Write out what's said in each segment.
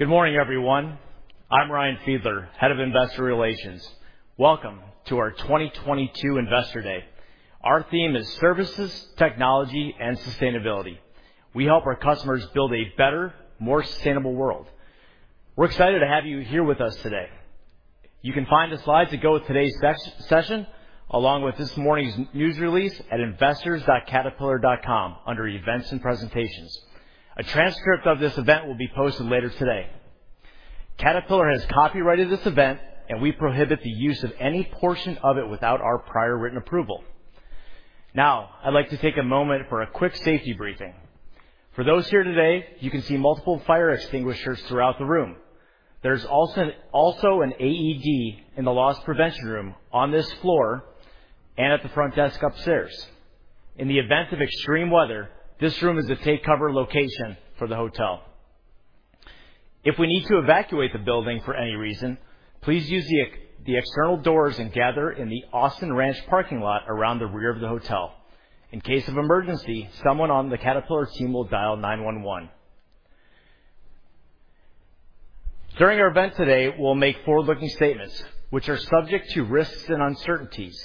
Good morning, everyone. I'm Ryan Fiedler, Head of Investor Relations. Welcome to our 2022 Investor Day. Our theme is Services, Technology, and Sustainability. We help our customers build a better, more sustainable world. We're excited to have you here with us today. You can find the slides that go with today's session, along with this morning's news release at investors.caterpillar.com under Events and Presentations. A transcript of this event will be posted later today. Caterpillar has copyright this event, and we prohibit the use of any portion of it without our prior written approval. Now, I'd like to take a moment for a quick safety briefing. For those here today, you can see multiple fire extinguishers throughout the room. There's also an AED in the loss prevention room on this floor and at the front desk upstairs. In the event of extreme weather, this room is a take-cover location for the hotel. If we need to evacuate the building for any reason, please use the external doors and gather in the Austin Ranch parking lot around the rear of the hotel. In case of emergency, someone on the Caterpillar team will dial 911. During our event today, we'll make forward-looking statements which are subject to risks and uncertainties.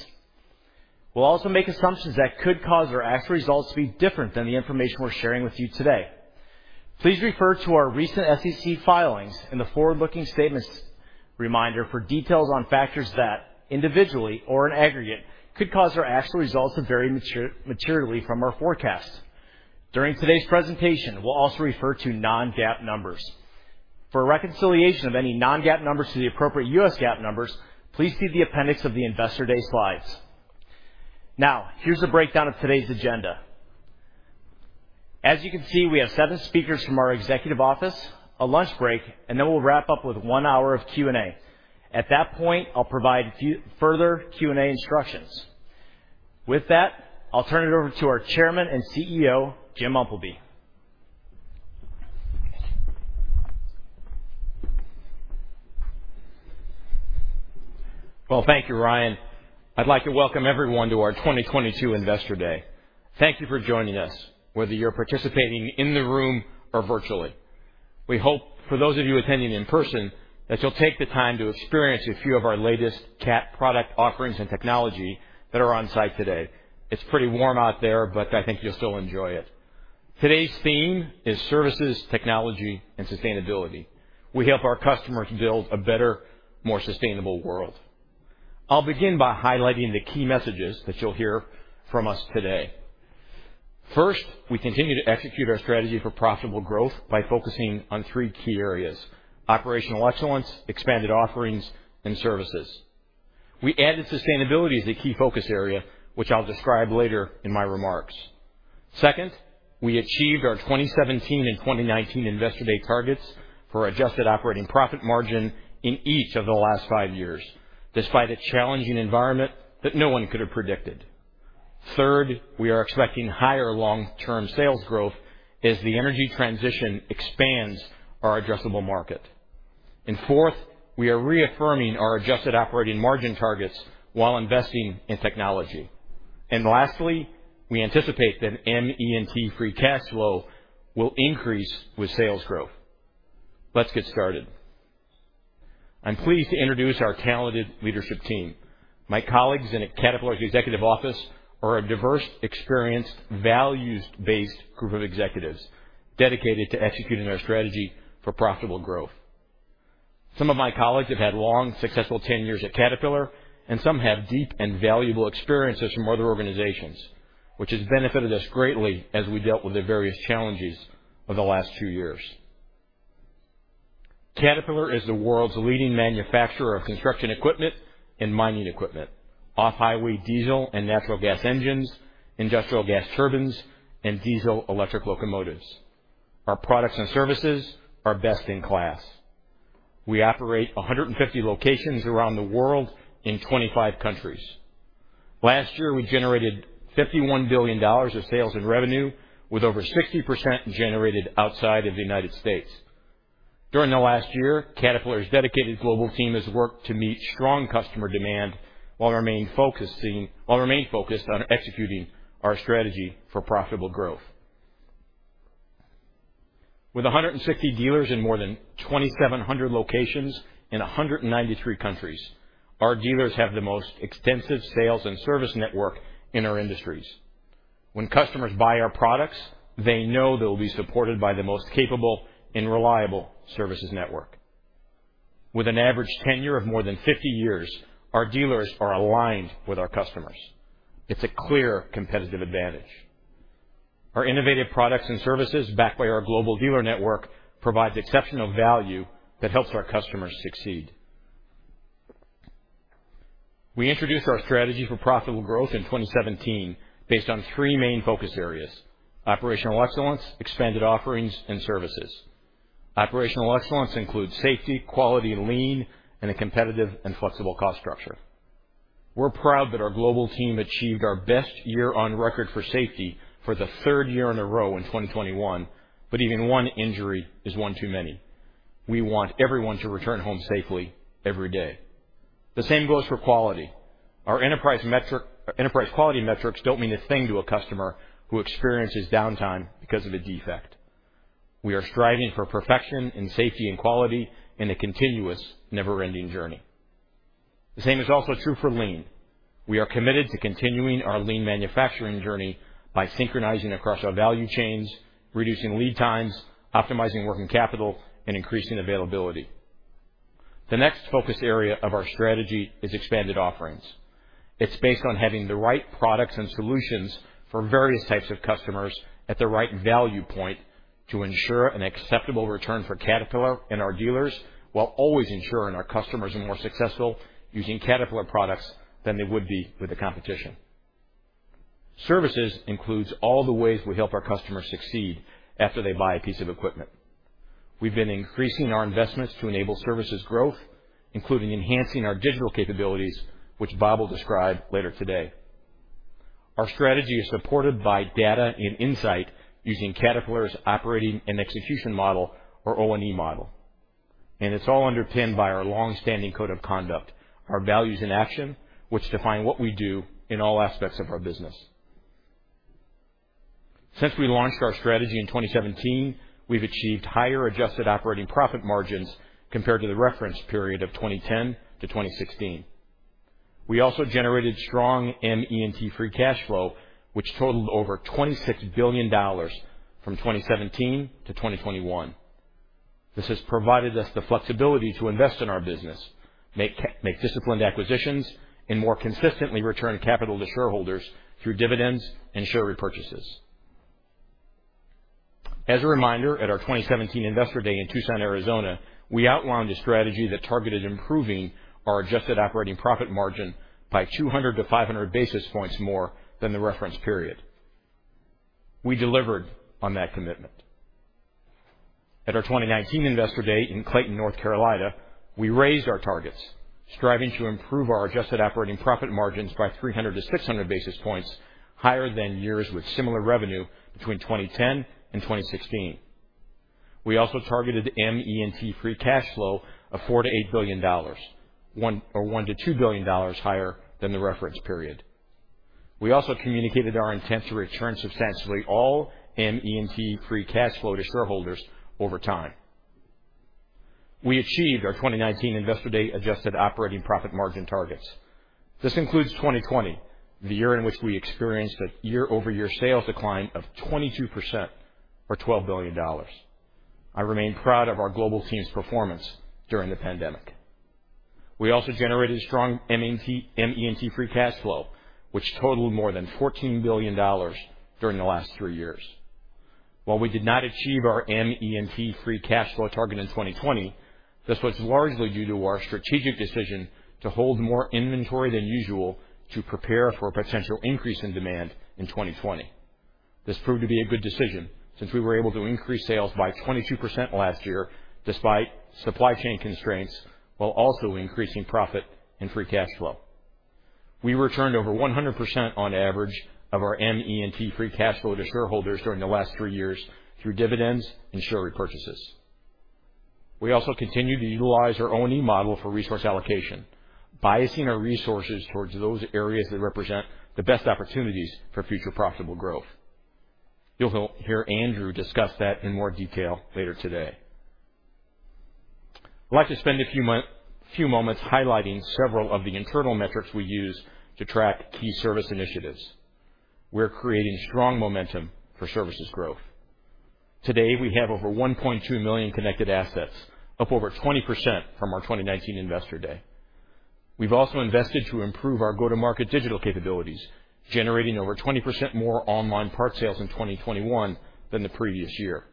We'll also make assumptions that could cause our actual results to be different than the information we're sharing with you today. Please refer to our recent SEC filings and the forward-looking statements reminder for details on factors that, individually or in aggregate, could cause our actual results to vary materially from our forecasts. During today's presentation, we'll also refer to non-GAAP numbers. For a reconciliation of any non-GAAP numbers to the appropriate U.S. GAAP numbers, please see the appendix of the Investor Day slides. Now, here's the breakdown of today's agenda. As you can see, we have seven speakers from our executive office, a lunch break, and then we'll wrap up with one hour of Q&A. At that point, I'll provide few further Q&A instructions. With that, I'll turn it over to our Chairman and CEO, Jim Umpleby. Well, thank you, Ryan. I'd like to welcome everyone to our 2022 Investor Day. Thank you for joining us, whether you're participating in the room or virtually. We hope, for those of you attending in person, that you'll take the time to experience a few of our latest Cat Product Offerings and Technology that are on-site today. It's pretty warm out there, but I think you'll still enjoy it. Today's theme is services, technology, and sustainability. We help our customers build a better, more sustainable world. I'll begin by highlighting the key messages that you'll hear from us today. First, we continue to execute our strategy for profitable growth by focusing on three key areas, operational excellence, expanded offerings, and services. We added sustainability as a key focus area, which I'll describe later in my remarks. Second, we achieved our 2017 and 2019 Investor Day targets for adjusted operating profit margin in each of the last five years, despite a challenging environment that no one could have predicted. Third, we are expecting higher long-term sales growth as the energy transition expands our addressable market. Fourth, we are reaffirming our adjusted operating margin targets while investing in technology. Lastly, we anticipate that ME&T free cash flow will increase with sales growth. Let's get started. I'm pleased to introduce our talented leadership team. My colleagues in Caterpillar's Executive Office are a diverse, experienced, values-based group of executives dedicated to executing our strategy for profitable growth. Some of my colleagues have had long, successful tenures at Caterpillar, and some have deep and valuable experiences from other organizations, which has benefited us greatly as we dealt with the various challenges of the last few years. Caterpillar is the world's leading manufacturer of construction equipment and mining equipment, off-highway diesel and natural gas engines, industrial gas turbines, and diesel-electric locomotives. Our products and services are best in class. We operate 150 locations around the world in 25 countries. Last year, we generated $51 billion of sales and revenue, with over 60% generated outside of the United States. During the last year, Caterpillar's dedicated global team has worked to meet strong customer demand while remaining focused on executing our strategy for profitable growth. With 160 dealers in more than 2,700 locations in 193 countries, our dealers have the most extensive sales and service network in our industries. When customers buy our products, they know they'll be supported by the most capable and reliable services network. With an average tenure of more than 50 years, our dealers are aligned with our customers. It's a clear competitive advantage. Our innovative products and services, backed by our global dealer network, provide exceptional value that helps our customers succeed. We introduced our strategy for profitable growth in 2017 based on three main focus areas, operational excellence, expanded offerings and services. Operational excellence includes safety, quality, lean, and a competitive and flexible cost structure. We're proud that our global team achieved our best year on record for safety for the third year in a row in 2021, but even one injury is one too many. We want everyone to return home safely every day. The same goes for quality. Our enterprise metric, enterprise quality metrics don't mean a thing to a customer who experiences downtime because of a defect. We are striving for perfection in safety and quality in a continuous, never-ending journey. The same is also true for lean. We are committed to continuing our lean manufacturing journey by synchronizing across our value chains, reducing lead times, optimizing working capital, and increasing availability. The next focus area of our strategy is expanded offerings. It's based on having the right products and solutions for various types of customers at the right value point to ensure an acceptable return for Caterpillar and our dealers, while always ensuring our customers are more successful using Caterpillar products than they would be with the competition. Services includes all the ways we help our customers succeed after they buy a piece of equipment. We've been increasing our investments to enable services growth, including enhancing our digital capabilities, which Bob will describe later today. Our strategy is supported by data and insight using Caterpillar's Operating and Execution Model or O&E Model, and it's all underpinned by our long-standing code of conduct, our Values in Action, which define what we do in all aspects of our business. Since we launched our strategy in 2017, we've achieved higher adjusted operating profit margins compared to the reference period of 2010 to 2016. We also generated strong ME&T free cash flow, which totaled over $26 billion from 2017 to 2021. This has provided us the flexibility to invest in our business, make disciplined acquisitions and more consistently return capital to shareholders through dividends and share repurchases. As a reminder, at our 2017 Investor Day in Tucson, Arizona, we outlined a strategy that targeted improving our adjusted operating profit margin by 200-500 basis points more than the reference period. We delivered on that commitment. At our 2019 Investor Day in Clayton, North Carolina, we raised our targets, striving to improve our adjusted operating profit margins by 300-600 basis points higher than years with similar revenue between 2010 and 2016. We also targeted ME&T free cash flow of $4 billion-$8 billion, or $1 billion-$2 billion higher than the reference period. We also communicated our intent to return substantially all ME&T free cash flow to shareholders over time. We achieved our 2019 Investor Day adjusted operating profit margin targets. This includes 2020, the year in which we experienced a year-over-year sales decline of 22% or $12 billion. I remain proud of our global team's performance during the pandemic. We also generated strong ME&T free cash flow, which totaled more than $14 billion during the last three years. While we did not achieve our ME&T free cash flow target in 2020, this was largely due to our strategic decision to hold more inventory than usual to prepare for a potential increase in demand in 2020. This proved to be a good decision since we were able to increase sales by 22% last year despite supply chain constraints while also increasing profit and free cash flow. We returned over 100% on average of our ME&T free cash flow to shareholders during the last three years through dividends and share repurchases. We also continue to utilize our O&E model for resource allocation, biasing our resources towards those areas that represent the best opportunities for future profitable growth. You'll hear Andrew discuss that in more detail later today. I'd like to spend a few moments highlighting several of the internal metrics we use to track key service initiatives. We're creating strong momentum for services growth. Today, we have over 1.2 million connected assets, up over 20% from our 2019 Investor Day. We've also invested to improve our go-to-market digital capabilities, generating over 20% more online parts sales in 2021 than the previous year.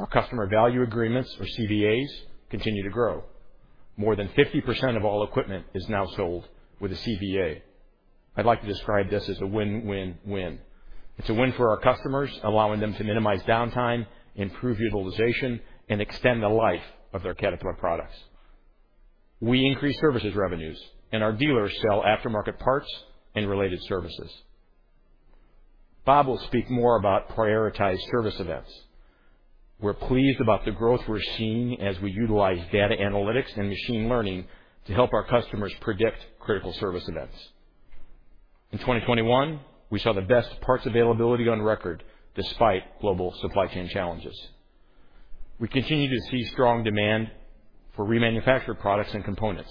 Our customer value agreements, or CVAs, continue to grow. More than 50% of all equipment is now sold with a CVA. I'd like to describe this as a win-win-win. It's a win for our customers, allowing them to minimize downtime, improve utilization, and extend the life of their Caterpillar products. We increase services revenues, and our dealers sell aftermarket parts and related services. Bob will speak more about prioritized service events. We're pleased about the growth we're seeing as we utilize data analytics and machine learning to help our customers predict critical service events. In 2021, we saw the best parts availability on record despite global supply chain challenges. We continue to see strong demand for remanufactured products and components,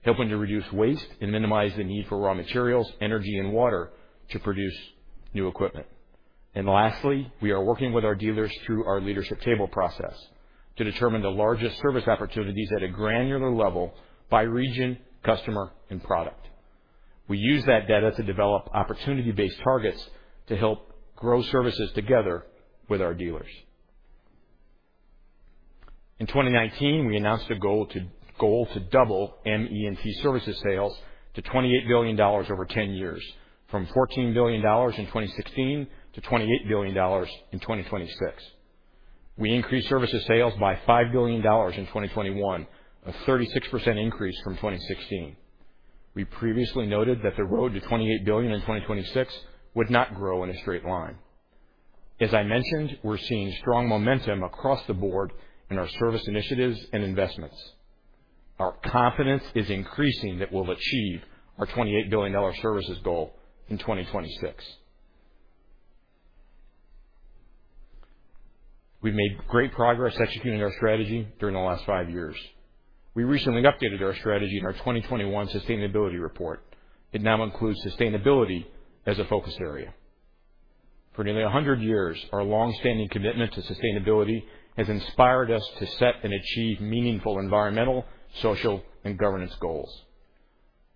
helping to reduce waste and minimize the need for raw materials, energy, and water to produce new equipment. Lastly, we are working with our dealers through our leadership table process to determine the largest service opportunities at a granular level by region, customer, and product. We use that data to develop opportunity-based targets to help grow services together with our dealers. In 2019, we announced a goal to double ME&T services sales to $28 billion over 10 years, from $14 billion in 2016 to $28 billion in 2026. We increased services sales by $5 billion in 2021, a 36% increase from 2016. We previously noted that the road to $28 billion in 2026 would not grow in a straight line. As I mentioned, we're seeing strong momentum across the board in our service initiatives and investments. Our confidence is increasing that we'll achieve our $28 billion services goal in 2026. We've made great progress executing our strategy during the last five years. We recently updated our strategy in our 2021 sustainability report. It now includes sustainability as a focus area. For nearly 100 years, our long-standing commitment to sustainability has inspired us to set and achieve meaningful environmental, social, and governance goals.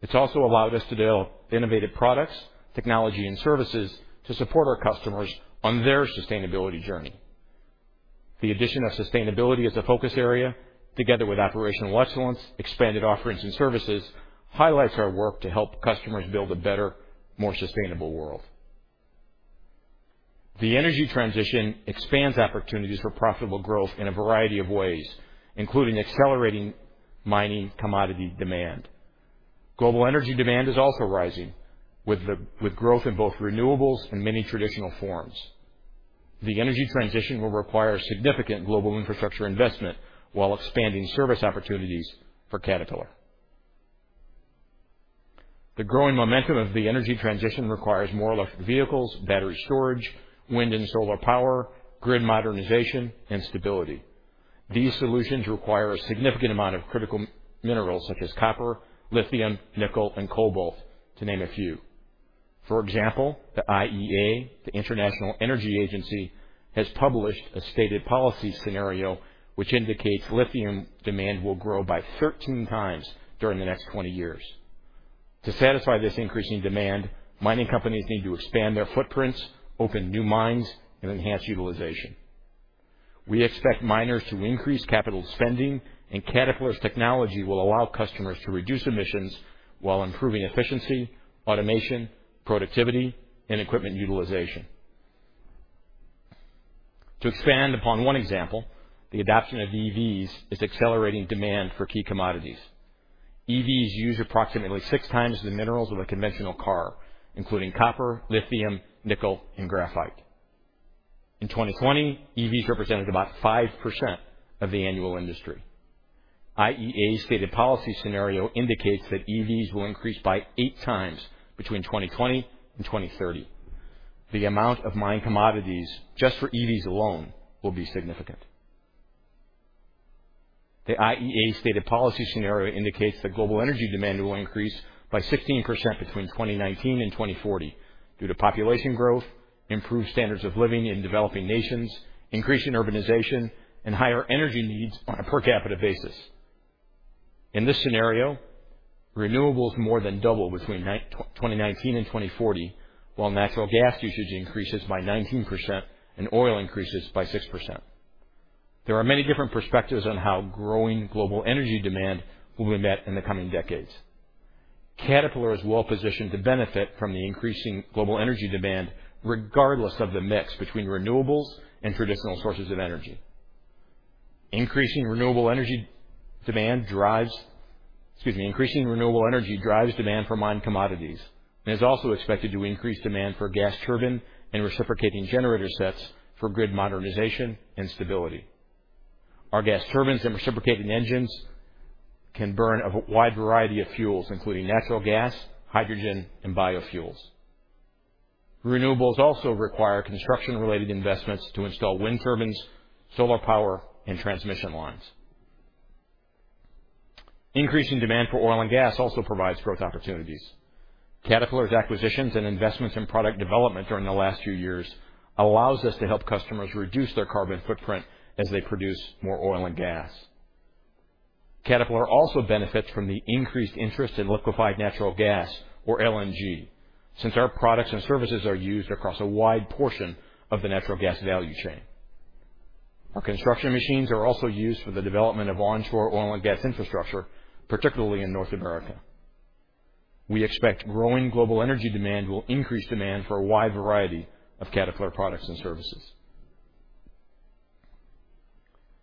It's also allowed us to build innovative products, technology, and services to support our customers on their sustainability journey. The addition of sustainability as a focus area, together with operational excellence, expanded offerings and services, highlights our work to help customers build a better, more sustainable world. The energy transition expands opportunities for profitable growth in a variety of ways, including accelerating mining commodity demand. Global energy demand is also rising with growth in both renewables and many traditional forms. The energy transition will require significant global infrastructure investment while expanding service opportunities for Caterpillar. The growing momentum of the energy transition requires more electric vehicles, battery storage, wind and solar power, grid modernization, and stability. These solutions require a significant amount of critical minerals such as copper, lithium, nickel, and cobalt, to name a few. For example, the IEA, the International Energy Agency, has published a stated policy scenario which indicates lithium demand will grow by 13x during the next 20 years. To satisfy this increasing demand, mining companies need to expand their footprints, open new mines, and enhance utilization. We expect miners to increase capital spending, and Caterpillar's technology will allow customers to reduce emissions while improving efficiency, automation, productivity, and equipment utilization. To expand upon one example, the adoption of EVs is accelerating demand for key commodities. EVs use approximately 6x the minerals of a conventional car, including copper, lithium, nickel, and graphite. In 2020, EVs represented about 5% of the annual industry. IEA stated policy scenario indicates that EVs will increase by 8x between 2020 and 2030. The amount of mined commodities just for EVs alone will be significant. The IEA stated policy scenario indicates that global energy demand will increase by 16% between 2019 and 2040 due to population growth, improved standards of living in developing nations, increase in urbanization, and higher energy needs on a per capita basis. In this scenario, renewables more than double between 2019 and 2040, while natural gas usage increases by 19% and oil increases by 6%. There are many different perspectives on how growing global energy demand will be met in the coming decades. Caterpillar is well positioned to benefit from the increasing global energy demand regardless of the mix between renewables and traditional sources of energy. Increasing renewable energy demand drives demand for mined commodities and is also expected to increase demand for gas turbine and reciprocating generator sets for grid modernization and stability. Our gas turbines and reciprocating engines can burn a wide variety of fuels, including natural gas, hydrogen, and biofuels. Renewables also require construction-related investments to install wind turbines, solar power, and transmission lines. Increasing demand for oil and gas also provides growth opportunities. Caterpillar's acquisitions and investments in product development during the last few years allows us to help customers reduce their carbon footprint as they produce more oil and gas. Caterpillar also benefits from the increased interest in liquefied natural gas or LNG since our products and services are used across a wide portion of the natural gas value chain. Our construction machines are also used for the development of onshore oil and gas infrastructure, particularly in North America. We expect growing global energy demand will increase demand for a wide variety of Caterpillar products and services.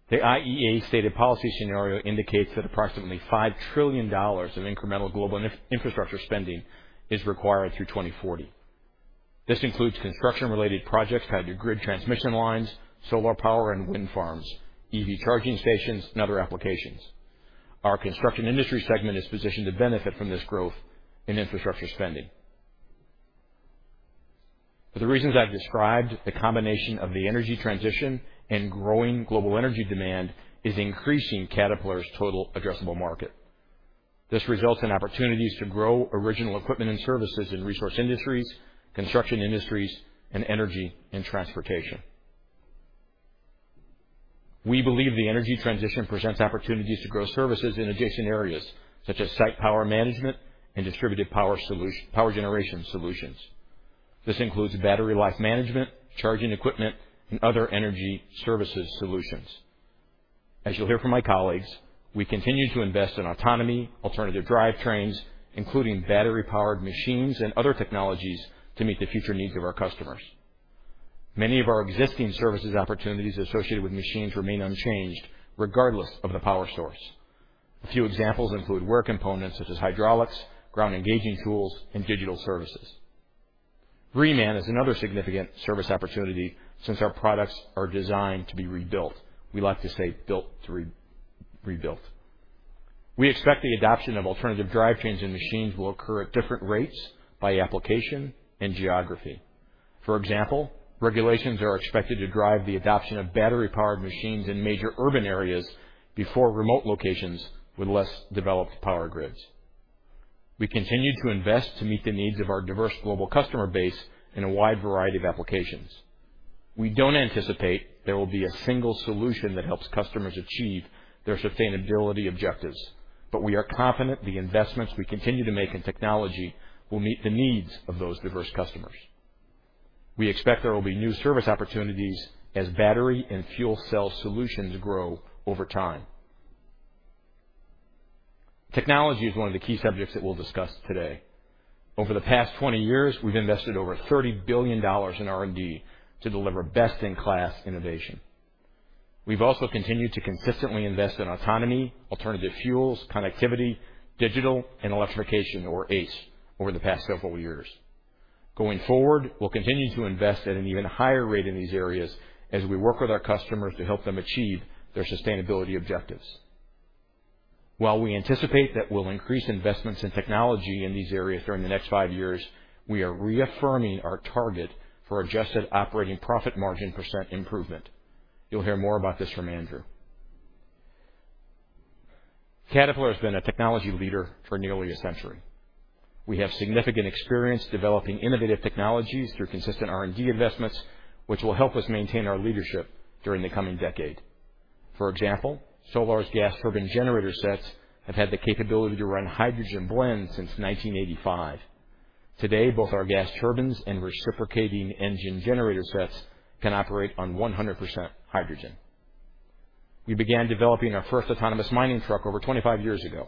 The IEA stated policy scenario indicates that approximately $5 trillion of incremental global infrastructure spending is required through 2040. This includes construction-related projects to add to grid transmission lines, solar power and wind farms, EV charging stations, and other applications. Our construction industry segment is positioned to benefit from this growth in infrastructure spending. For the reasons I've described, the combination of the energy transition and growing global energy demand is increasing Caterpillar's total addressable market. This results in opportunities to grow original equipment and services in resource industries, construction industries, and energy and transportation. We believe the energy transition presents opportunities to grow services in adjacent areas such as site power management and distributed power generation solutions. This includes battery life management, charging equipment, and other energy services solutions. As you'll hear from my colleagues, we continue to invest in autonomy, alternative drivetrains, including battery-powered machines and other technologies to meet the future needs of our customers. Many of our existing services opportunities associated with machines remain unchanged regardless of the power source. A few examples include wear components such as hydraulics, ground engaging tools, and digital services. Reman is another significant service opportunity since our products are designed to be rebuilt. We like to say built to be rebuilt. We expect the adoption of alternative drivetrains in machines will occur at different rates by application and geography. For example, regulations are expected to drive the adoption of battery-powered machines in major urban areas before remote locations with less developed power grids. We continue to invest to meet the needs of our diverse global customer base in a wide variety of applications. We don't anticipate there will be a single solution that helps customers achieve their sustainability objectives, but we are confident the investments we continue to make in technology will meet the needs of those diverse customers. We expect there will be new service opportunities as battery and fuel cell solutions grow over time. Technology is one of the key subjects that we'll discuss today. Over the past 20 years, we've invested over $30 billion in R&D to deliver best-in-class innovation. We've also continued to consistently invest in autonomy, alternative fuels, connectivity, digital and electrification, or ACE, over the past several years. Going forward, we'll continue to invest at an even higher rate in these areas as we work with our customers to help them achieve their sustainability objectives. While we anticipate that we'll increase investments in technology in these areas during the next five years, we are reaffirming our target for adjusted operating profit margin percent improvement. You'll hear more about this from Andrew. Caterpillar has been a technology leader for nearly a century. We have significant experience developing innovative technologies through consistent R&D investments, which will help us maintain our leadership during the coming decade. For example, Solar's gas turbine generator sets have had the capability to run hydrogen blends since 1985. Today, both our gas turbines and reciprocating engine generator sets can operate on 100% hydrogen. We began developing our first autonomous mining truck over 25 years ago,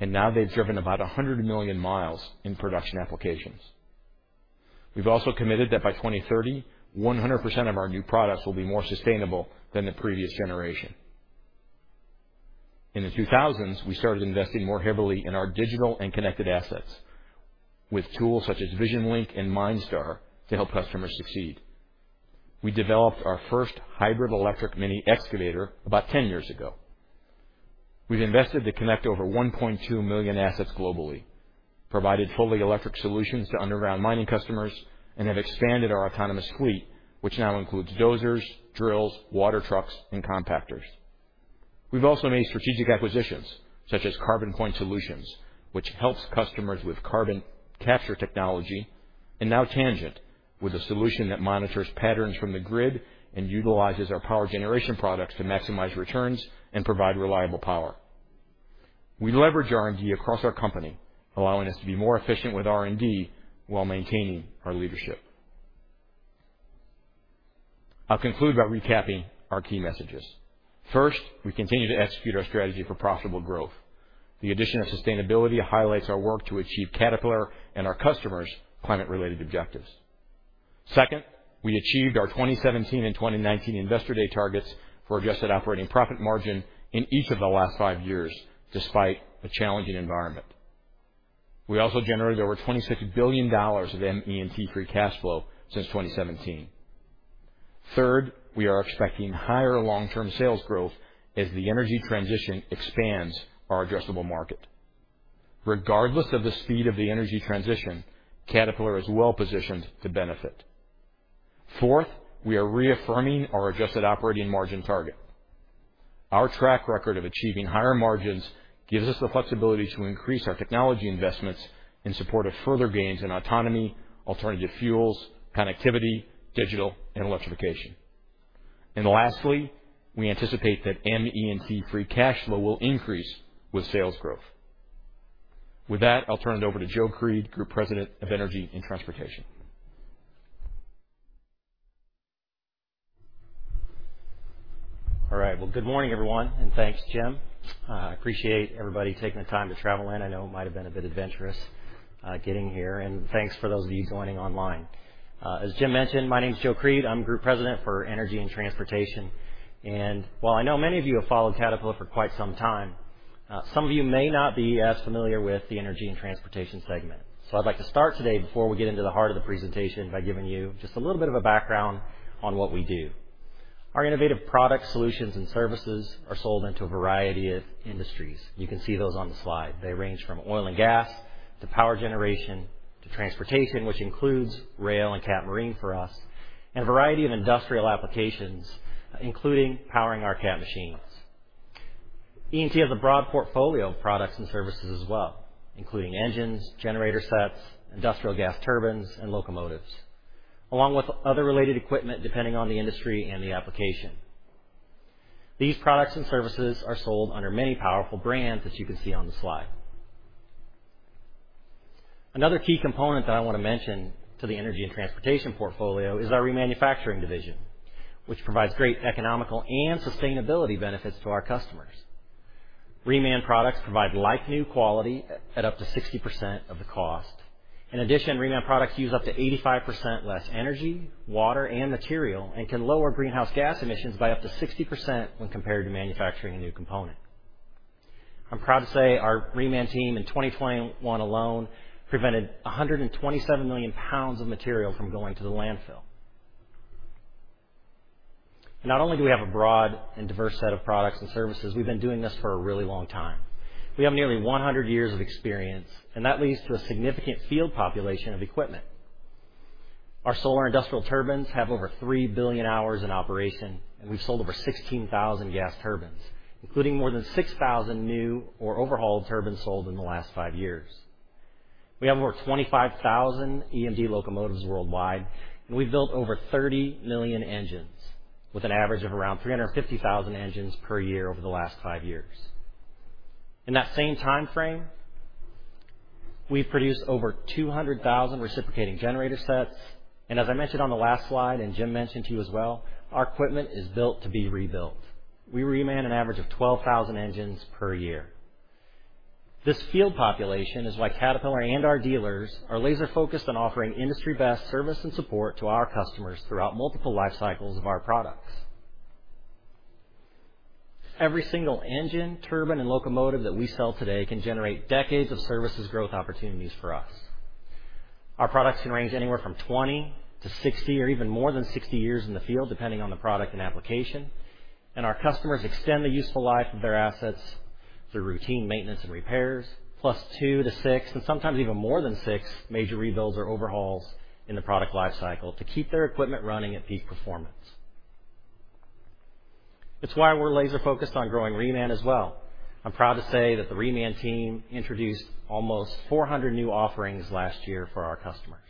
and now they've driven about 100 million miles in production applications. We've also committed that by 2030, 100% of our new products will be more sustainable than the previous generation. In the 2000s, we started investing more heavily in our digital and connected assets with tools such as VisionLink and MineStar to help customers succeed. We developed our first hybrid electric mini excavator about 10 years ago. We've invested to connect over 1.2 million assets globally, provided fully electric solutions to underground mining customers, and have expanded our autonomous fleet, which now includes dozers, drills, water trucks, and compactors. We've also made strategic acquisitions such as CarbonPoint Solutions, which helps customers with carbon capture technology, and now Tangent, with a solution that monitors patterns from the grid and utilizes our power generation products to maximize returns and provide reliable power. We leverage R&D across our company, allowing us to be more efficient with R&D while maintaining our leadership. I'll conclude by recapping our key messages. First, we continue to execute our strategy for profitable growth. The addition of sustainability highlights our work to achieve Caterpillar and our customers' climate-related objectives. Second, we achieved our 2017 and 2019 Investor Day targets for adjusted operating profit margin in each of the last five years, despite a challenging environment. We also generated over $26 billion of ME&T free cash flow since 2017. Third, we are expecting higher long-term sales growth as the energy transition expands our addressable market. Regardless of the speed of the energy transition, Caterpillar is well-positioned to benefit. Fourth, we are reaffirming our adjusted operating margin target. Our track record of achieving higher margins gives us the flexibility to increase our technology investments in support of further gains in autonomy, alternative fuels, connectivity, digital, and electrification. Lastly, we anticipate that ME&T free cash flow will increase with sales growth. With that, I'll turn it over to Joe Creed, Group President of Energy and Transportation. All right. Well, good morning, everyone, and thanks, Jim. I appreciate everybody taking the time to travel in. I know it might have been a bit adventurous, getting here, and thanks for those of you joining online. As Jim mentioned, my name is Joe Creed. I'm Group President for Energy and Transportation. While I know many of you have followed Caterpillar for quite some time, some of you may not be as familiar with the Energy and Transportation segment. I'd like to start today before we get into the heart of the presentation by giving you just a little bit of a background on what we do. Our innovative products, solutions, and services are sold into a variety of industries. You can see those on the slide. They range from oil and gas to power generation to transportation, which includes rail and Cat Marine for us, and a variety of industrial applications, including powering our Cat machines. E&T has a broad portfolio of products and services as well, including engines, generator sets, industrial gas turbines, and locomotives, along with other related equipment, depending on the industry and the application. These products and services are sold under many powerful brands, as you can see on the slide. Another key component that I want to mention to the Energy and Transportation portfolio is our remanufacturing division, which provides great economical and sustainability benefits to our customers. Reman products provide like-new quality at up to 60% of the cost. In addition, Reman products use up to 85% less energy, water and material, and can lower greenhouse gas emissions by up to 60% when compared to manufacturing a new component. I'm proud to say our Reman team in 2021 alone prevented 127 million lbs of material from going to the landfill. Not only do we have a broad and diverse set of products and services, we've been doing this for a really long time. We have nearly 100 years of experience, and that leads to a significant field population of equipment. Our Solar industrial turbines have over 3 billion hours in operation, and we've sold over 16,000 gas turbines, including more than 6,000 new or overhauled turbines sold in the last five years. We have over 25,000 EMD locomotives worldwide, and we've built over 30 million engines with an average of around 350,000 engines per year over the last five years. In that same time frame, we've produced over 200,000 reciprocating generator sets. As I mentioned on the last slide, and Jim mentioned to you as well, our equipment is built to be rebuilt. We reman an average of 12,000 engines per year. This field population is why Caterpillar and our dealers are laser focused on offering industry best service and support to our customers throughout multiple life cycles of our products. Every single engine, turbine, and locomotive that we sell today can generate decades of services growth opportunities for us. Our products can range anywhere from 20-60 or even more than 60 years in the field, depending on the product and application. Our customers extend the useful life of their assets through routine maintenance and repairs +2 to 6 and sometimes even more than 6 major rebuilds or overhauls in the product lifecycle to keep their equipment running at peak performance. It's why we're laser focused on growing reman as well. I'm proud to say that the reman team introduced almost 400 new offerings last year for our customers.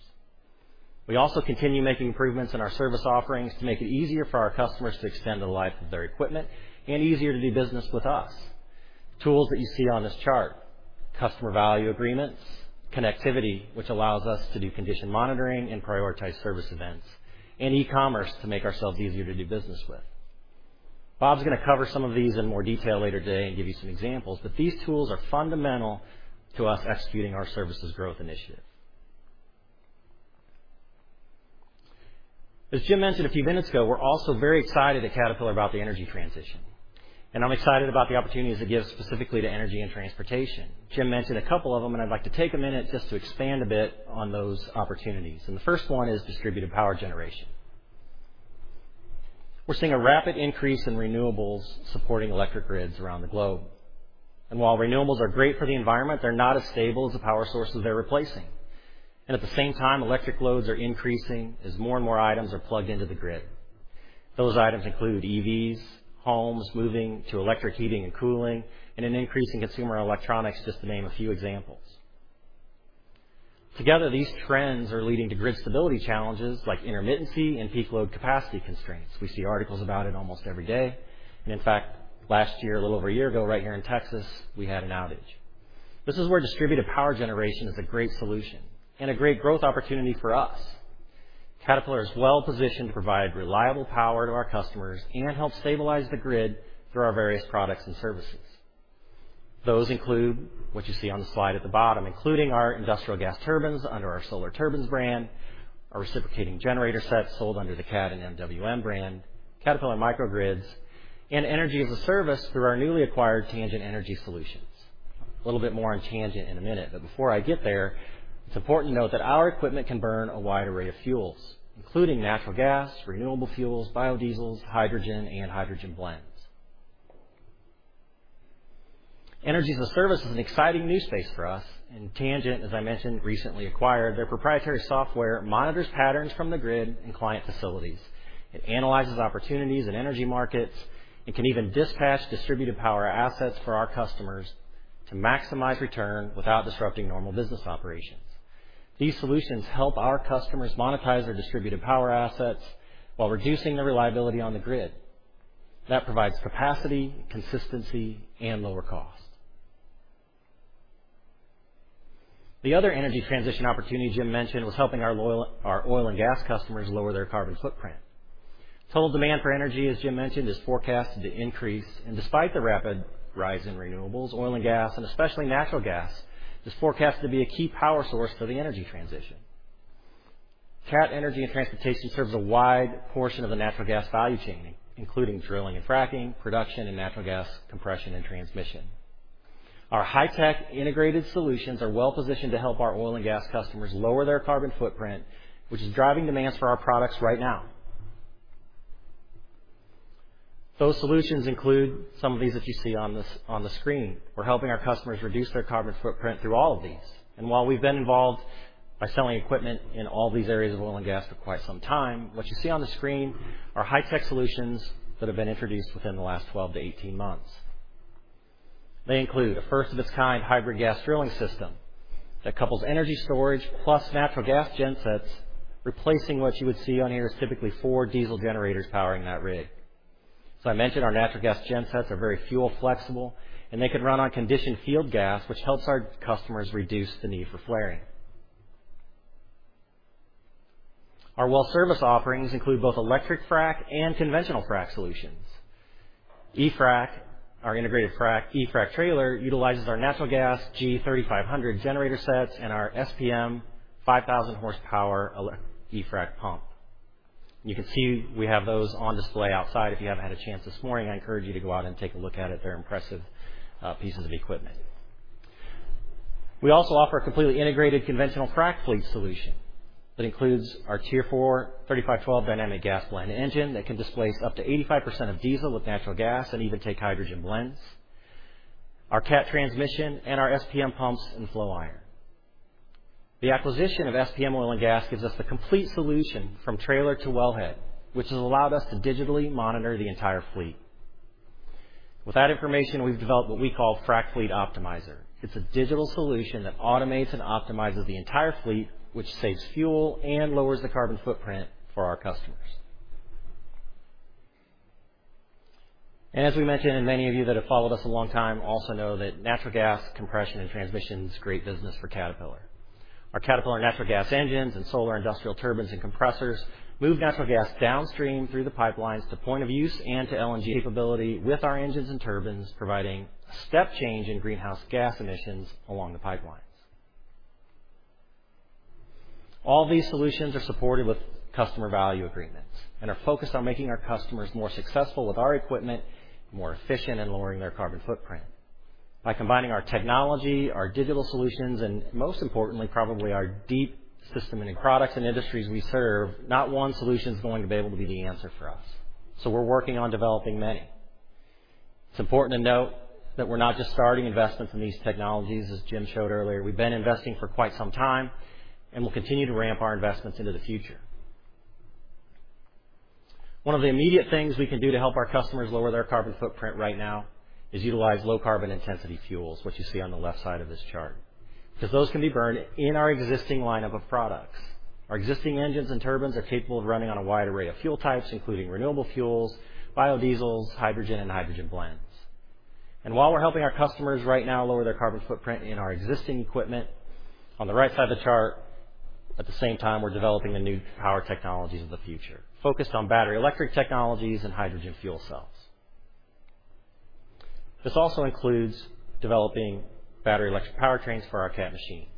We also continue making improvements in our service offerings to make it easier for our customers to extend the life of their equipment and easier to do business with us. Tools that you see on this chart, customer value agreements, connectivity, which allows us to do condition monitoring and prioritize service events, and e-commerce to make ourselves easier to do business with. Bob's gonna cover some of these in more detail later today and give you some examples, but these tools are fundamental to us executing our services growth initiative. As Jim mentioned a few minutes ago, we're also very excited at Caterpillar about the energy transition, and I'm excited about the opportunities it gives specifically to energy and transportation. Jim mentioned a couple of them, and I'd like to take a minute just to expand a bit on those opportunities. The first one is distributed power generation. We're seeing a rapid increase in renewables supporting electric grids around the globe. While renewables are great for the environment, they're not as stable as the power sources they're replacing. At the same time, electric loads are increasing as more and more items are plugged into the grid. Those items include EVs, homes moving to electric heating and cooling, and an increase in consumer electronics, just to name a few examples. Together, these trends are leading to grid stability challenges like intermittency and peak load capacity constraints. We see articles about it almost every day. In fact, last year, a little over a year ago, right here in Texas, we had an outage. This is where distributed power generation is a great solution and a great growth opportunity for us. Caterpillar is well-positioned to provide reliable power to our customers and help stabilize the grid through our various products and services. Those include what you see on the slide at the bottom, including our industrial gas turbines under our Solar Turbines brand, our reciprocating generator sets sold under the Cat and MWM brand, Caterpillar microgrids, and energy as a service through our newly acquired Tangent Energy Solutions. A little bit more on Tangent in a minute, but before I get there, it's important to note that our equipment can burn a wide array of fuels, including natural gas, renewable fuels, biodiesel, hydrogen, and hydrogen blends. Energy as a service is an exciting new space for us. Tangent, as I mentioned, recently acquired their proprietary software, monitors patterns from the grid and client facilities. It analyzes opportunities in energy markets, and can even dispatch distributed power assets for our customers to maximize return without disrupting normal business operations. These solutions help our customers monetize their distributed power assets while reducing the reliability on the grid. That provides capacity, consistency, and lower cost. The other energy transition opportunity Jim mentioned was helping our oil and gas customers lower their carbon footprint. Total demand for energy, as Jim mentioned, is forecasted to increase, and despite the rapid rise in renewables, oil and gas, and especially natural gas, is forecasted to be a key power source for the energy transition. Cat Energy and Transportation serves a wide portion of the natural gas value chain, including drilling and fracking, production, and natural gas compression and transmission. Our high-tech integrated solutions are well-positioned to help our oil and gas customers lower their carbon footprint, which is driving demands for our products right now. Those solutions include some of these that you see on the screen. We're helping our customers reduce their carbon footprint through all of these. While we've been involved by selling equipment in all these areas of oil and gas for quite some time, what you see on the screen are high-tech solutions that have been introduced within the last 12-18 months. They include a first of its kind hybrid gas drilling system that couples energy storage plus natural gas gen sets, replacing what you would see on here is typically four diesel generators powering that rig. I mentioned our natural gas gen sets are very fuel flexible, and they could run on conditioned field gas, which helps our customers reduce the need for flaring. Our well service offerings include both electric frac and conventional frac solutions. eFrac, our integrated frac trailer utilizes our natural gas G3500 generator sets and our SPM 5,000 horsepower eFrac pump. You can see we have those on display outside. If you haven't had a chance this morning, I encourage you to go out and take a look at it. They're impressive pieces of equipment. We also offer a completely integrated conventional frac fleet solution that includes our Tier 4 3512 dynamic gas blend engine that can displace up to 85% of diesel with natural gas and even take hydrogen blends, our Cat transmission, and our SPM pumps and flow iron. The acquisition of SPM Oil & Gas gives us the complete solution from trailer to wellhead, which has allowed us to digitally monitor the entire fleet. With that information, we've developed what we call Frac Fleet Optimizer. It's a digital solution that automates and optimizes the entire fleet, which saves fuel and lowers the carbon footprint for our customers. As we mentioned, many of you that have followed us a long time also know that natural gas compression and transmission is great business for Caterpillar. Our Caterpillar natural gas engines and Solar industrial turbines and compressors move natural gas downstream through the pipelines to point of use and to LNG capability with our engines and turbines, providing step change in greenhouse gas emissions along the pipelines. All these solutions are supported with Customer Value Agreements and are focused on making our customers more successful with our equipment, more efficient in lowering their carbon footprint. By combining our technology, our digital solutions, and most importantly, probably our deep system and products and industries we serve, not one solution is going to be able to be the answer for us. We're working on developing many. It's important to note that we're not just starting investments in these technologies, as Jim showed earlier. We've been investing for quite some time, and we'll continue to ramp our investments into the future. One of the immediate things we can do to help our customers lower their carbon footprint right now is utilize low carbon intensity fuels, which you see on the left side of this chart, 'cause those can be burned in our existing lineup of products. Our existing engines and turbines are capable of running on a wide array of fuel types, including renewable fuels, biodiesels, hydrogen and hydrogen blends. While we're helping our customers right now lower their carbon footprint in our existing equipment, on the right side of the chart, at the same time, we're developing the new power technologies of the future, focused on battery electric technologies and hydrogen fuel cells. This also includes developing battery electric powertrains for our Cat machines.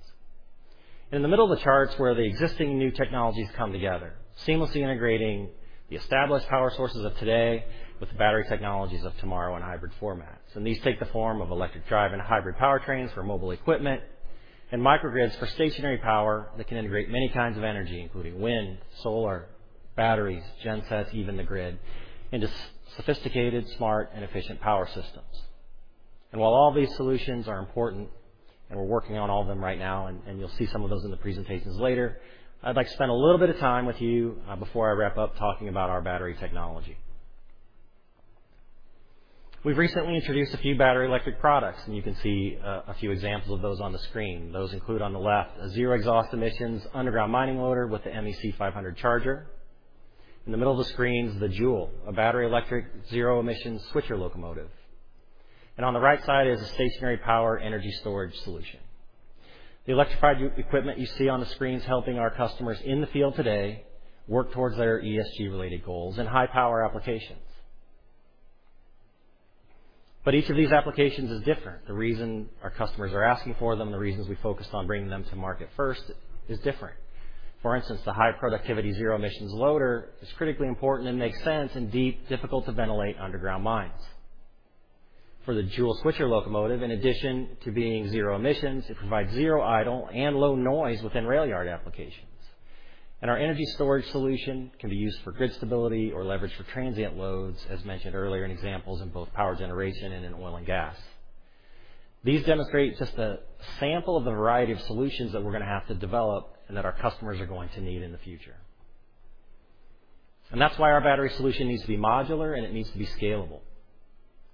In the middle of the charts where the existing new technologies come together, seamlessly integrating the established power sources of today with the battery technologies of tomorrow in hybrid formats. These take the form of electric drive and hybrid powertrains for mobile equipment and microgrids for stationary power that can integrate many kinds of energy, including wind, solar, batteries, gen sets, even the grid, into sophisticated, smart, and efficient power systems. While all these solutions are important and we're working on all of them right now, and you'll see some of those in the presentations later, I'd like to spend a little bit of time with you before I wrap up talking about our battery technology. We've recently introduced a few battery electric products, and you can see a few examples of those on the screen. Those include on the left, a zero exhaust emissions underground mining loader with the MEC500 charger. In the middle of the screen is the Joule, a battery electric zero emission switcher locomotive. On the right side is a stationary power energy storage solution. The electrified equipment you see on the screen is helping our customers in the field today work towards their ESG-related goals in high power applications. Each of these applications is different. The reason our customers are asking for them, the reasons we focused on bringing them to market first is different. For instance, the high productivity zero emissions loader is critically important and makes sense in deep, difficult to ventilate underground mines. For the Joule switcher locomotive, in addition to being zero emissions, it provides zero idle and low noise within rail yard applications. Our energy storage solution can be used for grid stability or leverage for transient loads, as mentioned earlier in examples in both power generation and in oil and gas. These demonstrate just a sample of the variety of solutions that we're gonna have to develop and that our customers are going to need in the future. That's why our battery solution needs to be modular and it needs to be scalable.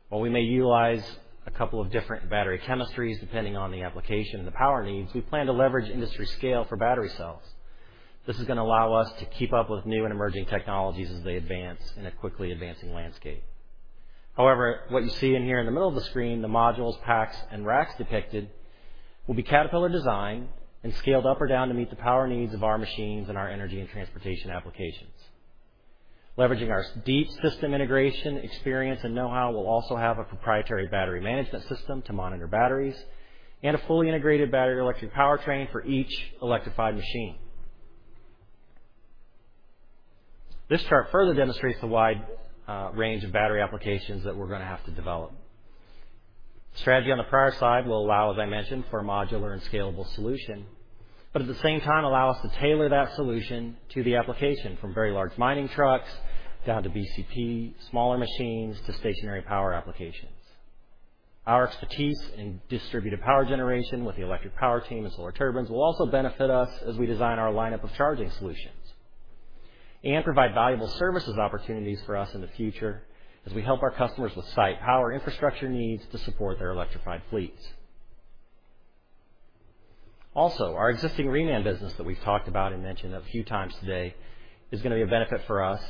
While we may utilize a couple of different battery chemistries, depending on the application and the power needs, we plan to leverage industry scale for battery cells. This is gonna allow us to keep up with new and emerging technologies as they advance in a quickly advancing landscape. However, what you see in here in the middle of the screen, the modules, packs, and racks depicted, will be Caterpillar designed and scaled up or down to meet the power needs of our machines and our energy and transportation applications. Leveraging our deep system integration experience and know-how, we'll also have a proprietary battery management system to monitor batteries and a fully integrated battery electric powertrain for each electrified machine. This chart further demonstrates the wide range of battery applications that we're gonna have to develop. Strategy on the power side will allow, as I mentioned, for a modular and scalable solution, but at the same time allow us to tailor that solution to the application from very large mining trucks down to BCP, smaller machines to stationary power applications. Our expertise in distributed power generation with the electric power team and Solar Turbines will also benefit us as we design our lineup of charging solutions and provide valuable services opportunities for us in the future as we help our customers with site power infrastructure needs to support their electrified fleets. Also, our existing reman business that we've talked about and mentioned a few times today is gonna be a benefit for us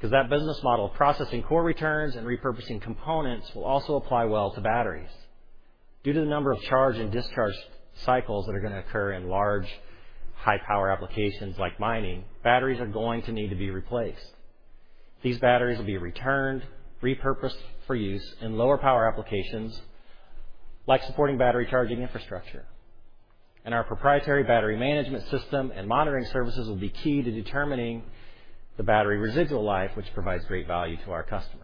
'cause that business model of processing core returns and repurposing components will also apply well to batteries. Due to the number of charge and discharge cycles that are gonna occur in large high power applications like mining, batteries are going to need to be replaced. These batteries will be returned, repurposed for use in lower power applications like supporting battery charging infrastructure. Our proprietary battery management system and monitoring services will be key to determining the battery residual life, which provides great value to our customers.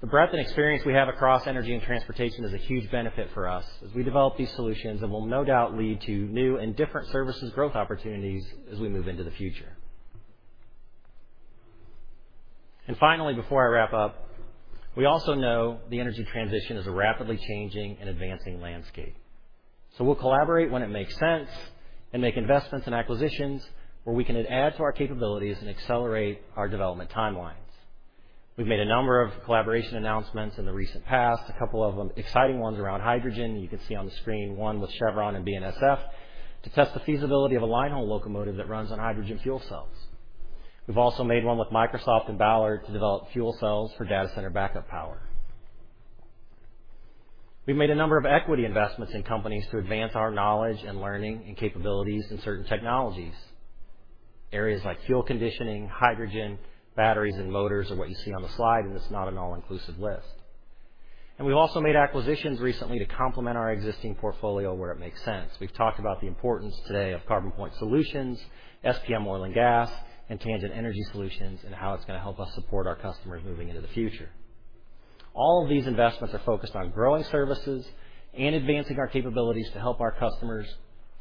The breadth and experience we have across energy and transportation is a huge benefit for us as we develop these solutions and will no doubt lead to new and different services growth opportunities as we move into the future. Finally, before I wrap up, we also know the energy transition is a rapidly changing and advancing landscape. We'll collaborate when it makes sense and make investments and acquisitions where we can add to our capabilities and accelerate our development timelines. We've made a number of collaboration announcements in the recent past, a couple of them exciting ones around hydrogen. You can see on the screen one with Chevron and BNSF to test the feasibility of a line-haul locomotive that runs on hydrogen fuel cells. We've also made one with Microsoft and Ballard to develop fuel cells for data center backup power. We've made a number of equity investments in companies to advance our knowledge and learning and capabilities in certain technologies. Areas like fuel conditioning, hydrogen, batteries and motors are what you see on the slide, and it's not an all-inclusive list. We've also made acquisitions recently to complement our existing portfolio where it makes sense. We've talked about the importance today of CarbonPoint Solutions, SPM Oil & Gas, and Tangent Energy Solutions, and how it's gonna help us support our customers moving into the future. All of these investments are focused on growing services and advancing our capabilities to help our customers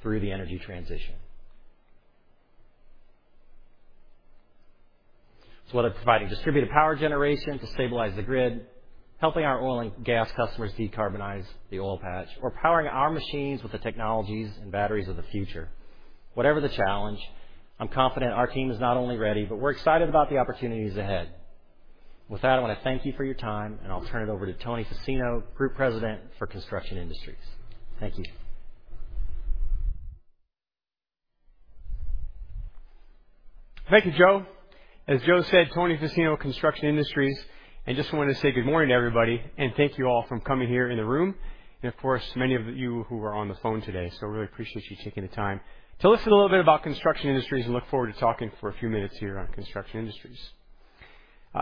through the energy transition. Whether providing distributed power generation to stabilize the grid, helping our oil and gas customers decarbonize the oil patch, or powering our machines with the technologies and batteries of the future, whatever the challenge, I'm confident our team is not only ready, but we're excited about the opportunities ahead. With that, I want to thank you for your time, and I'll turn it over to Tony Fassino, Group President for Construction Industries. Thank you. Thank you, Joe. As Joe said, Tony Fassino, Construction Industries, and just wanted to say good morning to everybody and thank you all for coming here in the room and, of course, many of you who are on the phone today. Really appreciate you taking the time to listen a little bit about Construction Industries and look forward to talking for a few minutes here on Construction Industries.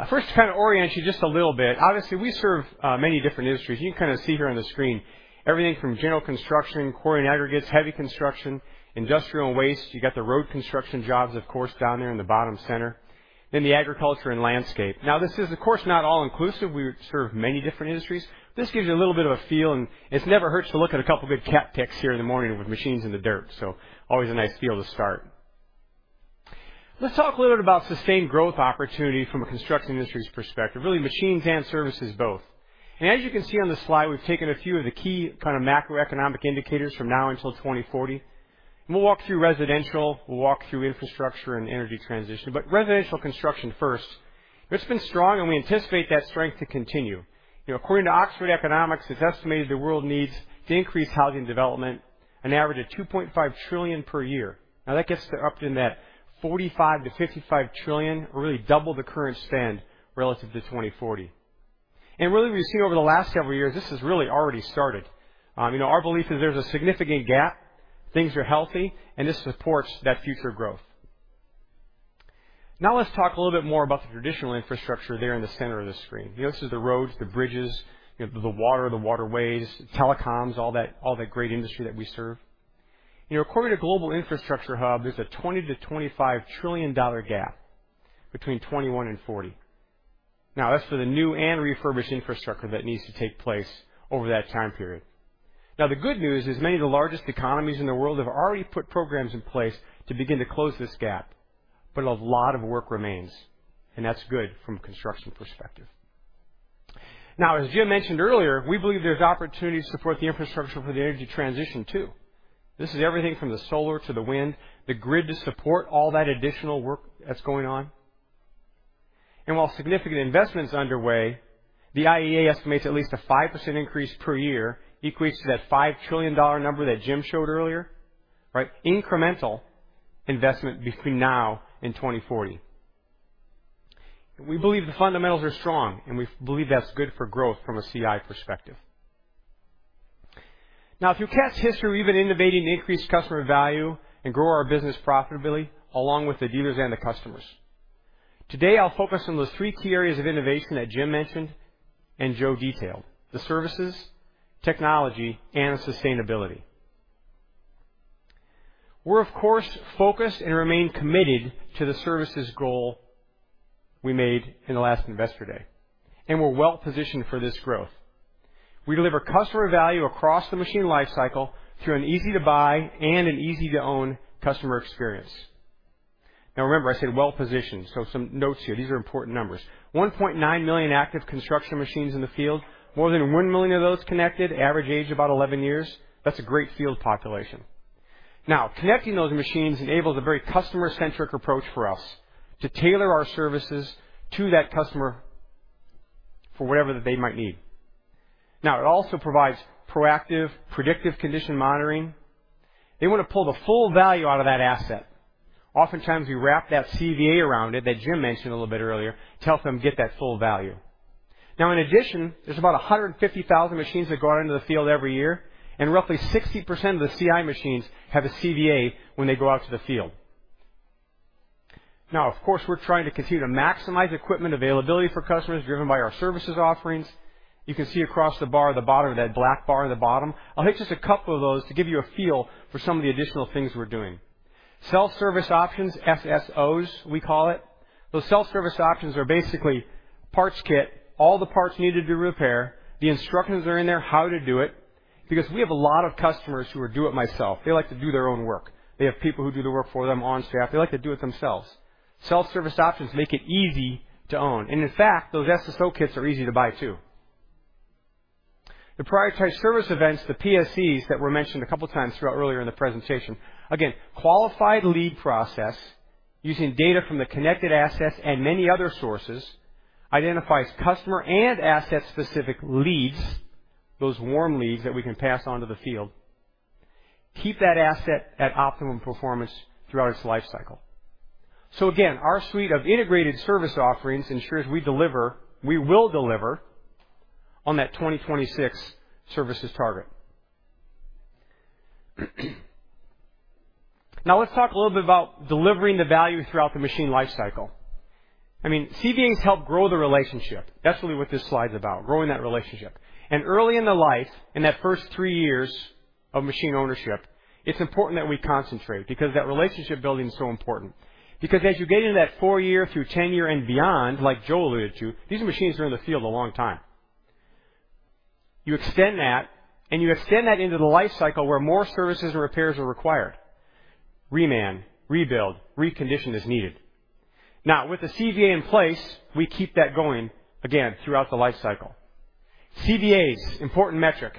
First, to kind of orient you just a little bit. Obviously, we serve many different industries. You can kind of see here on the screen everything from general construction, quarry and aggregates, heavy construction, industrial and waste. You got the road construction jobs, of course, down there in the bottom center. Then the agriculture and landscape. Now, this is, of course, not all-inclusive. We serve many different industries. This gives you a little bit of a feel, and it never hurts to look at a couple good Cat pics here in the morning with machines in the dirt. Always a nice feel to start. Let's talk a little bit about sustained growth opportunity from a construction industry's perspective, really machines and services both. As you can see on the slide, we've taken a few of the key kind of macroeconomic indicators from now until 2040. We'll walk through residential, we'll walk through infrastructure and energy transition. Residential construction first. It's been strong, and we anticipate that strength to continue. You know, according to Oxford Economics, it's estimated the world needs to increase housing development an average of $2.5 trillion per year. Now, that gets to up in that $45 trillion-$55 trillion or really double the current spend relative to 2040. Really, we've seen over the last several years, this has really already started. You know, our belief is there's a significant gap, things are healthy, and this supports that future growth. Now, let's talk a little bit more about the traditional infrastructure there in the center of the screen. You know, this is the roads, the bridges, you know, the water, the waterways, telecoms, all that, all that great industry that we serve. You know, according to Global Infrastructure Hub, there's a $20 trillion-$25 trillion dollar gap between 2021 and 2040. Now that's for the new and refurbished infrastructure that needs to take place over that time period. Now, the good news is many of the largest economies in the world have already put programs in place to begin to close this gap. A lot of work remains, and that's good from a construction perspective. Now, as Jim mentioned earlier, we believe there's opportunities to support the infrastructure for the energy transition too. This is everything from the solar to the wind, the grid to support all that additional work that's going on. While significant investment is underway, the IEA estimates at least a 5% increase per year equates to that $5 trillion number that Jim showed earlier. Right? Incremental investment between now and 2040. We believe the fundamentals are strong, and we believe that's good for growth from a CI perspective. Now, through Cat's history, we've been innovating to increase customer value and grow our business profitability along with the dealers and the customers. Today, I'll focus on those three key areas of innovation that Jim mentioned and Joe detailed. The services, technology, and sustainability. We're, of course, focused and remain committed to the services goal we made in the last Investor Day, and we're well-positioned for this growth. We deliver customer value across the machine lifecycle through an easy-to-buy and an easy-to-own customer experience. Now remember I said, well-positioned, so some notes here. These are important numbers. 1.9 million active construction machines in the field, more than 1 million of those connected, average age about 11 years. That's a great field population. Now, connecting those machines enables a very customer-centric approach for us to tailor our services to that customer for whatever that they might need. Now, it also provides proactive, predictive condition monitoring. They want to pull the full value out of that asset. Oftentimes, we wrap that CVA around it that Jim mentioned a little bit earlier to help them get that full value. Now, in addition, there's about 150,000 machines that go out into the field every year, and roughly 60% of the CI machines have a CVA when they go out to the field. Now, of course, we're trying to continue to maximize equipment availability for customers driven by our services offerings. You can see across the bar at the bottom, that black bar at the bottom. I'll hit just a couple of those to give you a feel for some of the additional things we're doing. Self-service options, SSOs, we call it. Those self-service options are basically parts kit, all the parts needed to repair. The instructions are in there, how to do it, because we have a lot of customers who are do-it-yourself. They like to do their own work. They have people who do the work for them on staff. They like to do it themselves. Self-service options make it easy to own. In fact, those SSO kits are easy to buy too. The prioritized service events, the PSEs that were mentioned a couple of times throughout earlier in the presentation. Again, qualified lead process using data from the connected assets and many other sources identifies customer and asset-specific leads, those warm leads that we can pass on to the field. Keep that asset at optimum performance throughout its life cycle. Again, our suite of integrated service offerings ensures we deliver, we will deliver on that 2026 services target. Now let's talk a little bit about delivering the value throughout the machine life cycle. I mean, CVAs help grow the relationship. That's really what this slide's about, growing that relationship. Early in the life, in that first three years of machine ownership, it's important that we concentrate because that relationship building is so important. Because as you get into that four-year through 10-year and beyond, like Joe alluded to, these machines are in the field a long time. You extend that, and you extend that into the life cycle where more services and repairs are required. Reman, rebuild, recondition as needed. Now, with the CVA in place, we keep that going again throughout the life cycle. CVAs, important metric.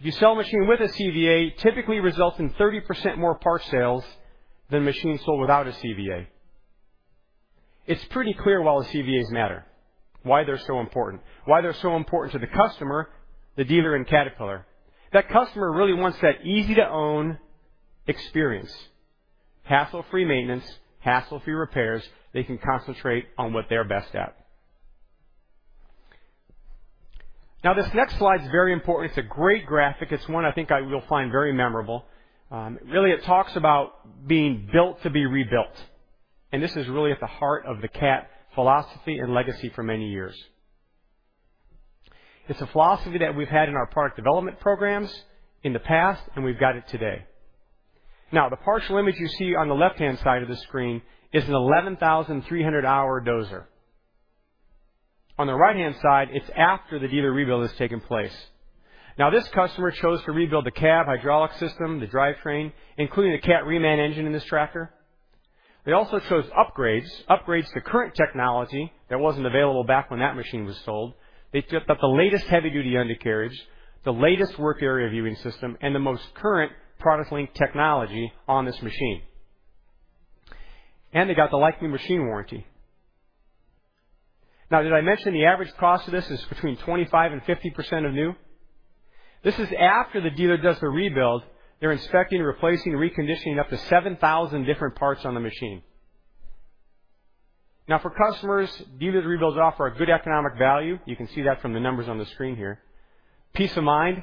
If you sell a machine with a CVA, typically results in 30% more parts sales than machines sold without a CVA. It's pretty clear why the CVAs matter, why they're so important to the customer, the dealer, and Caterpillar. That customer really wants that easy-to-own experience. Hassle-free maintenance, hassle-free repairs. They can concentrate on what they're best at. Now, this next slide is very important. It's a great graphic. It's one I think you will find very memorable. Really, it talks about being built to be rebuilt, and this is really at the heart of the Cat philosophy and legacy for many years. It's a philosophy that we've had in our product development programs in the past, and we've got it today. Now, the partial image you see on the left-hand side of the screen is an 11,300-hour dozer. On the right-hand side, it's after the dealer rebuild has taken place. Now, this customer chose to rebuild the cab hydraulic system, the drivetrain, including the Cat reman engine in this tractor. They also chose upgrades to current technology that wasn't available back when that machine was sold. They took the latest heavy-duty undercarriage, the latest work area viewing system, and the most current Product Link technology on this machine. They got the like-new machine warranty. Now, did I mention the average cost of this is between 25% and 50% of new? This is after the dealer does the rebuild. They're inspecting, replacing, reconditioning up to 7,000 different parts on the machine. Now, for customers, dealer rebuilds offer a good economic value. You can see that from the numbers on the screen here. Peace of mind,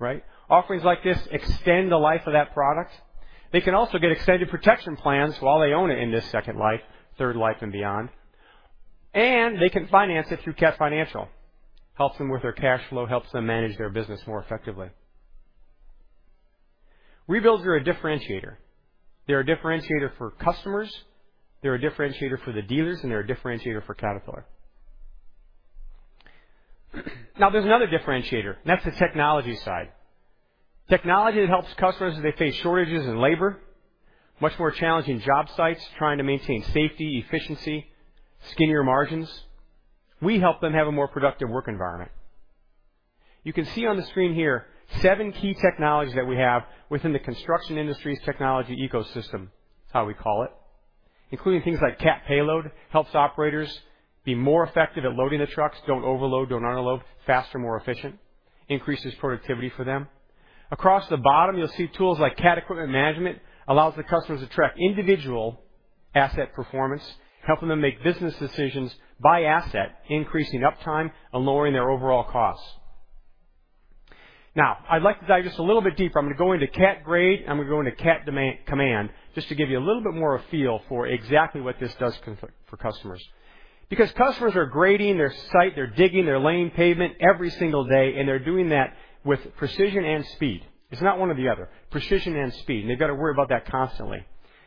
right? Offerings like this extend the life of that product. They can also get extended protection plans while they own it in this second life, third life, and beyond. They can finance it through Cat Financial. Helps them with their cash flow, helps them manage their business more effectively. Rebuilds are a differentiator. They're a differentiator for customers, they're a differentiator for the dealers, and they're a differentiator for Caterpillar. Now there's another differentiator, and that's the technology side. Technology that helps customers as they face shortages in labor, much more challenging job sites, trying to maintain safety, efficiency, skinnier margins. We help them have a more productive work environment. You can see on the screen here seven key technologies that we have within the construction industry's technology ecosystem. That's how we call it. Including things like Cat Payload, helps operators be more effective at loading the trucks. Don't overload, don't underload. Faster, more efficient. Increases productivity for them. Across the bottom, you'll see tools like Cat Equipment Management allows the customers to track individual asset performance, helping them make business decisions by asset, increasing uptime and lowering their overall costs. Now, I'd like to dive just a little bit deeper. I'm gonna go into Cat Grade, and I'm gonna go into Cat Command just to give you a little bit more of a feel for exactly what this does for customers. Because customers are grading their site, they're digging, they're laying pavement every single day, and they're doing that with precision and speed. It's not one or the other. Precision and speed, and they've got to worry about that constantly.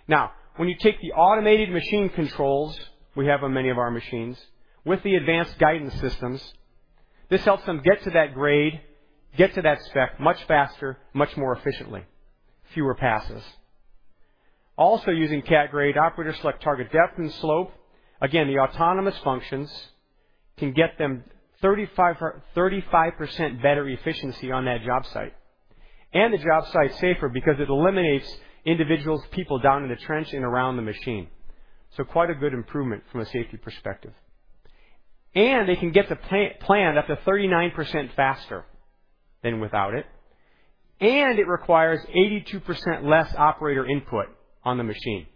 Now, when you take the automated machine controls we have on many of our machines with the advanced guidance systems, this helps them get to that grade, get to that spec much faster, much more efficiently, fewer passes. Also using Cat Grade, operators select target depth and slope. Again, the autonomous functions can get them 35% better efficiency on that job site. The job site's safer because it eliminates individuals, people down in the trench and around the machine. Quite a good improvement from a safety perspective. They can get the plan up to 39% faster than without it. It requires 82% less operator input on the machine.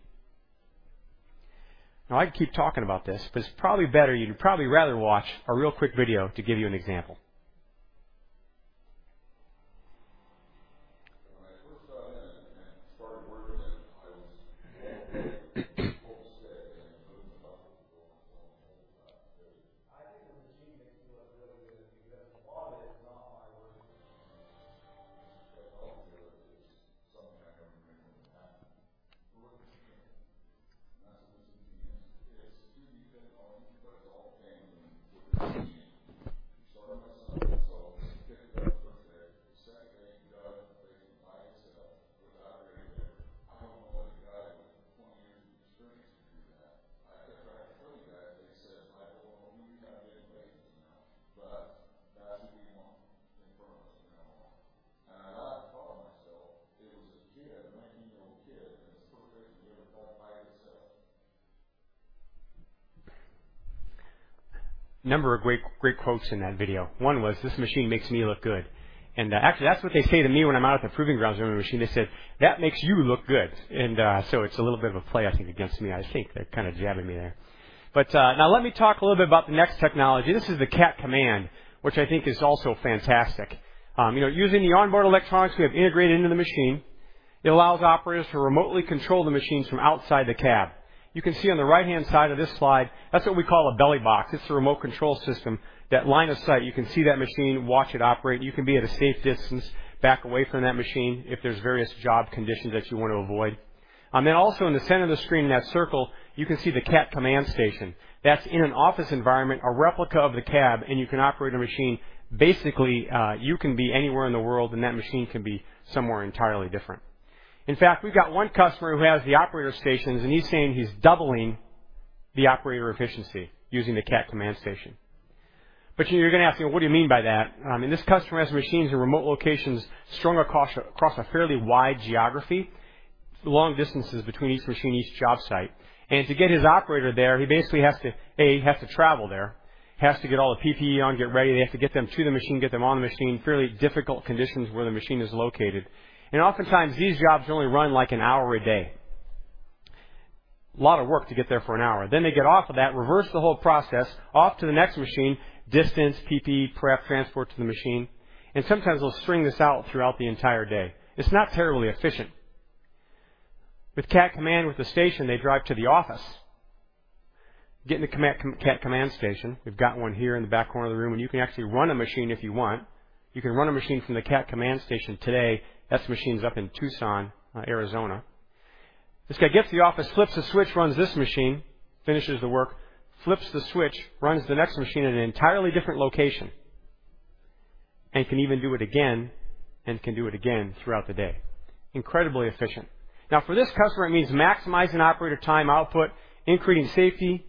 Now I can keep talking about this, but it's probably better, you'd probably rather watch a real quick video to give you an example. You can see on the right-hand side of this slide, that's what we call a belly box. It's a remote control system. That line of sight, you can see that machine, watch it operate. You can be at a safe distance, back away from that machine if there's various job conditions that you want to avoid. Also in the center of the screen, that circle, you can see the Cat Command Station. That's in an office environment, a replica of the cab, and you can operate a machine. Basically, you can be anywhere in the world, and that machine can be somewhere entirely different. In fact, we've got one customer who has the operator stations, and he's saying he's doubling the operator efficiency using the Cat Command Station. You're gonna ask me, "What do you mean by that?" This customer has machines in remote locations strung across a fairly wide geography. Long distances between each machine, each job site. To get his operator there, he basically has to, A, he has to travel there. He has to get all the PPE on, get ready. They have to get them to the machine, get them on the machine. Fairly difficult conditions where the machine is located. Oftentimes, these jobs only run like an hour a day. A lot of work to get there for an hour. They get off of that, reverse the whole process, off to the next machine, distance, PPE, prep, transport to the machine. Sometimes they'll string this out throughout the entire day. It's not terribly efficient. With Cat Command, with the station, they drive to the office. Get in the Cat Command Station. We've got one here in the back corner of the room, and you can actually run a machine if you want. You can run a machine from the Cat Command Station today. That machine's up in Tucson, Arizona. This guy gets to the office, flips a switch, runs this machine, finishes the work, flips the switch, runs the next machine in an entirely different location, and can even do it again, and can do it again throughout the day. Incredibly efficient. Now, for this customer, it means maximizing operator time output, increasing safety,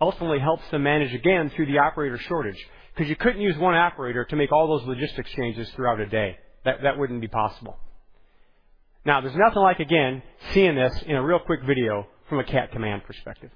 ultimately helps them manage again through the operator shortage because you couldn't use one operator to make all those logistics changes throughout a day. That wouldn't be possible. Now, there's nothing like, again, seeing this in a real quick video from a Cat Command perspective.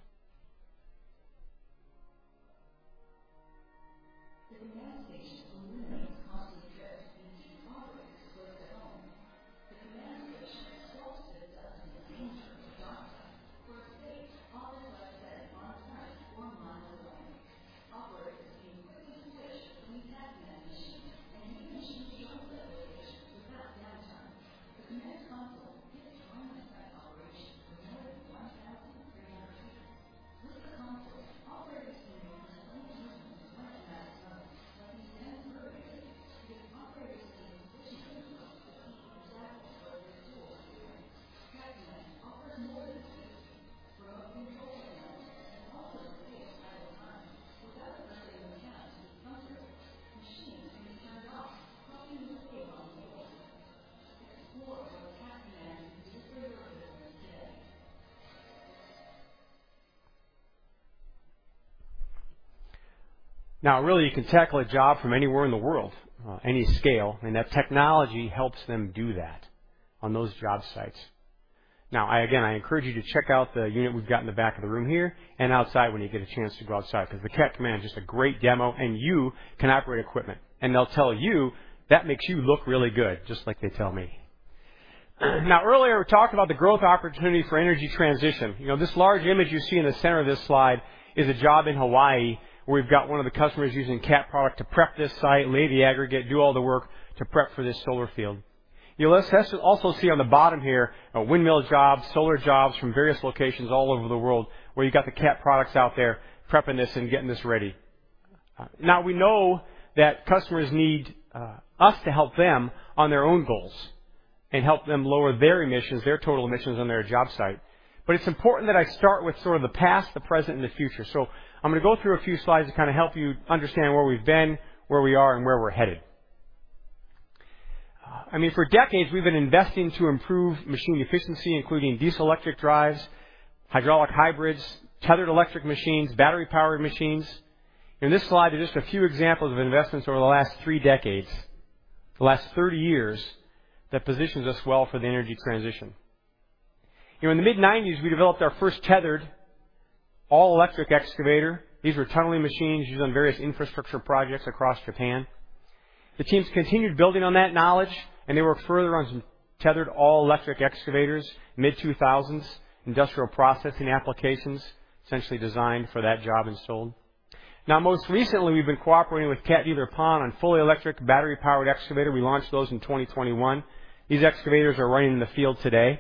we've got one of the customers using Cat product to prep this site, lay the aggregate, do all the work to prep for this solar field. You'll also see on the bottom here a windmill job, solar jobs from various locations all over the world where you've got the Cat products out there prepping this and getting this ready. Now we know that customers need us to help them on their own goals and help them lower their emissions, their total emissions on their job site. It's important that I start with sort of the past, the present, and the future. I'm gonna go through a few slides to kind of help you understand where we've been, where we are, and where we're headed. I mean, for decades, we've been investing to improve machine efficiency, including diesel electric drives, hydraulic hybrids, tethered electric machines, battery-powered machines. In this slide, there's just a few examples of investments over the last three decades, the last 30 years, that positions us well for the energy transition. You know, in the mid-1990s, we developed our first tethered all-electric excavator. These were tunneling machines used on various infrastructure projects across Japan. The teams continued building on that knowledge, and they worked further on some tethered all-electric excavators, mid-2000s, industrial processing applications essentially designed for that job and sold. Now most recently, we've been cooperating with Cat dealer Pon on fully electric battery-powered excavator. We launched those in 2021. These excavators are running in the field today.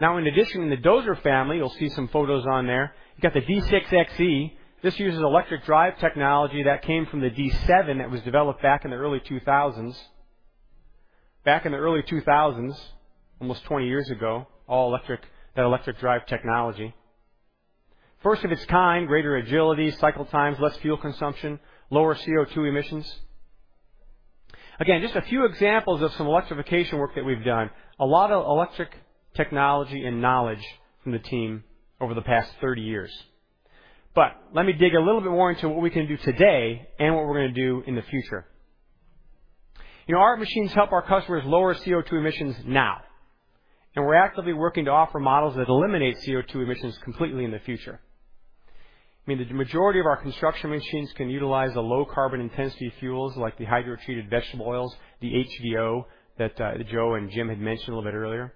Now in addition, in the dozer family, you'll see some photos on there. You got the D6 XE. This uses electric drive technology that came from the D7 that was developed back in the early 2000s. Back in the early 2000s, almost 20 years ago, all electric, that electric drive technology. First of its kind, greater agility, cycle times, less fuel consumption, lower CO2 emissions. Again, just a few examples of some electrification work that we've done. A lot of electric technology and knowledge from the team over the past 30 years. Let me dig a little bit more into what we can do today and what we're gonna do in the future. You know, our machines help our customers lower CO2 emissions now, and we're actively working to offer models that eliminate CO2 emissions completely in the future. I mean, the majority of our construction machines can utilize a low carbon intensity fuels like the hydrotreated vegetable oils, the HVO that Joe and Jim had mentioned a little bit earlier.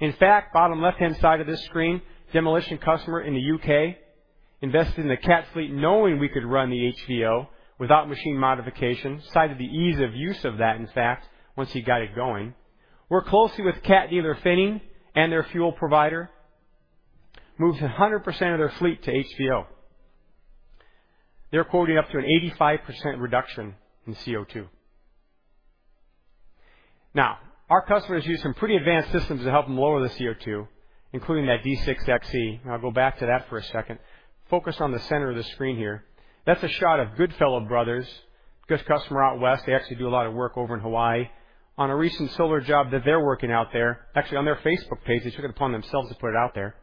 In fact, bottom left-hand side of this screen, demolition customer in the U.K. invested in the Cat fleet knowing we could run the HVO without machine modification, cited the ease of use of that, in fact, once he got it going. Worked closely with Cat dealer Finning and their fuel provider, moved 100% of their fleet to HVO. They're quoting up to an 85% reduction in CO2. Now, our customers use some pretty advanced systems to help them lower the CO2, including that D6 XE, and I'll go back to that for a second. Focus on the center of the screen here. That's a shot of Goodfellow Brothers, good customer out west. They actually do a lot of work over in Hawaii. On a recent solar job that they're working out there, actually on their Facebook page, they took it upon themselves to put it out there.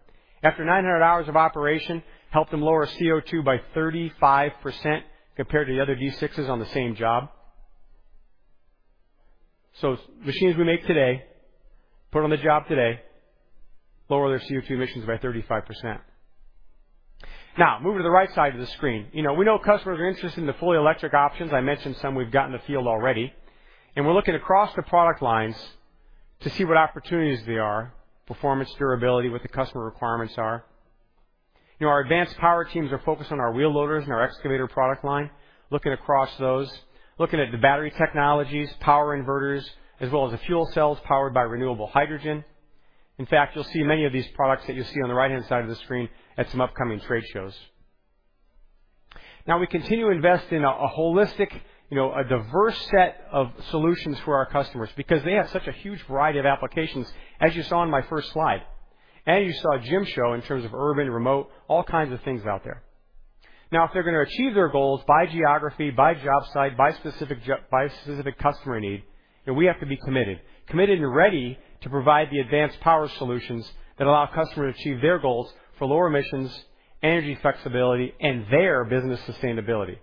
After 900 hours of operation, helped them lower CO2 by 35% compared to the other D6s on the same job. Machines we make today, put on the job today, lower their CO2 emissions by 35%. Now moving to the right side of the screen. You know, we know customers are interested in the fully electric options. I mentioned some we've got in the field already, and we're looking across the product lines to see what opportunities there are, performance, durability, what the customer requirements are. You know, our advanced power teams are focused on our wheel loaders and our excavator product line, looking across those, looking at the battery technologies, power inverters, as well as the fuel cells powered by renewable hydrogen. In fact, you'll see many of these products that you'll see on the right-hand side of the screen at some upcoming trade shows. Now, we continue to invest in a holistic, you know, a diverse set of solutions for our customers because they have such a huge variety of applications, as you saw in my first slide, and you saw Jim show in terms of urban, remote, all kinds of things out there. Now, if they're gonna achieve their goals by geography, by job site, by specific customer need, then we have to be committed and ready to provide the advanced power solutions that allow customers to achieve their goals for lower emissions, energy flexibility, and their business sustainability.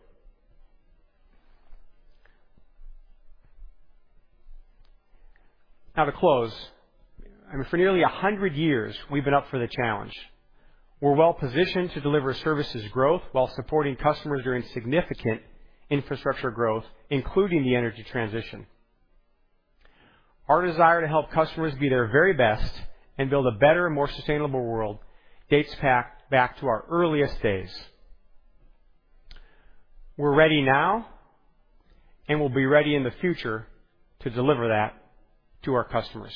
Now to close. I mean, for nearly 100 years, we've been up for the challenge. We're well-positioned to deliver services growth while supporting customers during significant infrastructure growth, including the energy transition. Our desire to help customers be their very best and build a better and more sustainable world dates back to our earliest days. We're ready now, and we'll be ready in the future to deliver that to our customers.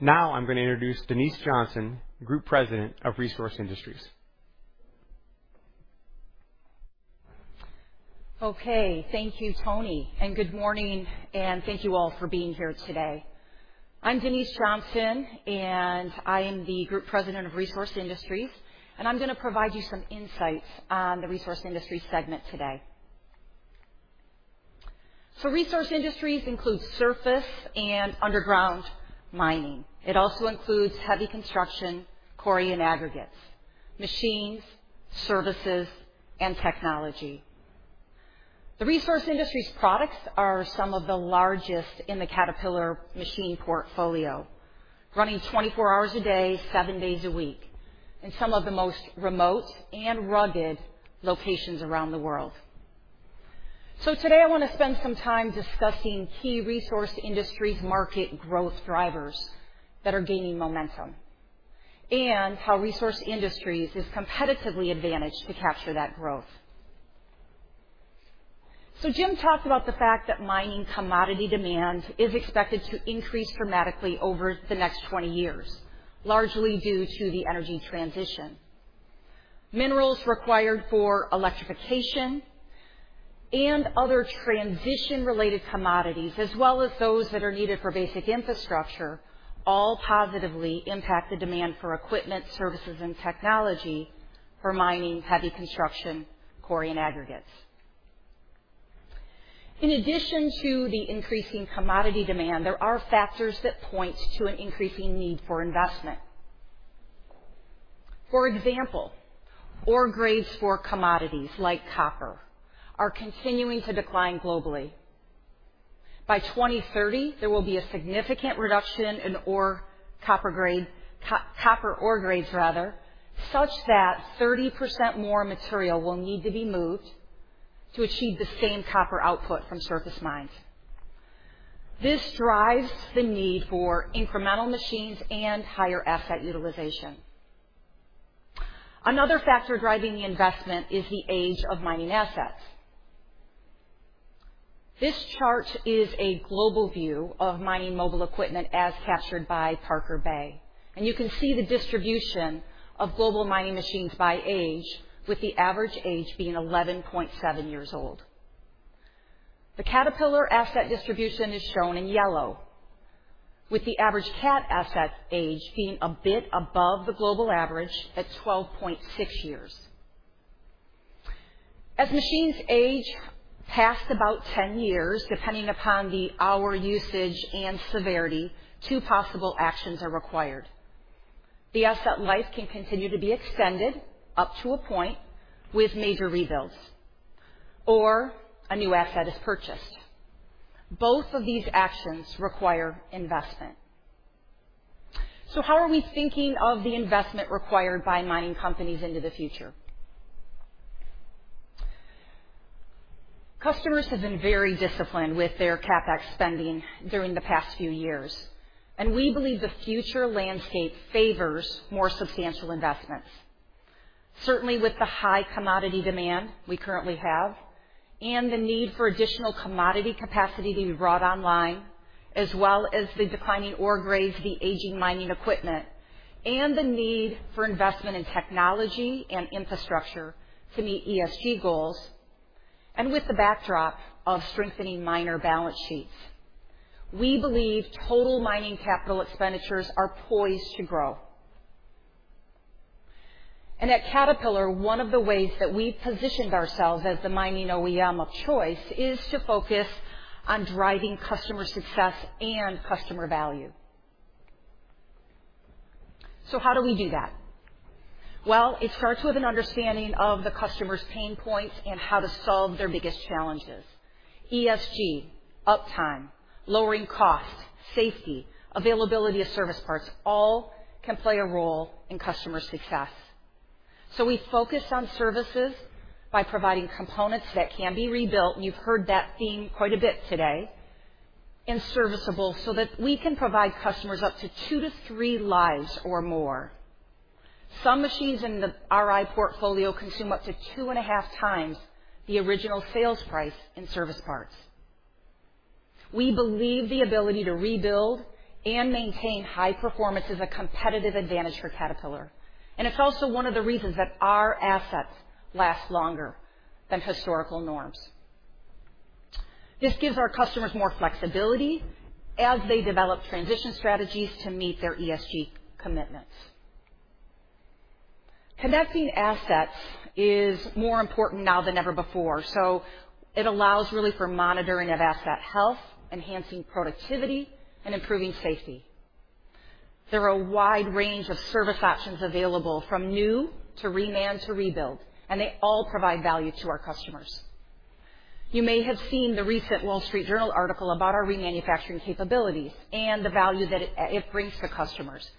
Now I'm gonna introduce Denise Johnson, Group President of Resource Industries. Okay. Thank you, Tony, and good morning, and thank you all for being here today. I'm Denise Johnson, and I am the Group President of Resource Industries, and I'm gonna provide you some insights on the Resource Industries segment today. Resource Industries includes surface and underground mining. It also includes heavy construction, quarry, and aggregates, machines, services, and technology. The Resource Industries products are some of the largest in the Caterpillar machine portfolio, running 24 hours a day, seven days a week, in some of the most remote and rugged locations around the world. Today, I wanna spend some time discussing key Resource Industries market growth drivers that are gaining momentum and how Resource Industries is competitively advantaged to capture that growth. Jim talked about the fact that mining commodity demand is expected to increase dramatically over the next 20 years, largely due to the energy transition. Minerals required for electrification and other transition-related commodities, as well as those that are needed for basic infrastructure, all positively impact the demand for equipment, services, and technology for mining, heavy construction, quarry, and aggregates. In addition to the increasing commodity demand, there are factors that point to an increasing need for investment. For example, ore grades for commodities like copper are continuing to decline globally. By 2030, there will be a significant reduction in copper ore grades rather, such that 30% more material will need to be moved to achieve the same copper output from surface mines. This drives the need for incremental machines and higher asset utilization. Another factor driving the investment is the age of mining assets. This chart is a global view of mining mobile equipment as captured by Parker Bay, and you can see the distribution of global mining machines by age, with the average age being 11.7 years old. The Caterpillar asset distribution is shown in yellow, with the average Cat asset age being a bit above the global average at 12.6 years. As machines age past about 10 years, depending upon the hour usage and severity, two possible actions are required. The asset life can continue to be extended up to a point with major rebuilds or a new asset is purchased. Both of these actions require investment. How are we thinking of the investment required by mining companies into the future? Customers have been very disciplined with their CapEx spending during the past few years, and we believe the future landscape favors more substantial investments. Certainly, with the high commodity demand we currently have and the need for additional commodity capacity to be brought online, as well as the declining ore grades, the aging mining equipment, and the need for investment in technology and infrastructure to meet ESG goals, and with the backdrop of strengthening miner balance sheets. We believe total mining capital expenditures are poised to grow. At Caterpillar, one of the ways that we positioned ourselves as the mining OEM of choice is to focus on driving customer success and customer value. How do we do that? Well, it starts with an understanding of the customer's pain points and how to solve their biggest challenges. ESG, uptime, lowering cost, safety, availability of service parts, all can play a role in customer success. We focus on services by providing components that can be rebuilt. You've heard that theme quite a bit today, and serviceable so that we can provide customers up to two to three lives or more. Some machines in the RI portfolio consume up to 2.5x the original sales price in service parts. We believe the ability to rebuild and maintain high performance is a competitive advantage for Caterpillar, and it's also one of the reasons that our assets last longer than historical norms. This gives our customers more flexibility as they develop transition strategies to meet their ESG commitments. Connecting assets is more important now than ever before, so it allows really for monitoring of asset health, enhancing productivity and improving safety. There are a wide range of service options available from new to reman to rebuild, and they all provide value to our customers. You may have seen the recent Wall Street Journal article about our remanufacturing capabilities and the value that it brings to customers.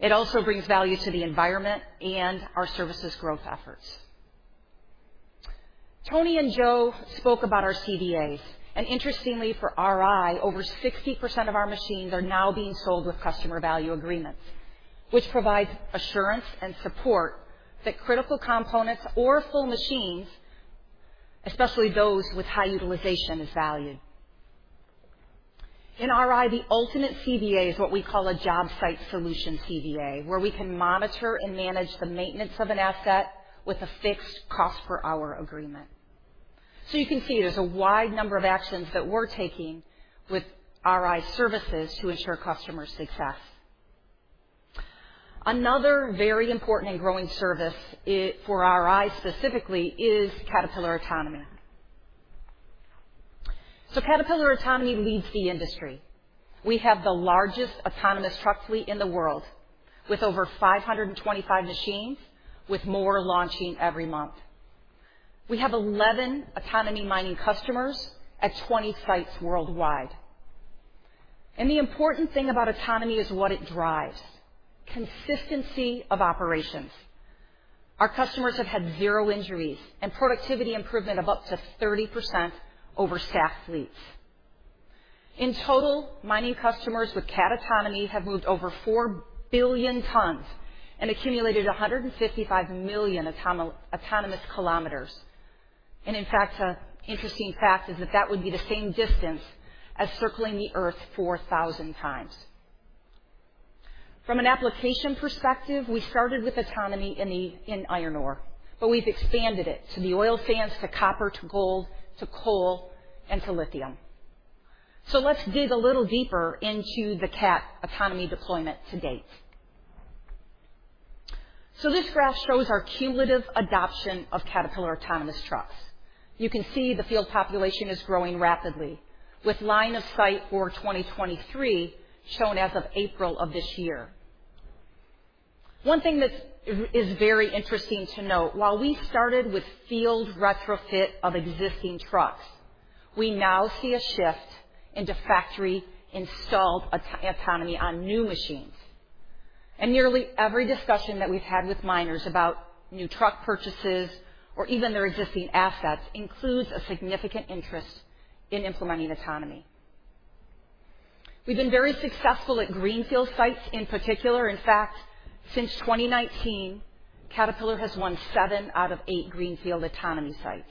It also brings value to the environment and our services growth efforts. Tony and Joe spoke about our CVAs, and interestingly for RI, over 60% of our machines are now being sold with customer value agreements, which provides assurance and support that critical components or full machines, especially those with high utilization, is valued. In RI, the ultimate CVA is what we call a job site solution CVA, where we can monitor and manage the maintenance of an asset with a fixed cost per hour agreement. You can see there's a wide number of actions that we're taking with RI services to ensure customer success. Another very important and growing service for RI specifically is Caterpillar Autonomy. Caterpillar Autonomy leads the industry. We have the largest autonomous truck fleet in the world with over 525 machines, with more launching every month. We have 11 autonomy mining customers at 20 sites worldwide. The important thing about autonomy is what it drives, consistency of operations. Our customers have had zero injuries and productivity improvement of up to 30% over staff fleets. In total, mining customers with Cat autonomy have moved over 4 billion tons and accumulated 155 million autonomous kilometers. In fact, an interesting fact is that that would be the same distance as circling the Earth 4,000 times. From an application perspective, we started with autonomy in iron ore, but we've expanded it to the oil sands, to copper, to gold, to coal, and to lithium. Let's dig a little deeper into the Cat autonomy deployment to date. This graph shows our cumulative adoption of Caterpillar autonomous trucks. You can see the field population is growing rapidly with line of sight for 2023 shown as of April of this year. One thing that's very interesting to note, while we started with field retrofit of existing trucks, we now see a shift into factory-installed autonomy on new machines. Nearly every discussion that we've had with miners about new truck purchases or even their existing assets includes a significant interest in implementing autonomy. We've been very successful at Greenfield sites in particular. In fact, since 2019, Caterpillar has won seven out of eight Greenfield autonomy sites.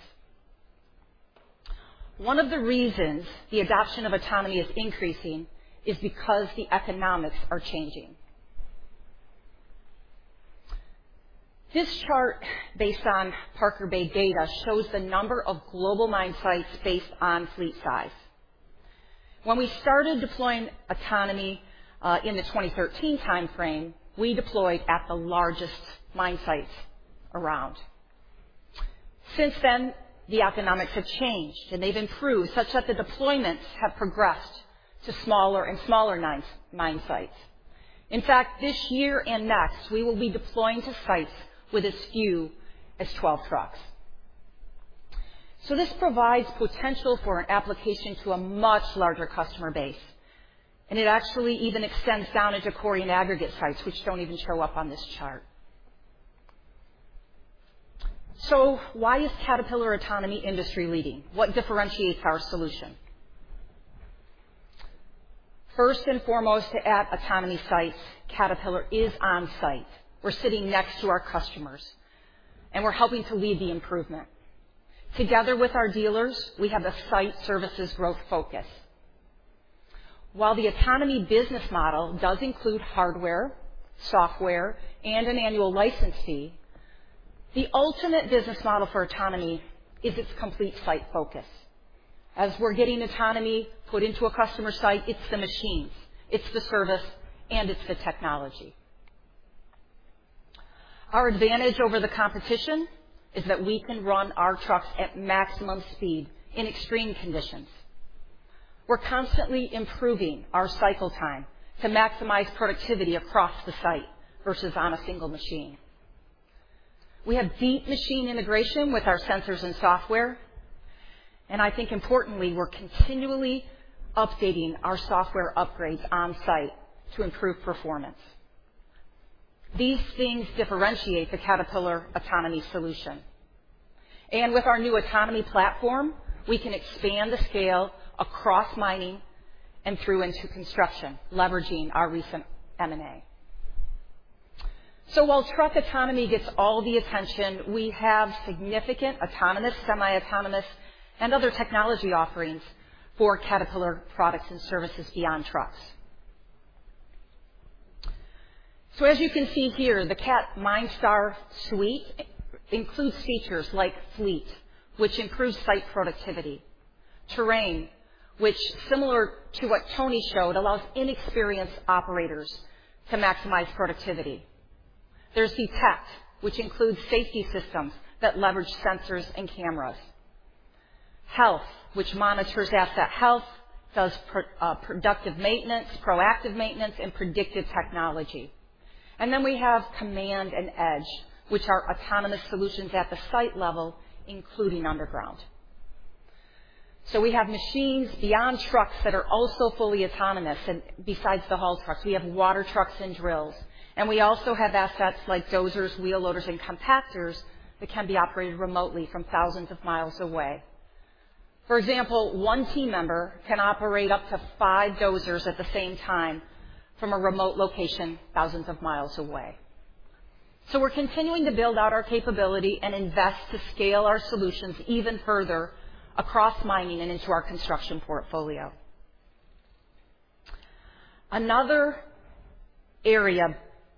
One of the reasons the adoption of autonomy is increasing is because the economics are changing. This chart, based on Parker Bay data, shows the number of global mine sites based on fleet size. When we started deploying autonomy in the 2013 time frame, we deployed at the largest mine sites around. Since then, the economics have changed, and they've improved such that the deployments have progressed to smaller and smaller mines, mine sites. In fact, this year and next, we will be deploying to sites with as few as 12 trucks. This provides potential for an application to a much larger customer base, and it actually even extends down into quarry and aggregate sites which don't even show up on this chart. Why is Caterpillar autonomy industry-leading? What differentiates our solution? First and foremost, at autonomy sites, Caterpillar is on-site. We're sitting next to our customers, and we're helping to lead the improvement. Together with our dealers, we have a site services growth focus. While the autonomy business model does include hardware, software, and an annual license fee, the ultimate business model for autonomy is its complete site focus. As we're getting autonomy put into a customer site, it's the machines, it's the service, and it's the technology. Our advantage over the competition is that we can run our trucks at maximum speed in extreme conditions. We're constantly improving our cycle time to maximize productivity across the site versus on a single machine. We have deep machine integration with our sensors and software, and I think importantly, we're continually updating our software upgrades on-site to improve performance. These things differentiate the Caterpillar autonomy solution. With our new autonomy platform, we can expand the scale across mining and through into construction, leveraging our recent M&A. While truck autonomy gets all the attention, we have significant autonomous, semi-autonomous, and other technology offerings for Caterpillar products and services beyond trucks. As you can see here, the Cat MineStar suite includes features like Fleet, which improves site productivity. Terrain, which, similar to what Tony showed, allows inexperienced operators to maximize productivity. There's Detect, which includes safety systems that leverage sensors and cameras. Health, which monitors asset health, does proactive maintenance and predictive technology. We have Command and Edge, which are autonomous solutions at the site level, including underground. We have machines beyond trucks that are also fully autonomous. Besides the haul trucks, we have water trucks and drills, and we also have assets like dozers, wheel loaders, and compactors that can be operated remotely from thousands of miles away. For example, one team member can operate up to five dozers at the same time from a remote location thousands of miles away. We're continuing to build out our capability and invest to scale our solutions even further across mining and into our construction portfolio. Another area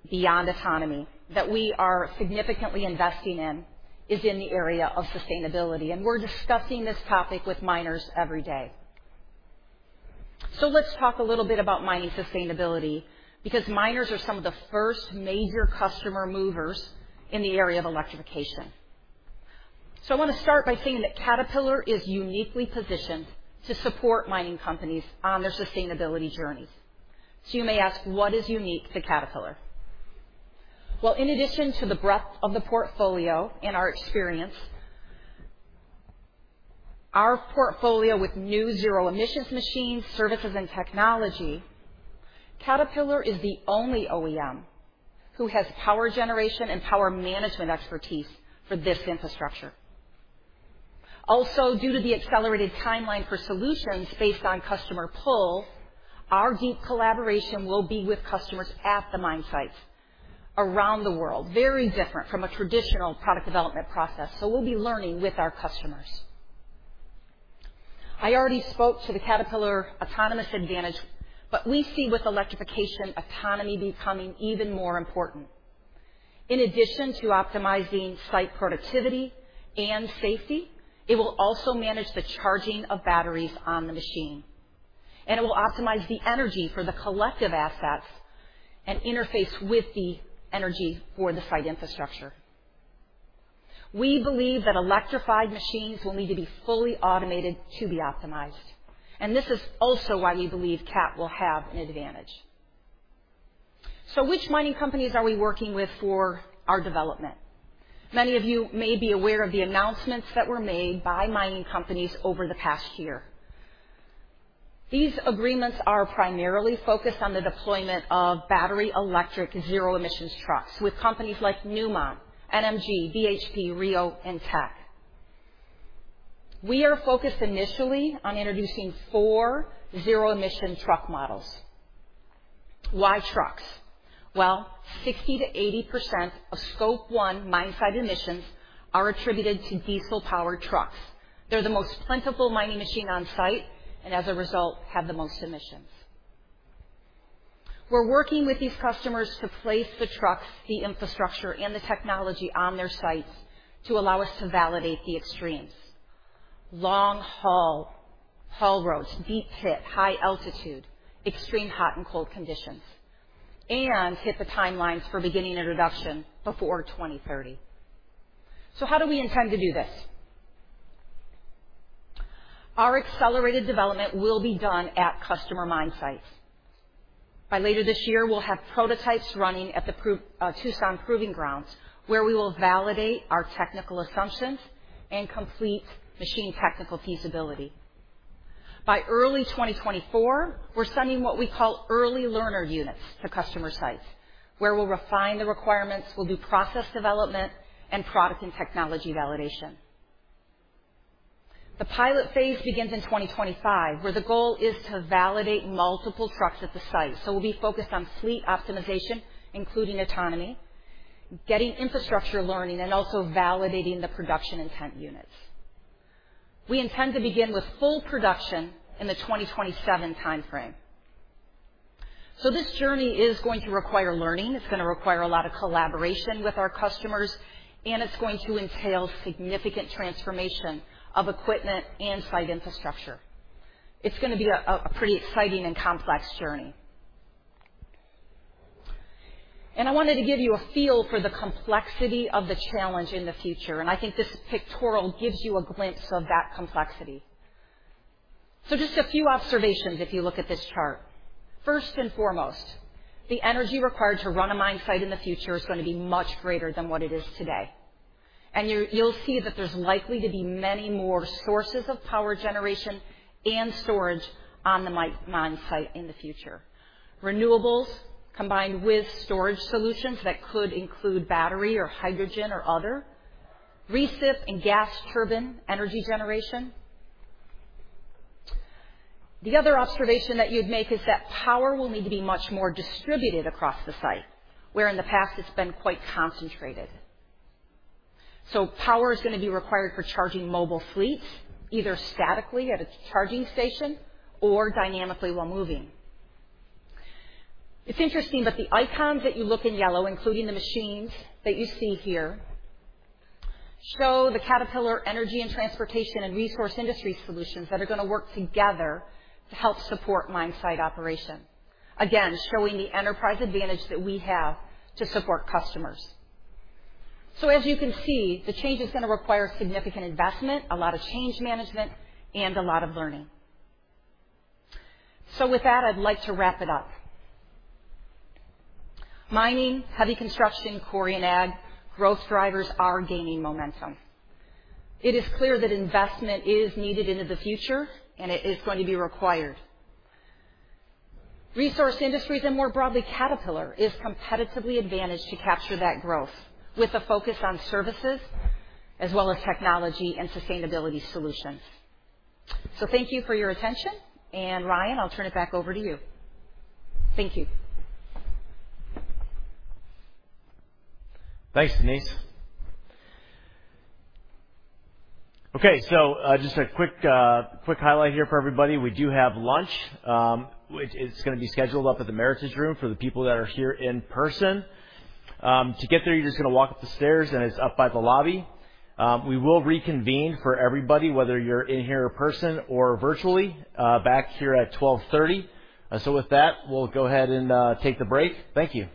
beyond autonomy that we are significantly investing in is in the area of sustainability, and we're discussing this topic with miners every day. Let's talk a little bit about mining sustainability because miners are some of the first major customer movers in the area of electrification. I want to start by saying that Caterpillar is uniquely positioned to support mining companies on their sustainability journeys. You may ask, what is unique to Caterpillar? Well, in addition to the breadth of the portfolio and our experience, our portfolio with new zero emissions machines, services, and technology, Caterpillar is the only OEM who has power generation and power management expertise for this infrastructure. Also, due to the accelerated timeline for solutions based on customer pull, our deep collaboration will be with customers at the mine sites around the world. Very different from a traditional product development process, so we'll be learning with our customers. I already spoke to the Caterpillar autonomous advantage, but we see with electrification, autonomy becoming even more important. In addition to optimizing site productivity and safety, it will also manage the charging of batteries on the machine. It will optimize the energy for the collective assets and interface with the energy for the site infrastructure. We believe that electrified machines will need to be fully automated to be optimized, and this is also why we believe Cat will have an advantage. Which mining companies are we working with for our development? Many of you may be aware of the announcements that were made by mining companies over the past year. These agreements are primarily focused on the deployment of battery electric, zero emissions trucks with companies like Newmont, NMG, BHP, Rio, and Teck. We are focused initially on introducing four zero emission truck models. Why trucks? Well, 60%-80% of Scope 1 mine site emissions are attributed to diesel powered trucks. They're the most plentiful mining machine on site and as a result, have the most emissions. We're working with these customers to place the trucks, the infrastructure, and the technology on their sites to allow us to validate the extremes. Long haul roads, deep pit, high altitude, extreme hot and cold conditions, and hit the timelines for beginning introduction before 2030. How do we intend to do this? Our accelerated development will be done at customer mine sites. By later this year, we'll have prototypes running at Tucson Proving Grounds, where we will validate our technical assumptions and complete machine technical feasibility. By early 2024, we're sending what we call early learner units to customer sites, where we'll refine the requirements, we'll do process development and product and technology validation. The pilot phase begins in 2025, where the goal is to validate multiple trucks at the site. We'll be focused on fleet optimization, including autonomy, getting infrastructure learning, and also validating the production intent units. We intend to begin with full production in the 2027 timeframe. This journey is going to require learning, it's gonna require a lot of collaboration with our customers, and it's going to entail significant transformation of equipment and site infrastructure. It's gonna be a pretty exciting and complex journey. I wanted to give you a feel for the complexity of the challenge in the future, and I think this pictorial gives you a glimpse of that complexity. Just a few observations if you look at this chart. First and foremost, the energy required to run a mine site in the future is gonna be much greater than what it is today. You, you'll see that there's likely to be many more sources of power generation and storage on the mine site in the future. Renewables combined with storage solutions that could include battery or hydrogen or other. Recip and gas turbine energy generation. The other observation that you'd make is that power will need to be much more distributed across the site, where in the past it's been quite concentrated. Power is gonna be required for charging mobile fleets, either statically at its charging station or dynamically while moving. It's interesting that the icons that you look in yellow, including the machines that you see here, show the Caterpillar Energy and Transportation and Resource Industries solutions that are gonna work together to help support mine site operation. Again, showing the enterprise advantage that we have to support customers. As you can see, the change is gonna require significant investment, a lot of change management, and a lot of learning. With that, I'd like to wrap it up. Mining, heavy construction, quarry and ag growth drivers are gaining momentum. It is clear that investment is needed into the future, and it is going to be required. Resource industries, and more broadly, Caterpillar is competitively advantaged to capture that growth with a focus on services as well as technology and sustainability solutions. Thank you for your attention. Ryan, I'll turn it back over to you. Thank you. Thanks, Denise. Okay, just a quick highlight here for everybody. We do have lunch, which is gonna be scheduled up at the Meritage room for the people that are here in person. To get there, you're just gonna walk up the stairs and it's up by the lobby. We will reconvene for everybody, whether you're in here in person or virtually, back here at 12:30. With that, we'll go ahead and take the break. Thank you.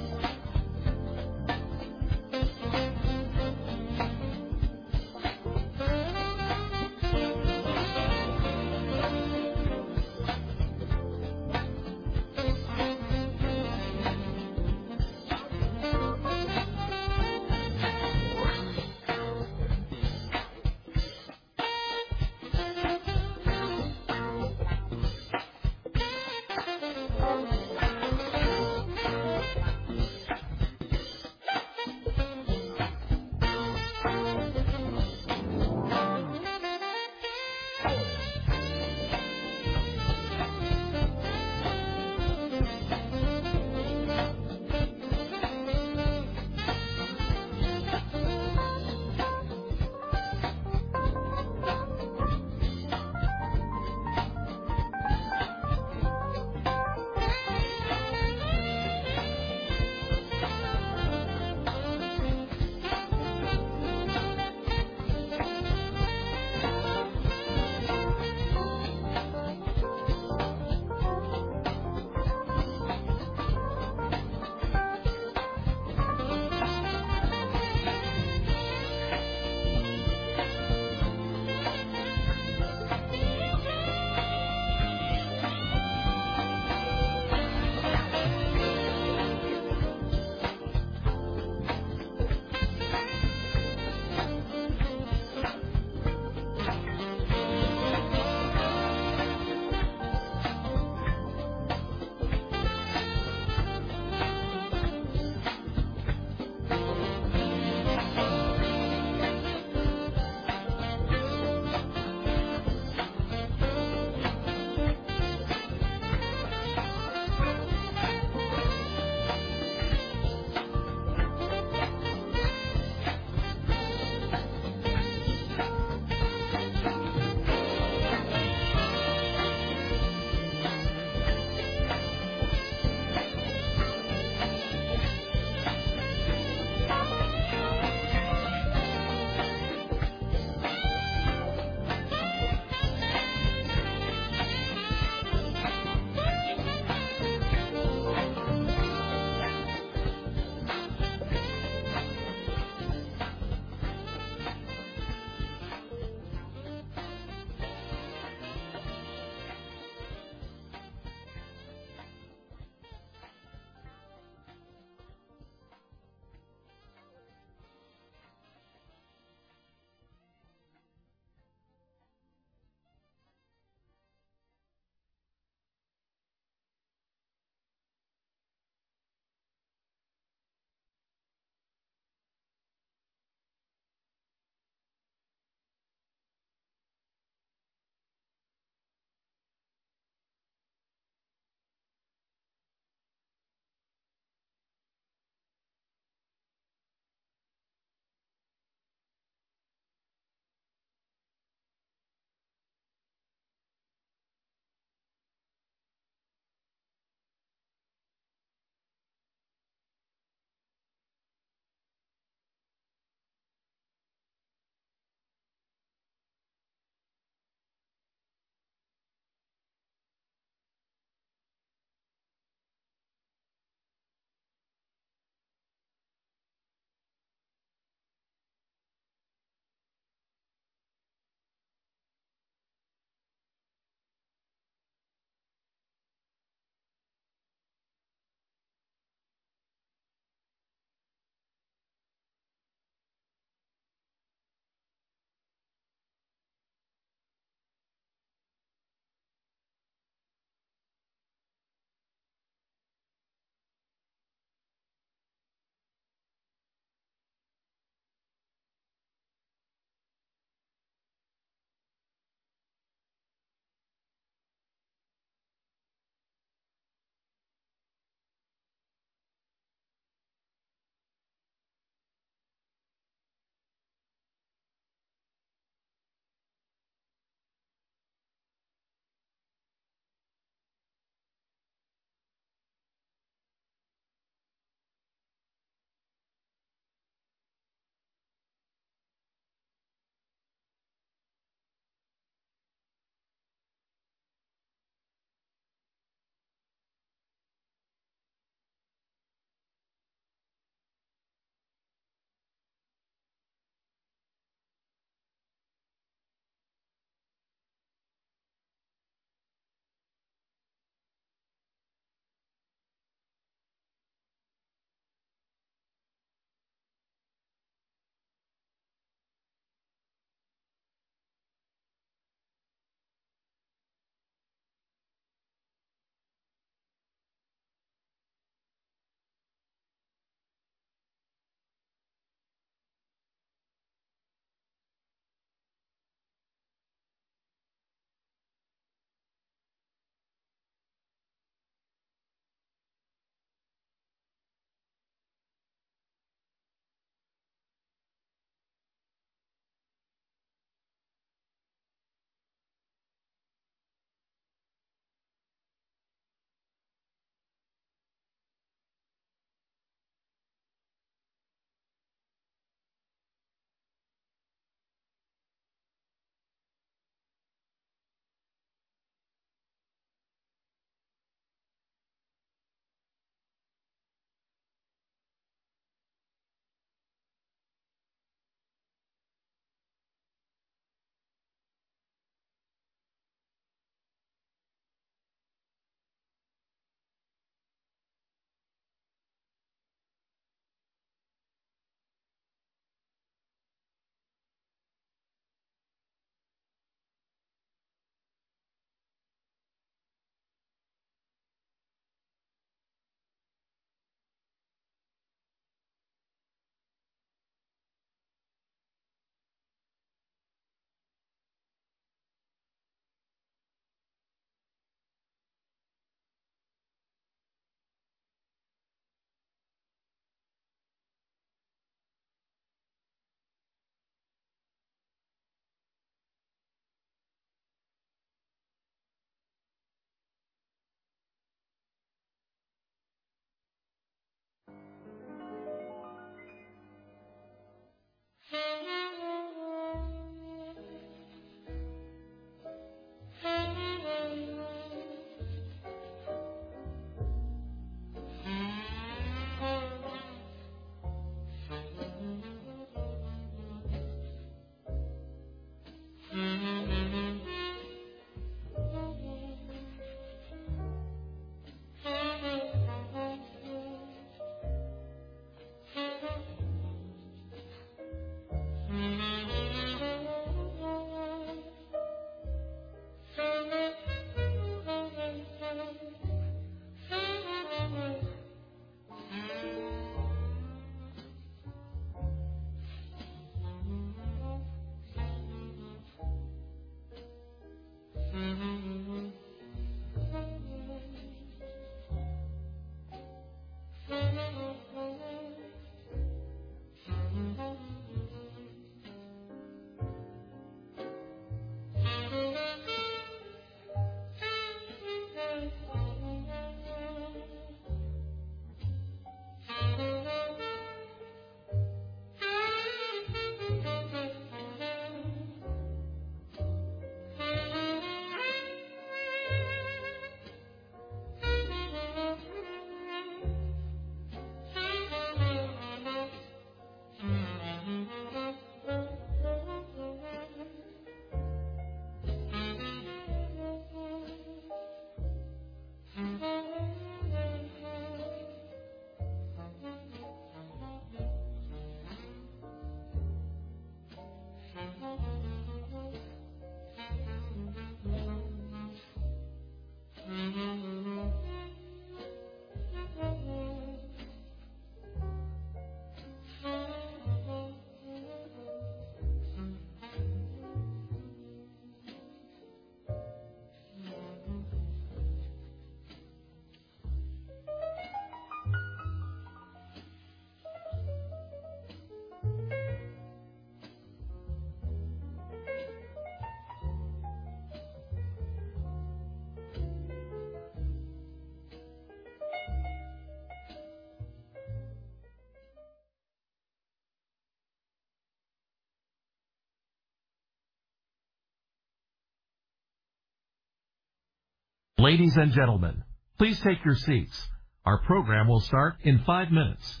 Ladies and gentlemen, please take your seats. Our program will start in 5 minutes.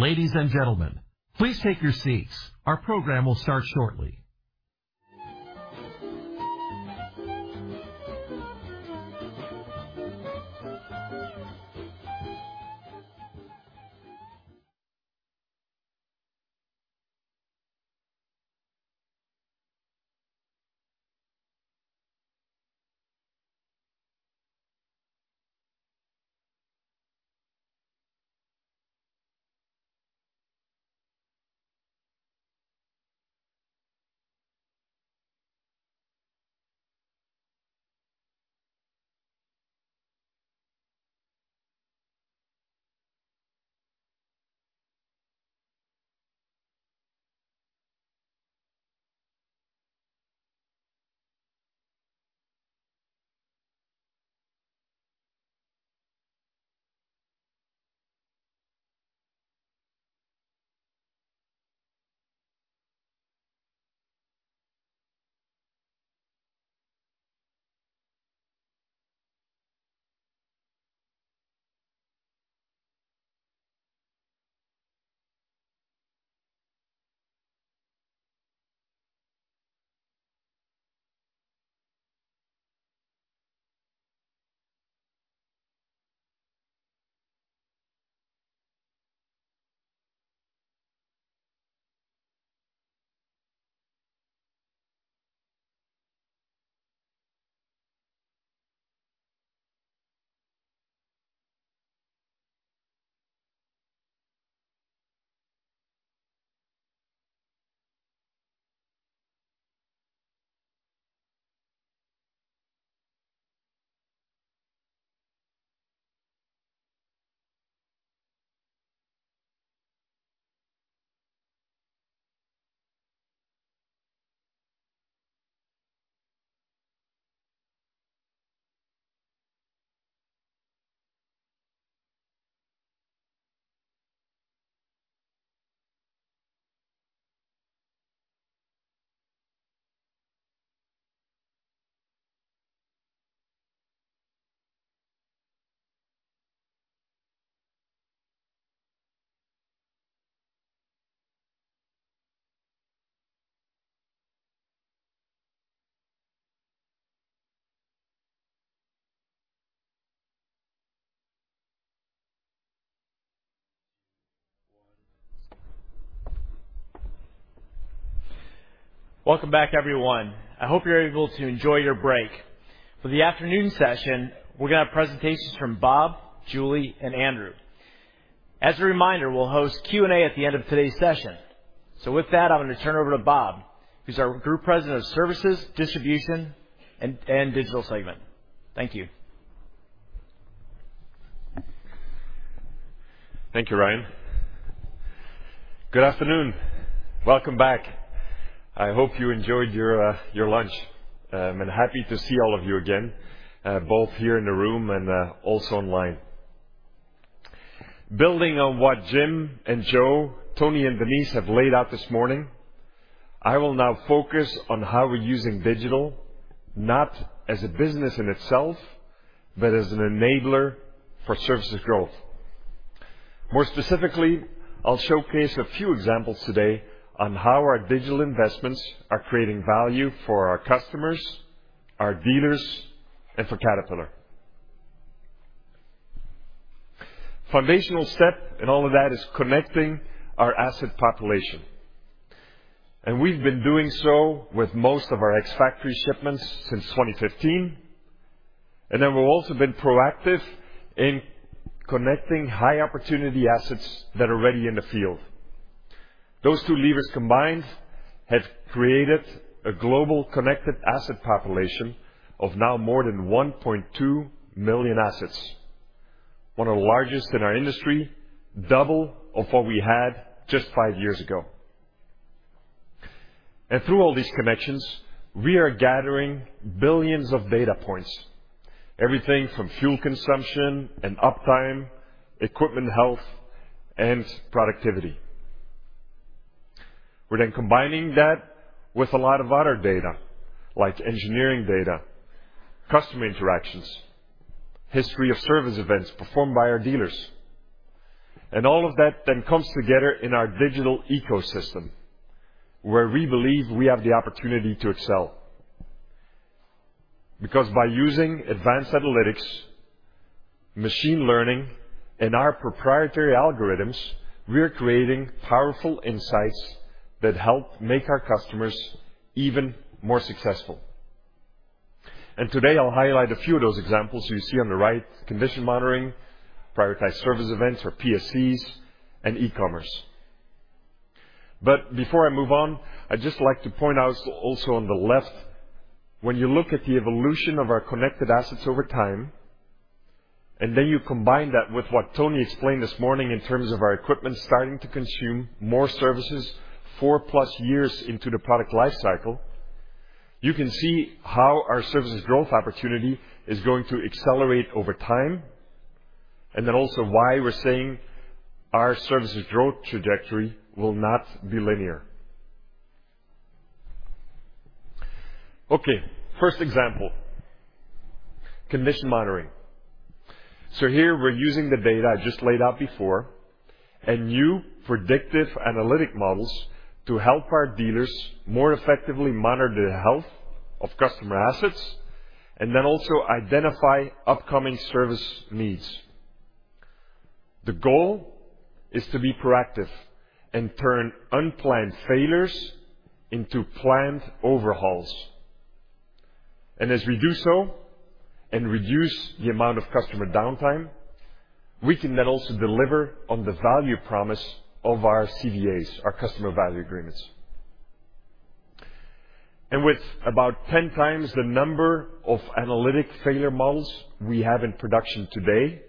Ladies and gentlemen, please take your seats. Our program will start shortly. Welcome back, everyone. I hope you're able to enjoy your break. For the afternoon session, we're gonna have presentations from Bob, Julie, and Andrew. As a reminder, we'll host Q&A at the end of today's session. With that, I'm gonna turn over to Bob, who's our Group President of Services, Distribution, and Digital. Thank you. Thank you, Ryan. Good afternoon. Welcome back. I hope you enjoyed your lunch. Happy to see all of you again, both here in the room and also online. Building on what Jim and Joe, Tony, and Denise have laid out this morning, I will now focus on how we're using digital, not as a business in itself, but as an enabler for services growth. More specifically, I'll showcase a few examples today on how our digital investments are creating value for our customers, our dealers, and for Caterpillar. Foundational step in all of that is connecting our asset population. We've been doing so with most of our ex-factory shipments since 2015. Then we've also been proactive in connecting high opportunity assets that are already in the field. Those two levers combined have created a global connected asset population of now more than 1.2 million assets. One of the largest in our industry, double of what we had just five years ago. Through all these connections, we are gathering billions of data points, everything from fuel consumption and uptime, equipment health, and productivity. We're then combining that with a lot of other data, like engineering data, customer interactions, history of service events performed by our dealers. All of that then comes together in our digital ecosystem, where we believe we have the opportunity to excel. Because by using advanced analytics, machine learning, and our proprietary algorithms, we are creating powerful insights that help make our customers even more successful. Today, I'll highlight a few of those examples you see on the right, Condition Monitoring, Prioritized Service Events or PSEs, and E-commerce. Before I move on, I'd just like to point out also on the left, when you look at the evolution of our connected assets over time, and then you combine that with what Tony explained this morning in terms of our equipment starting to consume more services 4+ years into the product life cycle, you can see how our services growth opportunity is going to accelerate over time, and then also why we're saying our services growth trajectory will not be linear. Okay. First example, Condition Monitoring. Here we're using the data I just laid out before and new predictive analytic models to help our dealers more effectively monitor the health of customer assets and then also identify upcoming service needs. The goal is to be proactive and turn unplanned failures into planned overhauls. As we do so and reduce the amount of customer downtime, we can then also deliver on the value promise of our CVAs, our customer value agreements. With about 10x the number of analytic failure models we have in production today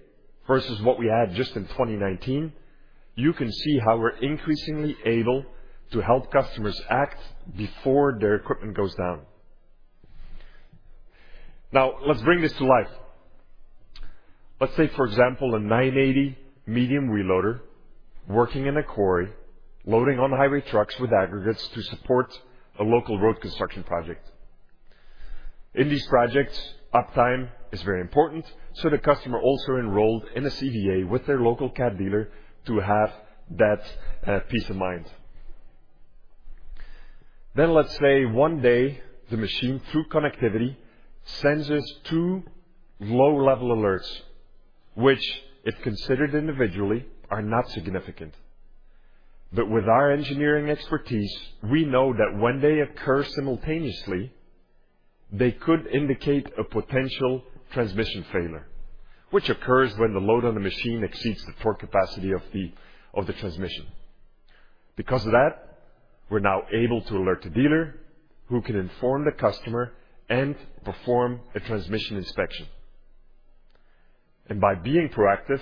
versus what we had just in 2019, you can see how we're increasingly able to help customers act before their equipment goes down. Now, let's bring this to life. Let's say, for example, a 980 medium wheel loader working in a quarry, loading on highway trucks with aggregates to support a local road construction project. In these projects, uptime is very important, so the customer also enrolled in a CVA with their local Cat dealer to have that peace of mind. Let's say one day, the machine, through connectivity, sends us two low-level alerts, which if considered individually, are not significant. With our engineering expertise, we know that when they occur simultaneously. They could indicate a potential transmission failure, which occurs when the load on the machine exceeds the torque capacity of the transmission. Because of that, we're now able to alert the dealer who can inform the customer and perform a transmission inspection. By being proactive,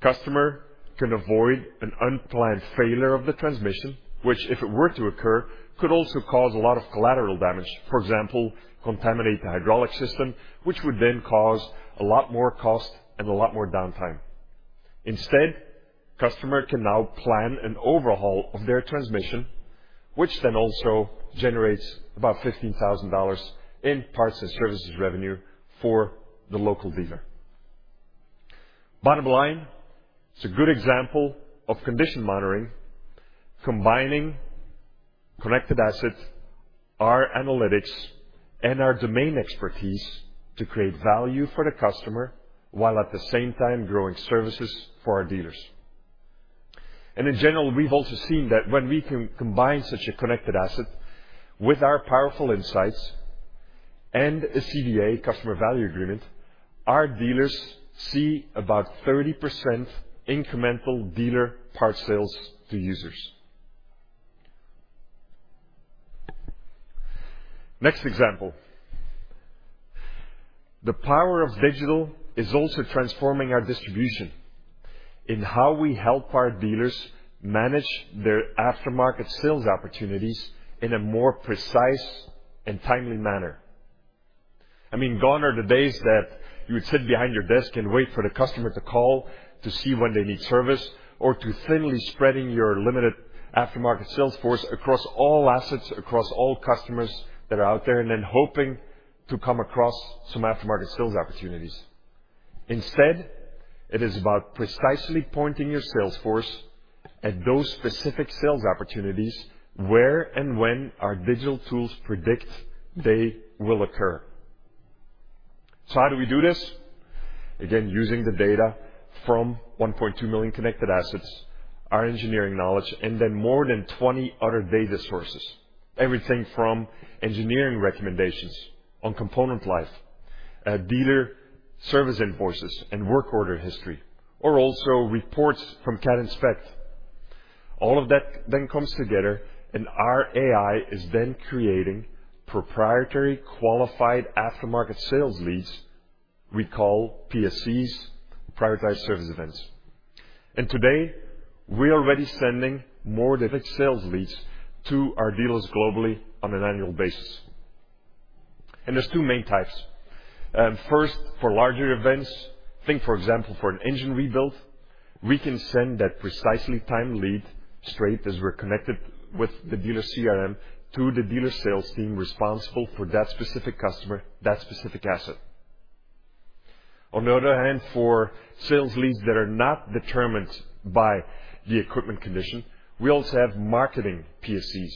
customer can avoid an unplanned failure of the transmission, which if it were to occur, could also cause a lot of collateral damage. For example, contaminate the hydraulic system, which would then cause a lot more cost and a lot more downtime. Instead, customer can now plan an overhaul of their transmission, which then also generates about $15,000 in parts and services revenue for the local dealer. Bottom line, it's a good example of condition monitoring, combining connected assets, our analytics, and our domain expertise to create value for the customer, while at the same time growing services for our dealers. In general, we've also seen that when we can combine such a connected asset with our powerful insights and a CVA, customer value agreement, our dealers see about 30% incremental dealer part sales to users. Next example. The power of digital is also transforming our distribution in how we help our dealers manage their aftermarket sales opportunities in a more precise and timely manner. I mean, gone are the days that you would sit behind your desk and wait for the customer to call to see when they need service or to thinly spreading your limited aftermarket sales force across all assets, across all customers that are out there, and then hoping to come across some aftermarket sales opportunities. Instead, it is about precisely pointing your sales force at those specific sales opportunities where and when our digital tools predict they will occur. How do we do this? Again, using the data from 1.2 million connected assets, our engineering knowledge, and then more than 20 other data sources. Everything from engineering recommendations on component life, dealer service invoices and work order history, or also reports from Cat Inspect. All of that then comes together, and our AI is then creating proprietary qualified aftermarket sales leads we call PSEs, prioritized service events. Today, we're already sending more direct sales leads to our dealers globally on an annual basis. There's two main types. First, for larger events, think for example, for an engine rebuild, we can send that precisely timed lead straight as we're connected with the dealer CRM to the dealer sales team responsible for that specific customer, that specific asset. On the other hand, for sales leads that are not determined by the equipment condition, we also have marketing PSEs.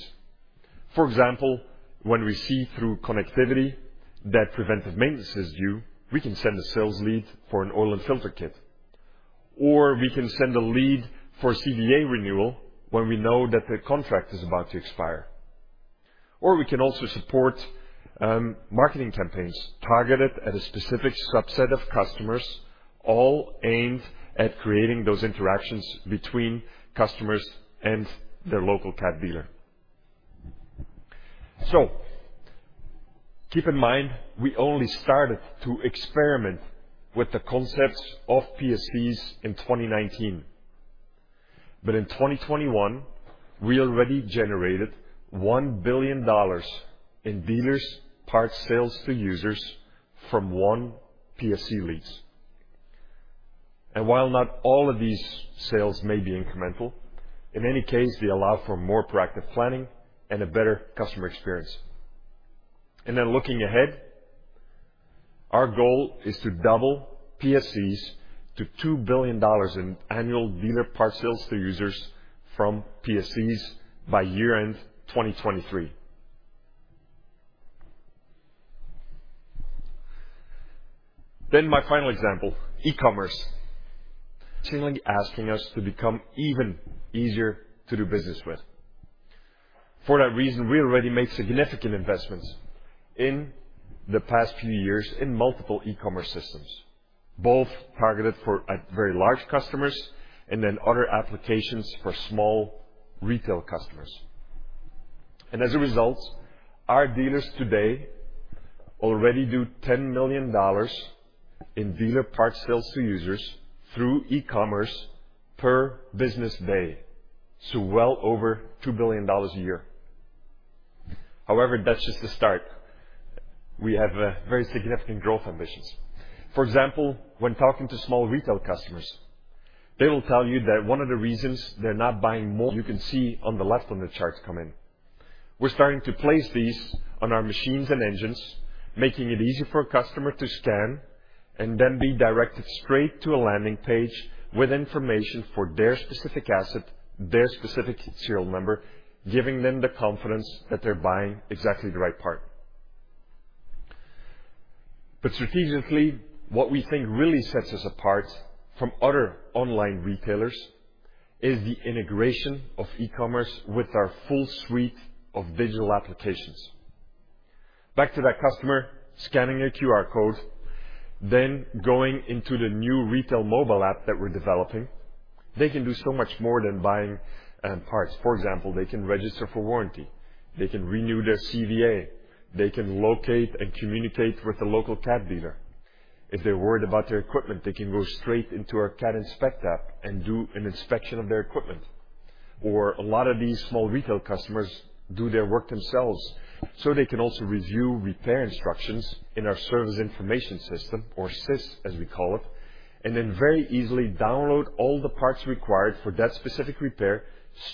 For example, when we see through connectivity that preventive maintenance is due, we can send a sales lead for an oil and filter kit. Or we can send a lead for a CVA renewal when we know that the contract is about to expire. We can also support marketing campaigns targeted at a specific subset of customers, all aimed at creating those interactions between customers and their local Cat dealer. Keep in mind, we only started to experiment with the concepts of PSEs in 2019. In 2021, we already generated $1 billion in dealers parts sales to users from one PSE leads. While not all of these sales may be incremental, in any case, they allow for more proactive planning and a better customer experience. Looking ahead, our goal is to double PSEs to $2 billion in annual dealer parts sales to users from PSEs by year-end 2023. My final example, e-commerce, asking us to become even easier to do business with. For that reason, we already made significant investments in the past few years in multiple e-commerce systems, both targeted for, at very large customers and then other applications for small retail customers. As a result, our dealers today already do $10 million in dealer parts sales to users through e-commerce per business day. Well over $2 billion a year. However, that's just the start. We have very significant growth ambitions. For example, when talking to small retail customers, they will tell you that one of the reasons they're not buying more. You can see on the left on the charts come in. We're starting to place these on our machines and engines, making it easy for a customer to scan and then be directed straight to a landing page with information for their specific asset, their specific serial number, giving them the confidence that they're buying exactly the right part. Strategically, what we think really sets us apart from other online retailers is the integration of e-commerce with our full suite of digital applications. Back to that customer scanning a QR code, then going into the new retail mobile app that we're developing. They can do so much more than buying parts. For example, they can register for warranty, they can renew their CVA, they can locate and communicate with the local Cat dealer. If they're worried about their equipment, they can go straight into our Cat Inspect app and do an inspection of their equipment. A lot of these small retail customers do their work themselves, so they can also review repair instructions in our Service Information System, or SIS, as we call it, and then very easily download all the parts required for that specific repair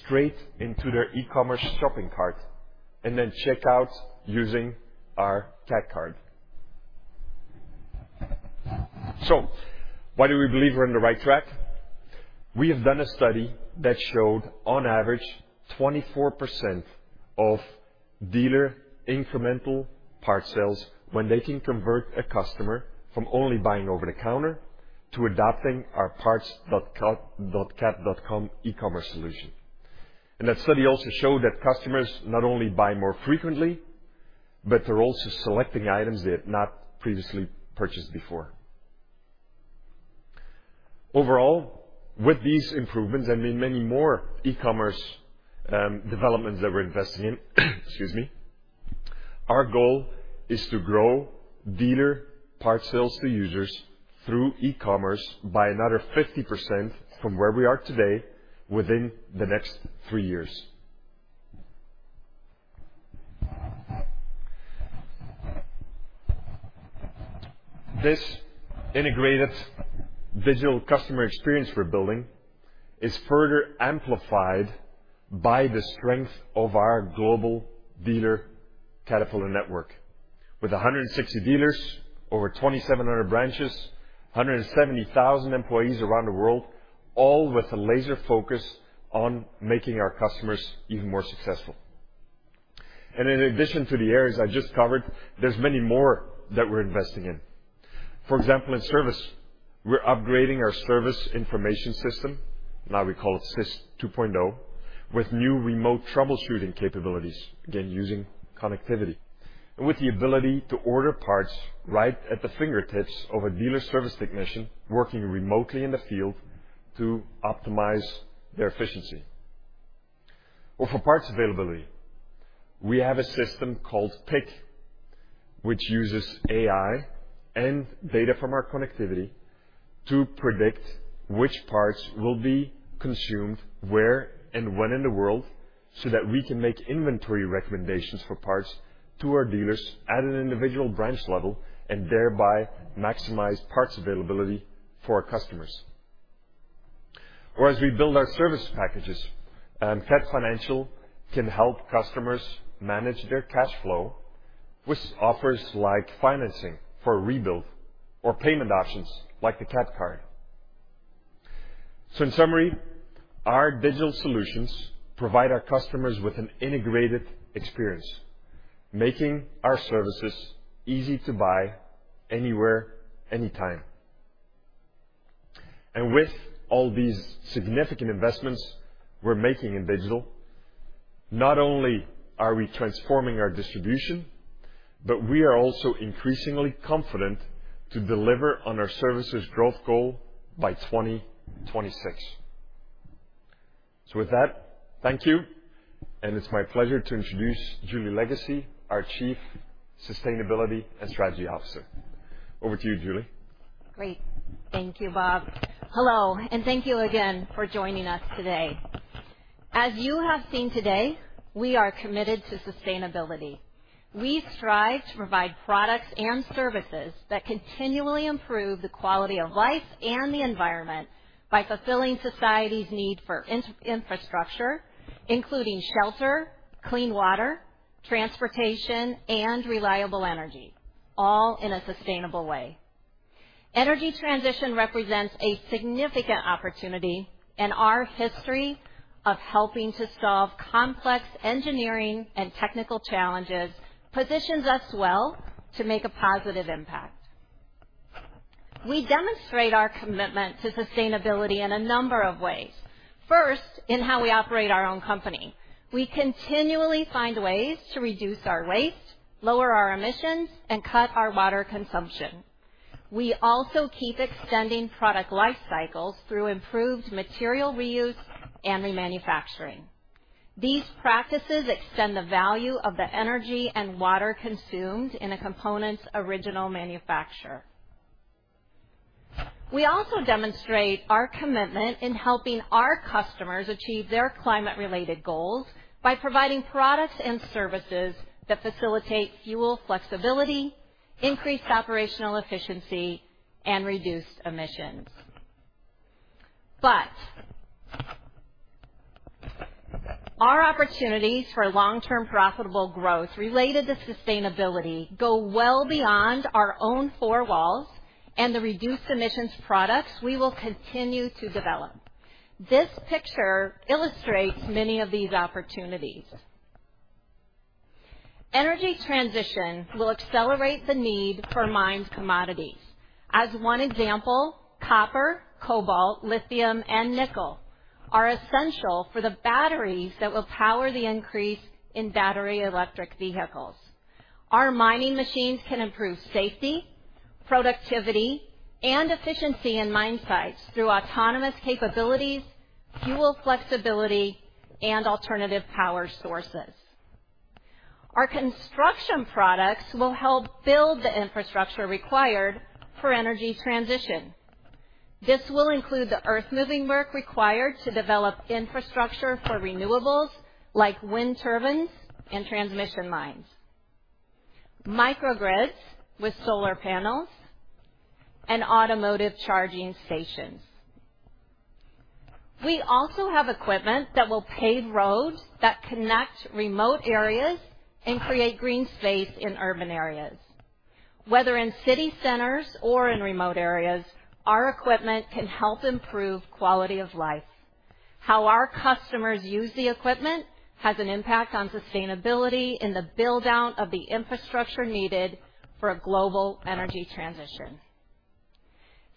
straight into their e-commerce shopping cart, and then check out using our Cat Card. Why do we believe we're on the right track? We have done a study that showed on average 24% of dealer incremental part sales when they can convert a customer from only buying over the counter to adopting our parts.cat.com e-commerce solution. That study also showed that customers not only buy more frequently, but they're also selecting items they have not previously purchased before. Overall, with these improvements and the many more e-commerce developments that we're investing in. Our goal is to grow dealer parts sales to users through e-commerce by another 50% from where we are today within the next three years. This integrated digital customer experience we're building is further amplified by the strength of our global dealer Caterpillar network. With 160 dealers, over 2,700 branches, 170,000 employees around the world, all with a laser focus on making our customers even more successful. In addition to the areas I just covered, there's many more that we're investing in. For example, in service, we're upgrading our service information system, now we call it SIS 2.0, with new remote troubleshooting capabilities, again, using connectivity. With the ability to order parts right at the fingertips of a dealer service technician working remotely in the field to optimize their efficiency. For parts availability, we have a system called PIC, which uses AI and data from our connectivity to predict which parts will be consumed, where, and when in the world, so that we can make inventory recommendations for parts to our dealers at an individual branch level, and thereby maximize parts availability for our customers. As we build our service packages, Cat Financial can help customers manage their cash flow with offers like financing for a rebuild or payment options like the Cat Card. In summary, our digital solutions provide our customers with an integrated experience, making our services easy to buy anywhere, anytime. With all these significant investments we're making in digital, not only are we transforming our distribution, but we are also increasingly confident to deliver on our services growth goal by 2026. With that, thank you. It's my pleasure to introduce Julie Lagacy, our Chief Sustainability and Strategy Officer. Over to you, Julie. Great. Thank you, Bob. Hello, and thank you again for joining us today. As you have seen today, we are committed to sustainability. We strive to provide products and services that continually improve the quality of life and the environment by fulfilling society's need for infrastructure, including shelter, clean water, transportation, and reliable energy, all in a sustainable way. Energy transition represents a significant opportunity, and our history of helping to solve complex engineering and technical challenges positions us well to make a positive impact. We demonstrate our commitment to sustainability in a number of ways. First, in how we operate our own company. We continually find ways to reduce our waste, lower our emissions, and cut our water consumption. We also keep extending product life cycles through improved material reuse and remanufacturing. These practices extend the value of the energy and water consumed in a component's original manufacture. We also demonstrate our commitment in helping our customers achieve their climate-related goals by providing products and services that facilitate fuel flexibility, increase operational efficiency, and reduce emissions. Our opportunities for long-term profitable growth related to sustainability go well beyond our own four walls and the reduced emissions products we will continue to develop. This picture illustrates many of these opportunities. Energy transition will accelerate the need for mined commodities. As one example, copper, cobalt, lithium, and nickel are essential for the batteries that will power the increase in battery electric vehicles. Our mining machines can improve safety, productivity, and efficiency in mine sites through autonomous capabilities, fuel flexibility, and alternative power sources. Our construction products will help build the infrastructure required for energy transition. This will include the earth-moving work required to develop infrastructure for renewables, like wind turbines and transmission lines, microgrids with solar panels, and automotive charging stations. We also have equipment that will pave roads that connect remote areas and create green space in urban areas. Whether in city centers or in remote areas, our equipment can help improve quality of life. How our customers use the equipment has an impact on sustainability in the build-out of the infrastructure needed for a global energy transition.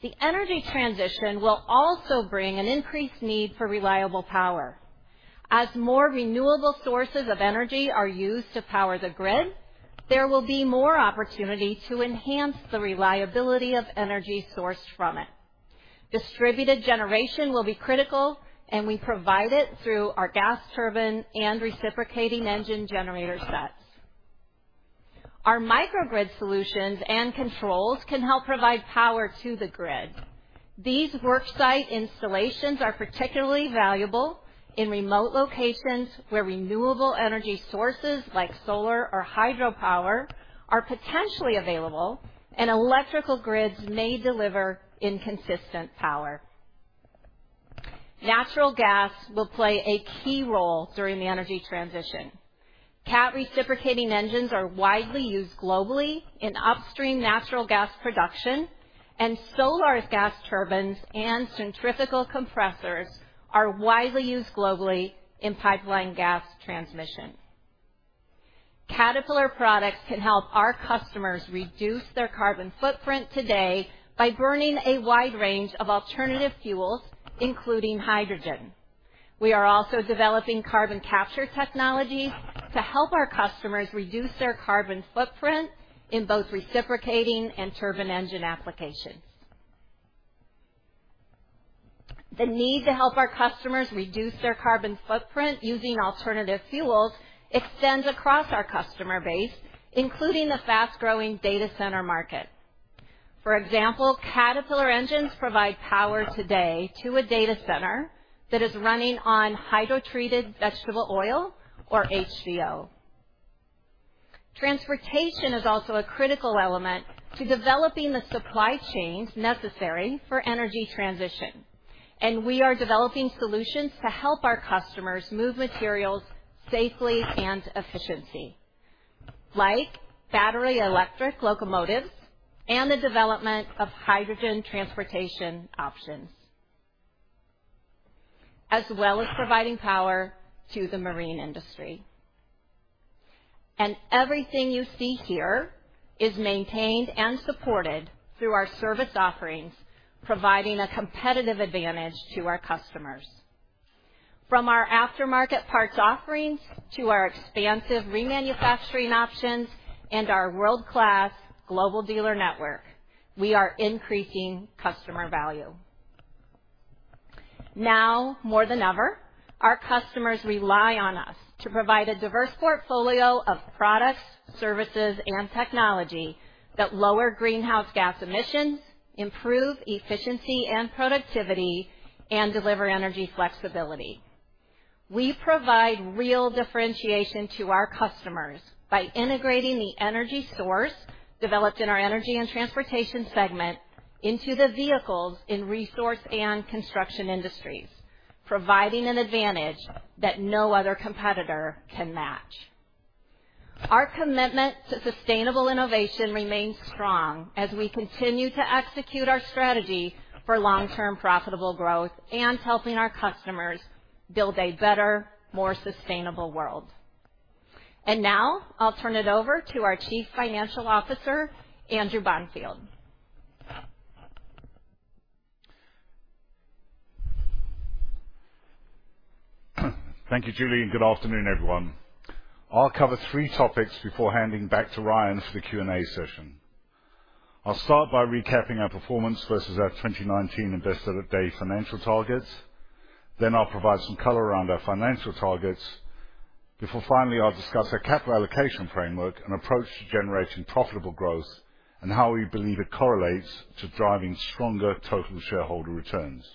The energy transition will also bring an increased need for reliable power. As more renewable sources of energy are used to power the grid, there will be more opportunity to enhance the reliability of energy sourced from it. Distributed generation will be critical, and we provide it through our gas turbine and reciprocating engine generator sets. Our microgrid solutions and controls can help provide power to the grid. These work site installations are particularly valuable in remote locations where renewable energy sources like solar or hydropower are potentially available and electrical grids may deliver inconsistent power. Natural gas will play a key role during the energy transition. Cat reciprocating engines are widely used globally in upstream natural gas production, and Solar Turbines' gas turbines and centrifugal compressors are widely used globally in pipeline gas transmission. Caterpillar products can help our customers reduce their carbon footprint today by burning a wide range of alternative fuels, including hydrogen. We are also developing carbon capture technologies to help our customers reduce their carbon footprint in both reciprocating and turbine engine applications. The need to help our customers reduce their carbon footprint using alternative fuels extends across our customer base, including the fast-growing data center market. For example, Caterpillar engines provide power today to a data center that is running on hydrotreated vegetable oil or HVO. Transportation is also a critical element to developing the supply chains necessary for energy transition, and we are developing solutions to help our customers move materials safely and efficiently, like battery electric locomotives and the development of hydrogen transportation options, as well as providing power to the marine industry. Everything you see here is maintained and supported through our service offerings, providing a competitive advantage to our customers. From our aftermarket parts offerings to our expansive remanufacturing options and our world-class global dealer network, we are increasing customer value. Now more than ever, our customers rely on us to provide a diverse portfolio of products, services, and technology that lower greenhouse gas emissions, improve efficiency and productivity, and deliver energy flexibility. We provide real differentiation to our customers by integrating the energy source developed in our energy and transportation segment into the vehicles in resource and construction industries, providing an advantage that no other competitor can match. Our commitment to sustainable innovation remains strong as we continue to execute our strategy for long-term profitable growth and helping our customers build a better, more sustainable world. Now I'll turn it over to our Chief Financial Officer, Andrew Bonfield. Thank you, Julie, and good afternoon, everyone. I'll cover three topics before handing back to Ryan for the Q&A session. I'll start by recapping our performance versus our 2019 Investor Day financial targets. Then I'll provide some color around our financial targets. Before finally, I'll discuss our capital allocation framework and approach to generating profitable growth and how we believe it correlates to driving stronger total shareholder returns.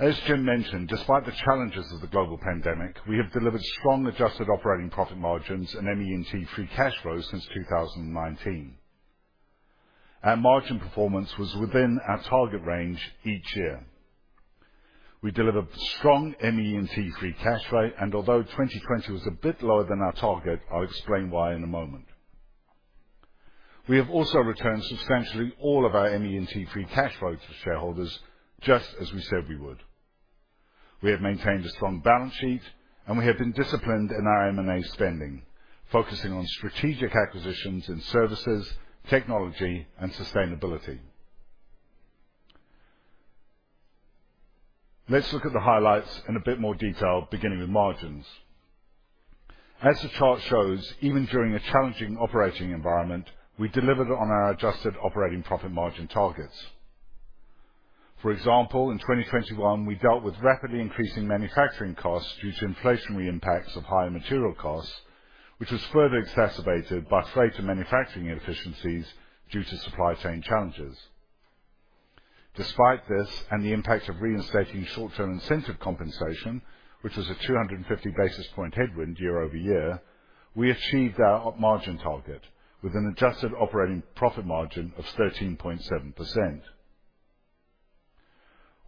As Jim mentioned, despite the challenges of the global pandemic, we have delivered strong adjusted operating profit margins and ME&T free cash flow since 2019. Our margin performance was within our target range each year. We delivered strong ME&T free cash flow, and although 2020 was a bit lower than our target, I'll explain why in a moment. We have also returned substantially all of our ME&T free cash flow to shareholders, just as we said we would. We have maintained a strong balance sheet, and we have been disciplined in our M&A spending, focusing on strategic acquisitions in services, technology, and sustainability. Let's look at the highlights in a bit more detail, beginning with margins. As the chart shows, even during a challenging operating environment, we delivered on our adjusted operating profit margin targets. For example, in 2021, we dealt with rapidly increasing manufacturing costs due to inflationary impacts of higher material costs, which was further exacerbated by freighter manufacturing inefficiencies due to supply chain challenges. Despite this, and the impact of reinstating short-term incentive compensation, which was a 250 basis point headwind year-over-year, we achieved our margin target with an adjusted operating profit margin of 13.7%.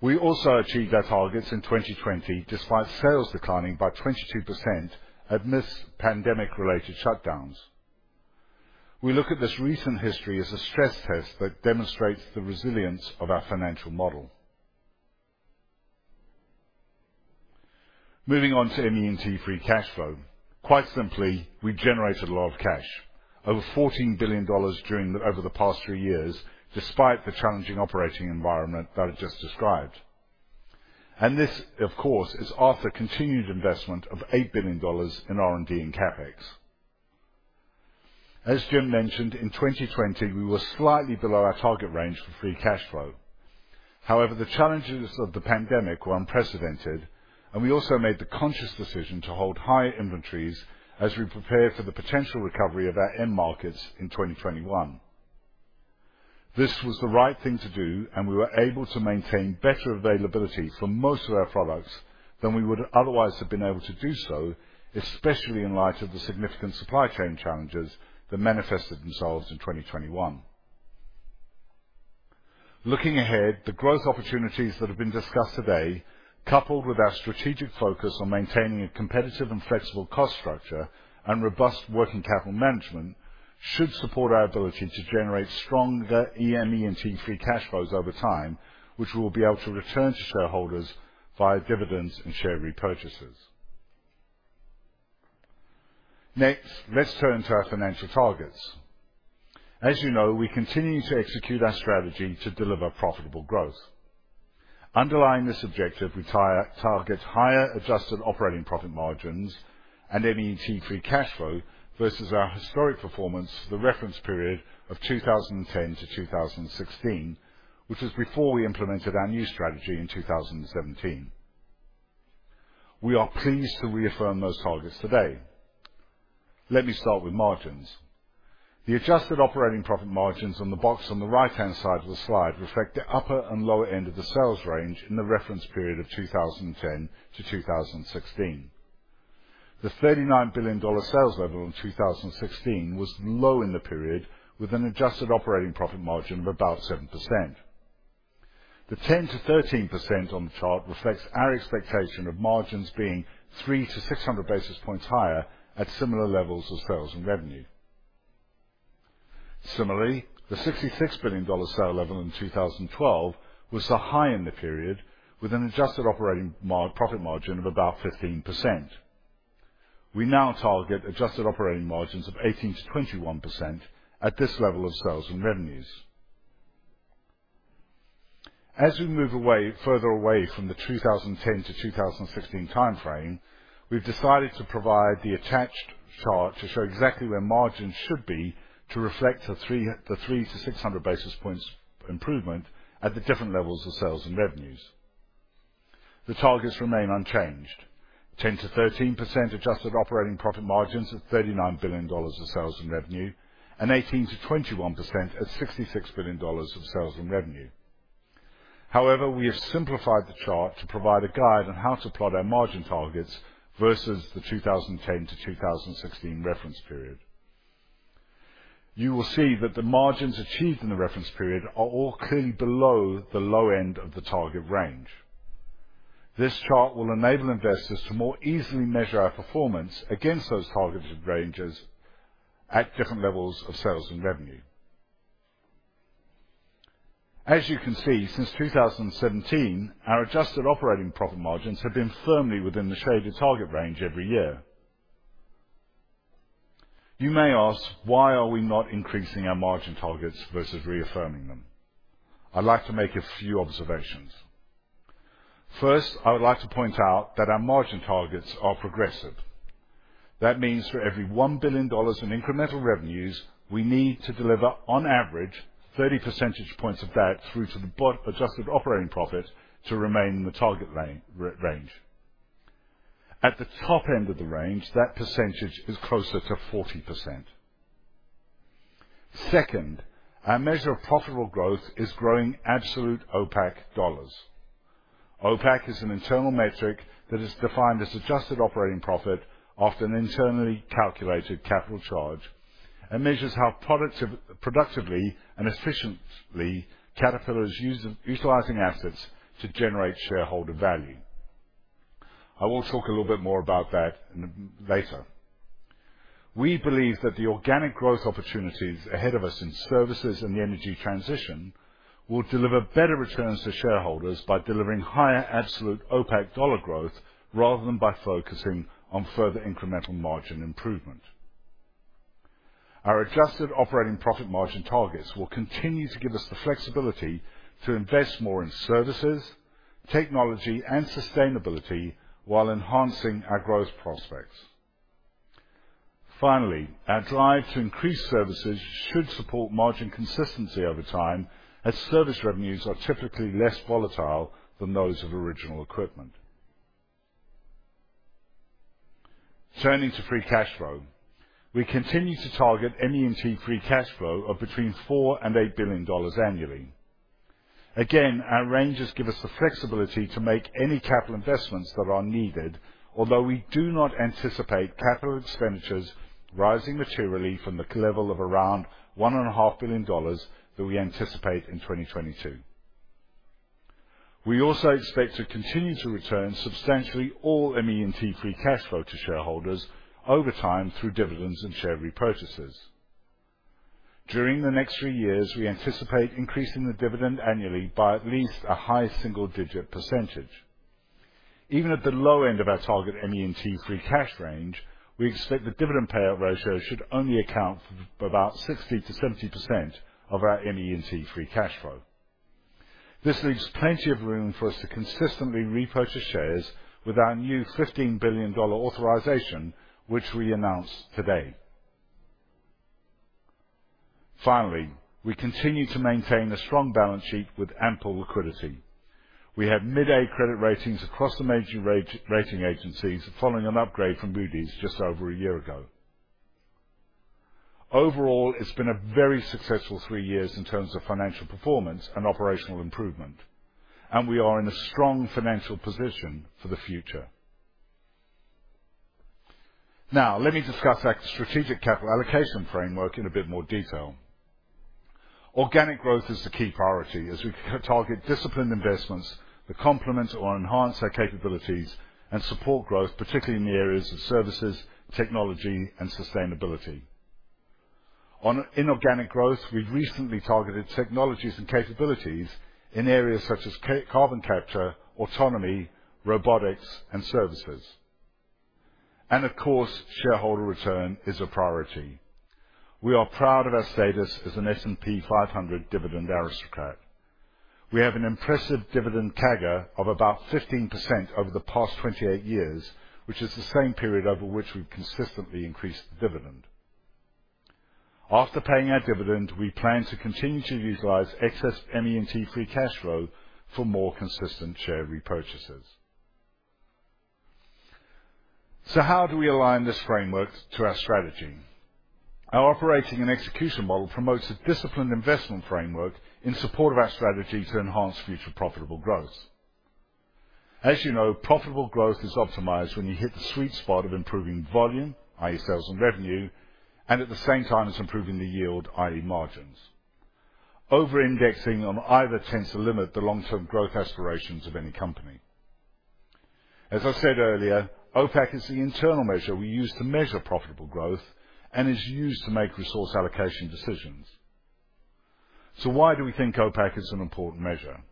We also achieved our targets in 2020 despite sales declining by 22% amidst pandemic-related shutdowns. We look at this recent history as a stress test that demonstrates the resilience of our financial model. Moving on to ME&T free cash flow. Quite simply, we generated a lot of cash, over $14 billion over the past three years, despite the challenging operating environment that I just described. This, of course, is after continued investment of $8 billion in R&D and CapEx. As Jim mentioned, in 2020 we were slightly below our target range for free cash flow. However, the challenges of the pandemic were unprecedented, and we also made the conscious decision to hold higher inventories as we prepared for the potential recovery of our end markets in 2021. This was the right thing to do, and we were able to maintain better availability for most of our products than we would otherwise have been able to do so, especially in light of the significant supply chain challenges that manifested themselves in 2021. Looking ahead, the growth opportunities that have been discussed today, coupled with our strategic focus on maintaining a competitive and flexible cost structure and robust working capital management, should support our ability to generate stronger ME&T free cash flows over time, which we will be able to return to shareholders via dividends and share repurchases. Next, let's turn to our financial targets. As you know, we continue to execute our strategy to deliver profitable growth. Underlying this objective, we target higher adjusted operating profit margins and ME&T free cash flow versus our historic performance for the reference period of 2010-2016, which was before we implemented our new strategy in 2017. We are pleased to reaffirm those targets today. Let me start with margins. The adjusted operating profit margins on the box on the right-hand side of the slide reflect the upper and lower end of the sales range in the reference period of 2010-2016. The $39 billion sales level in 2016 was low in the period, with an adjusted operating profit margin of about 7%. The 10%-13% on the chart reflects our expectation of margins being 300-600 basis points higher at similar levels of sales and revenue. Similarly, the $66 billion sales level in 2012 was the high-end period with an adjusted operating profit margin of about 15%. We now target adjusted operating margins of 18%-21% at this level of sales and revenues. As we further away from the 2010 to 2016 timeframe, we've decided to provide the attached chart to show exactly where margins should be to reflect the 300-600 basis points improvement at the different levels of sales and revenues. The targets remain unchanged. 10%-13% adjusted operating profit margins at $39 billion of sales and revenue, and 18%-21% at $66 billion of sales and revenue. However, we have simplified the chart to provide a guide on how to plot our margin targets versus the 2010-2016 reference period. You will see that the margins achieved in the reference period are all clearly below the low end of the target range. This chart will enable investors to more easily measure our performance against those targeted ranges at different levels of sales and revenue. As you can see, since 2017, our adjusted operating profit margins have been firmly within the shaded target range every year. You may ask, "Why are we not increasing our margin targets versus reaffirming them?" I'd like to make a few observations. First, I would like to point out that our margin targets are progressive. That means for every $1 billion in incremental revenues, we need to deliver on average 30 percentage points of that through to the adjusted operating profit to remain in the target range. At the top end of the range, that percentage is closer to 40%. Second, our measure of profitable growth is growing absolute OPAC dollars. OPAC is an internal metric that is defined as adjusted operating profit minus internally calculated capital charge, and measures how productively and efficiently Caterpillar is utilizing assets to generate shareholder value. I will talk a little bit more about that later. We believe that the organic growth opportunities ahead of us in services and the energy transition will deliver better returns to shareholders by delivering higher absolute OPAC dollar growth rather than by focusing on further incremental margin improvement. Our adjusted operating profit margin targets will continue to give us the flexibility to invest more in services, technology, and sustainability while enhancing our growth prospects. Finally, our drive to increase services should support margin consistency over time, as service revenues are typically less volatile than those of original equipment. Turning to free cash flow. We continue to target ME&T free cash flow of between $4 billion and $8 billion annually. Again, our ranges give us the flexibility to make any capital investments that are needed, although we do not anticipate capital expenditures rising materially from the CapEx level of around $1.5 billion that we anticipate in 2022. We also expect to continue to return substantially all ME&T free cash flow to shareholders over time through dividends and share repurchases. During the next three years, we anticipate increasing the dividend annually by at least a high single-digit %. Even at the low end of our target ME&T free cash range, we expect the dividend payout ratio should only account for about 60%-70% of our ME&T free cash flow. This leaves plenty of room for us to consistently repurchase shares with our new $15 billion authorization, which we announced today. Finally, we continue to maintain a strong balance sheet with ample liquidity. We have mid-A credit ratings across the major rating agencies following an upgrade from Moody's just over a year ago. Overall, it's been a very successful three years in terms of financial performance and operational improvement, and we are in a strong financial position for the future. Now, let me discuss our strategic capital allocation framework in a bit more detail. Organic growth is the key priority as we target disciplined investments that complement or enhance our capabilities and support growth, particularly in the areas of services, technology, and sustainability. On inorganic growth, we've recently targeted technologies and capabilities in areas such as carbon capture, autonomy, robotics, and services. Of course, shareholder return is a priority. We are proud of our status as an S&P 500 dividend aristocrat. We have an impressive dividend CAGR of about 15% over the past 28 years, which is the same period over which we've consistently increased the dividend. After paying our dividend, we plan to continue to utilize excess ME&T free cash flow for more consistent share repurchases. How do we align this framework to our strategy? Our operating and execution model promotes a disciplined investment framework in support of our strategy to enhance future profitable growth. As you know, profitable growth is optimized when you hit the sweet spot of improving volume, i.e., sales and revenue, and at the same time it's improving the yield, i.e., margins. Over-indexing on either tends to limit the long-term growth aspirations of any company. As I said earlier, OPAC is the internal measure we use to measure profitable growth and is used to make resource allocation decisions. Why do we think OPAC is an important measure?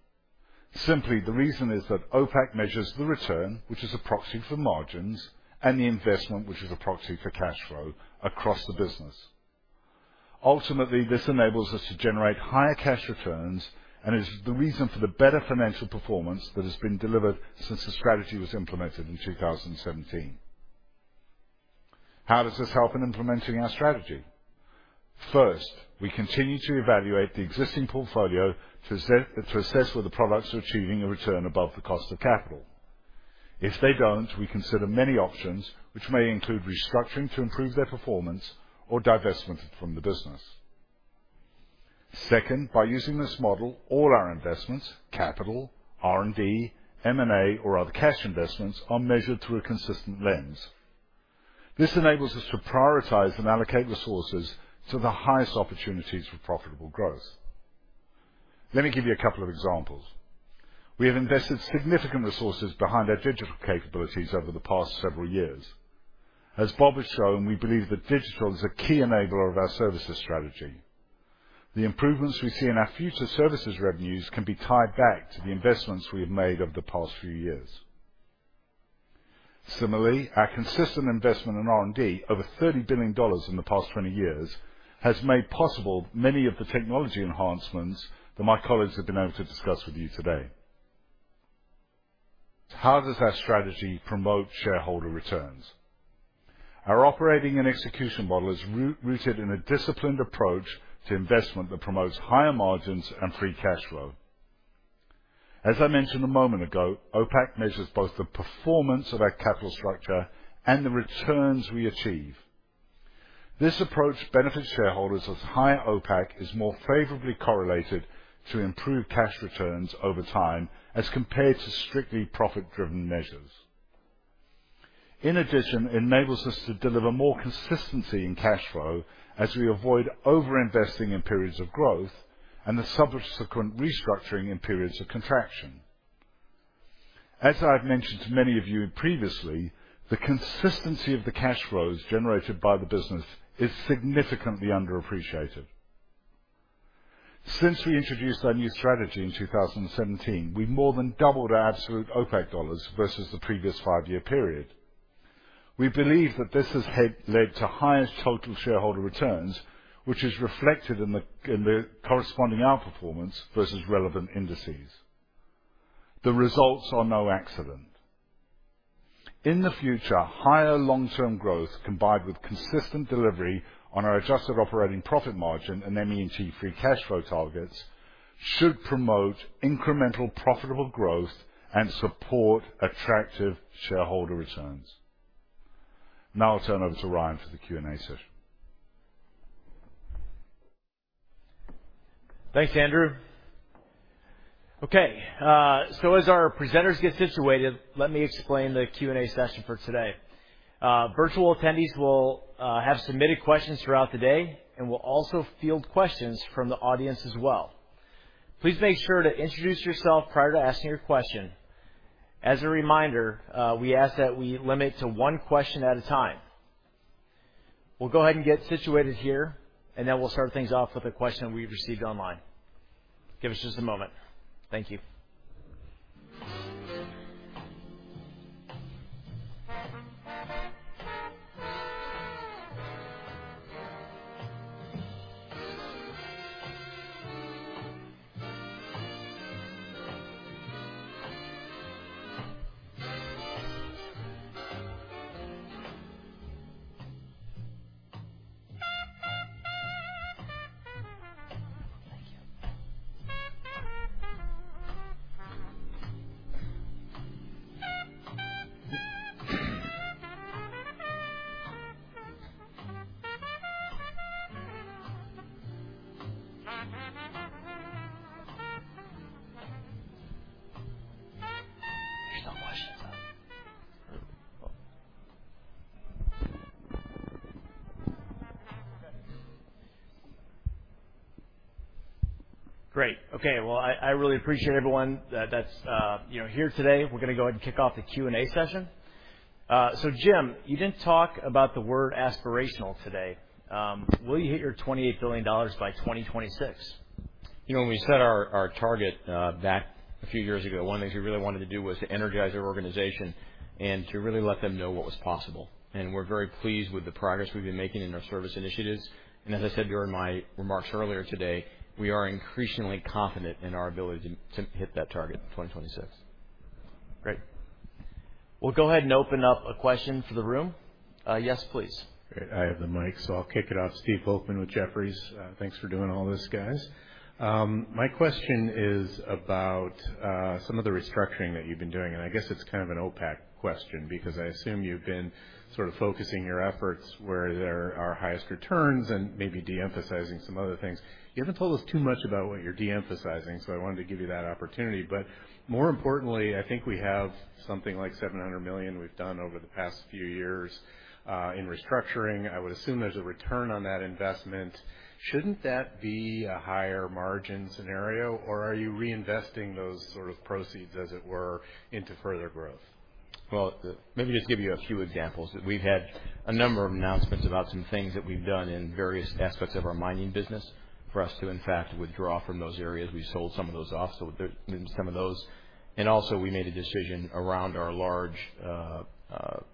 Simply, the reason is that OPAC measures the return, which is a proxy for margins, and the investment, which is a proxy for cash flow across the business. Ultimately, this enables us to generate higher cash returns and is the reason for the better financial performance that has been delivered since the strategy was implemented in 2017. How does this help in implementing our strategy? First, we continue to evaluate the existing portfolio to assess whether the product's achieving a return above the cost of capital. If they don't, we consider many options, which may include restructuring to improve their performance or divestment from the business. Second, by using this model, all our investments, capital, R&D, M&A, or other cash investments, are measured through a consistent lens. This enables us to prioritize and allocate resources to the highest opportunities for profitable growth. Let me give you a couple of examples. We have invested significant resources behind our digital capabilities over the past several years. As Bob has shown, we believe that digital is a key enabler of our services strategy. The improvements we see in our future services revenues can be tied back to the investments we have made over the past few years. Similarly, our consistent investment in R&D, over $30 billion in the past 20 years, has made possible many of the technology enhancements that my colleagues have been able to discuss with you today. How does our strategy promote shareholder returns? Our Operating & Execution Model is rooted in a disciplined approach to investment that promotes higher margins and free cash flow. As I mentioned a moment ago, OPAC measures both the performance of our capital structure and the returns we achieve. This approach benefits shareholders as higher OPAC is more favorably correlated to improved cash returns over time as compared to strictly profit-driven measures. In addition, it enables us to deliver more consistency in cash flow as we avoid over-investing in periods of growth and the subsequent restructuring in periods of contraction. As I've mentioned to many of you previously, the consistency of the cash flows generated by the business is significantly underappreciated. Since we introduced our new strategy in 2017, we more than doubled our absolute OPAC dollars versus the previous five-year period. We believe that this has had led to highest total shareholder returns, which is reflected in the corresponding outperformance versus relevant indices. The results are no accident. In the future, higher long-term growth, combined with consistent delivery on our adjusted operating profit margin and ME&T free cash flow targets, should promote incremental profitable growth and support attractive shareholder returns. Now I'll turn over to Ryan for the Q&A session. Thanks, Andrew. Okay, as our presenters get situated, let me explain the Q&A session for today. Virtual attendees will have submitted questions throughout the day and will also field questions from the audience as well. Please make sure to introduce yourself prior to asking your question. As a reminder, we ask that we limit to one question at a time. We'll go ahead and get situated here, and then we'll start things off with a question we've received online. Give us just a moment. Thank you. Great. Okay. Well, I really appreciate everyone that you know here today. We're gonna go ahead and kick off the Q&A session. Jim, you didn't talk about the word aspirational today. Will you hit your $28 billion by 2026? You know, when we set our target that a few years ago, one of the things we really wanted to do was to energize our organization and to really let them know what was possible. We're very pleased with the progress we've been making in our service initiatives. As I said during my remarks earlier today, we are increasingly confident in our ability to hit that target in 2026. Great. We'll go ahead and open up a question for the room. Yes, please. Great. I have the mic, so I'll kick it off. Stephen Volkmann with Jefferies. Thanks for doing all this, guys. My question is about some of the restructuring that you've been doing. I guess it's kind of an OPAC question because I assume you've been sort of focusing your efforts where there are highest returns and maybe de-emphasizing some other things. You haven't told us too much about what you're de-emphasizing, so I wanted to give you that opportunity. More importantly, I think we have something like $700 million we've done over the past few years in restructuring. I would assume there's a return on that investment. Shouldn't that be a higher margin scenario, or are you reinvesting those sort of proceeds, as it were, into further growth? Well, let me just give you a few examples. We've had a number of announcements about some things that we've done in various aspects of our mining business for us to, in fact, withdraw from those areas. We sold some of those off. Maybe some of those. Also we made a decision around our large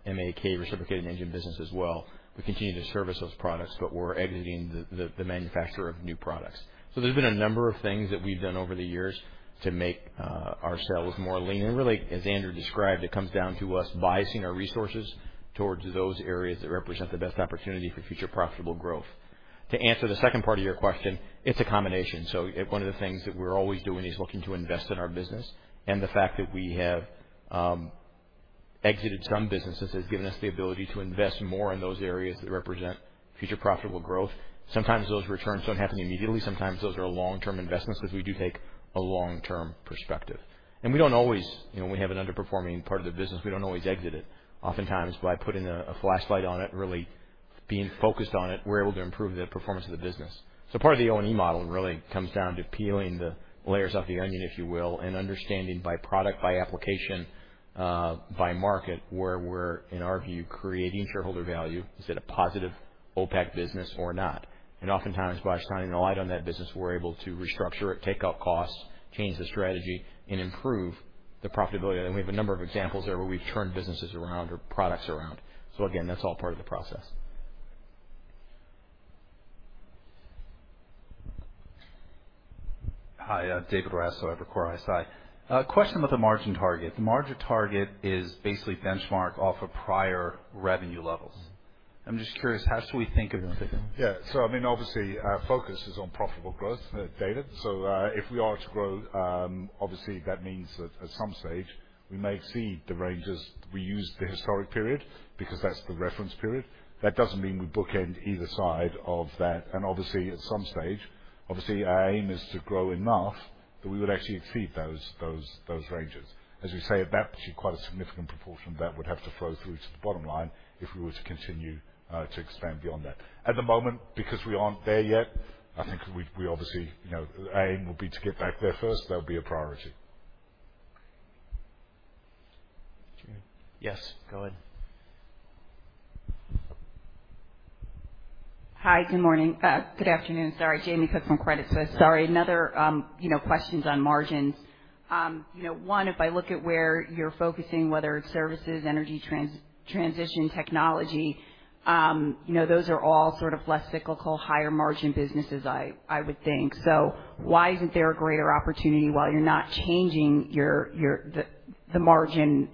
MaK reciprocating engine business as well. We continue to service those products, but we're exiting the manufacturer of new products. There's been a number of things that we've done over the years to make our sales more lean. Really, as Andrew described, it comes down to us biasing our resources towards those areas that represent the best opportunity for future profitable growth. To answer the second part of your question, it's a combination. One of the things that we're always doing is looking to invest in our business, and the fact that we have exited some businesses has given us the ability to invest more in those areas that represent future profitable growth. Sometimes those returns don't happen immediately. Sometimes those are long-term investments because we do take a long-term perspective. We don't always. You know, when we have an underperforming part of the business, we don't always exit it. Oftentimes, by putting a flashlight on it, really being focused on it, we're able to improve the performance of the business. Part of the O&E model really comes down to peeling the layers of the onion, if you will, and understanding by product, by application, by market, where we're in our view, creating shareholder value. Is it a positive OPAC business or not? Oftentimes, by shining a light on that business, we're able to restructure it, take out costs, change the strategy, and improve the profitability. We have a number of examples there where we've turned businesses around or products around. Again, that's all part of the process. Hi, I'm David Raso at Evercore ISI. A question about the margin target. The margin target is basically benchmarked off of prior revenue levels. I'm just curious, how should we think of them, David? Yeah. I mean, obviously, our focus is on profitable growth, David. If we are to grow, obviously that means that at some stage we may exceed the ranges. We use the historic period because that's the reference period. That doesn't mean we bookend either side of that. Obviously, at some stage, our aim is to grow enough that we would actually exceed those ranges. As we say, that actually quite a significant proportion of that would have to flow through to the bottom line if we were to continue to expand beyond that. At the moment, because we aren't there yet, I think we obviously, you know, aim will be to get back there first. That would be a priority. Yes, go ahead. Hi, good morning. Good afternoon. Sorry, Jamie took my credit, so sorry. Another, you know, questions on margins. You know, one, if I look at where you're focusing, whether it's services, energy transition, technology, you know, those are all sort of less cyclical, higher margin businesses I would think. Why isn't there a greater opportunity while you're not changing your the margin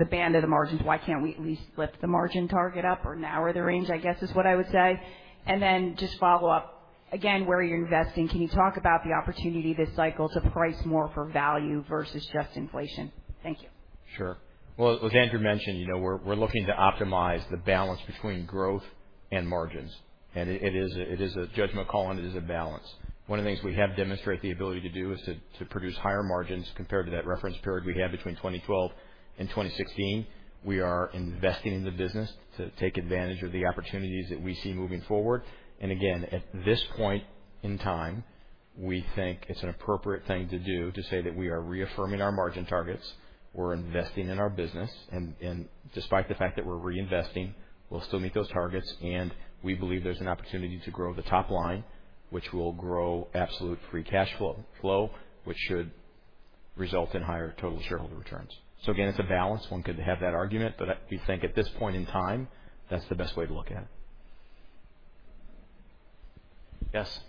the band of the margins, why can't we at least lift the margin target up or narrow the range, I guess, is what I would say. Then just follow up, again, where you're investing, can you talk about the opportunity this cycle to price more for value versus just inflation? Thank you. Sure. Well, as Andrew mentioned, you know, we're looking to optimize the balance between growth and margins. It is a judgment call, and it is a balance. One of the things we have demonstrated the ability to do is to produce higher margins compared to that reference period we had between 2012 and 2016. We are investing in the business to take advantage of the opportunities that we see moving forward. Again, at this point in time, we think it's an appropriate thing to do to say that we are reaffirming our margin targets. We're investing in our business. Despite the fact that we're reinvesting, we'll still meet those targets. We believe there's an opportunity to grow the top line, which will grow absolute free cash flow, which should result in higher total shareholder returns. Again, it's a balance. One could have that argument, but we think at this point in time, that's the best way to look at it. Yes.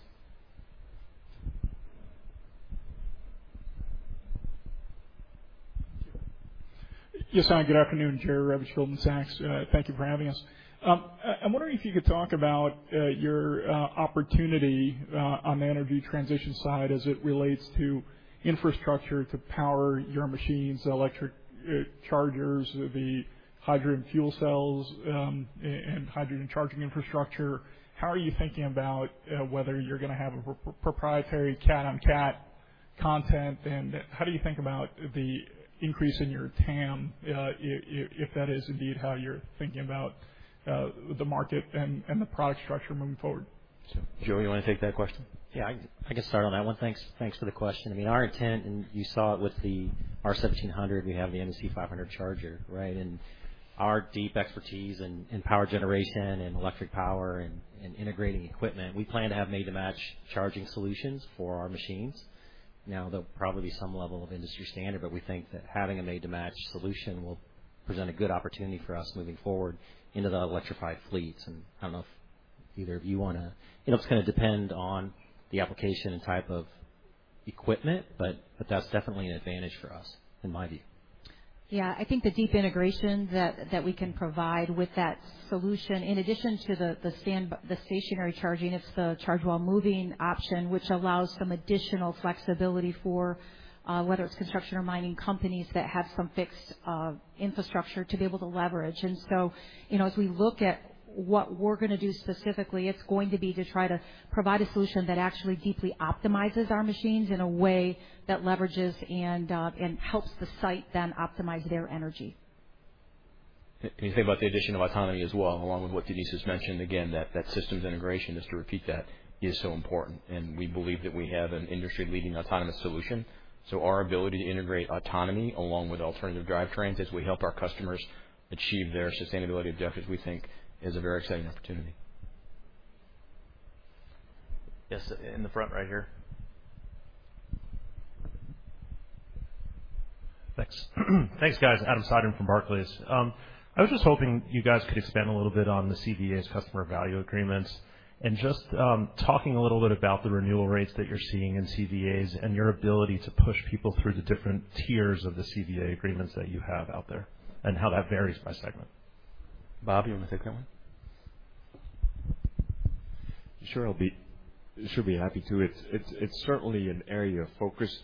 Yes. Good afternoon, Jerre. Rob Wertheimer, Goldman Sachs. Thank you for having us. I'm wondering if you could talk about your opportunity on the energy transition side as it relates to infrastructure to power your machines, electric chargers, the hydrogen fuel cells, and hydrogen charging infrastructure. How are you thinking about whether you're gonna have a proprietary Cat on Cat content? And how do you think about the increase in your TAM, if that is indeed how you're thinking about the market and the product structure moving forward? Joe, you wanna take that question? Yeah, I can start on that one. Thanks for the question. I mean, our intent, and you saw it with the R1700, we have the MEC500 charger, right? Our deep expertise in power generation and electric power and integrating equipment, we plan to have made-to-match charging solutions for our machines. Now, there'll probably be some level of industry standard, but we think that having a made-to-match solution will present a good opportunity for us moving forward into the electrified fleets. I don't know if either of you want to. It'll just kinda depend on the application and type of equipment, but that's definitely an advantage for us, in my view. Yeah. I think the deep integration that we can provide with that solution, in addition to the stationary charging, it's the charge while moving option, which allows some additional flexibility for whether it's construction or mining companies that have some fixed infrastructure to be able to leverage. You know, as we look at what we're gonna do specifically, it's going to be to try to provide a solution that actually deeply optimizes our machines in a way that leverages and helps the site then optimize their energy. If you think about the addition of autonomy as well, along with what Denise just mentioned, again, that systems integration, just to repeat that, is so important. We believe that we have an industry-leading autonomous solution. Our ability to integrate autonomy along with alternative drivetrains as we help our customers achieve their sustainability objectives, we think is a very exciting opportunity. Yes, in the front right here. Thanks. Thanks, guys. Adam Seiden from Barclays. I was just hoping you guys could expand a little bit on the CVAs, customer value agreements, and just, talking a little bit about the renewal rates that you're seeing in CVAs and your ability to push people through the different tiers of the CVA agreements that you have out there and how that varies by segment. Bob, you wanna take that one? Sure, I'll be happy to. It's certainly an area of focus.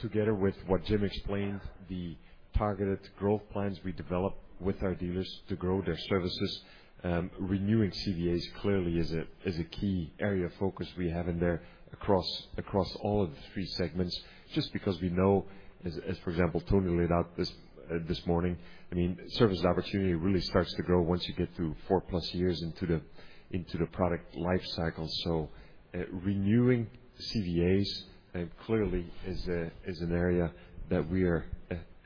Together with what Jim explained, the targeted growth plans we developed with our dealers to grow their services, renewing CVAs clearly is a key area of focus we have in there across all of the three segments, just because we know as, for example, Tony laid out this morning. I mean, service opportunity really starts to grow once you get through 4+ years into the product life cycle. Renewing CVAs clearly is an area that we are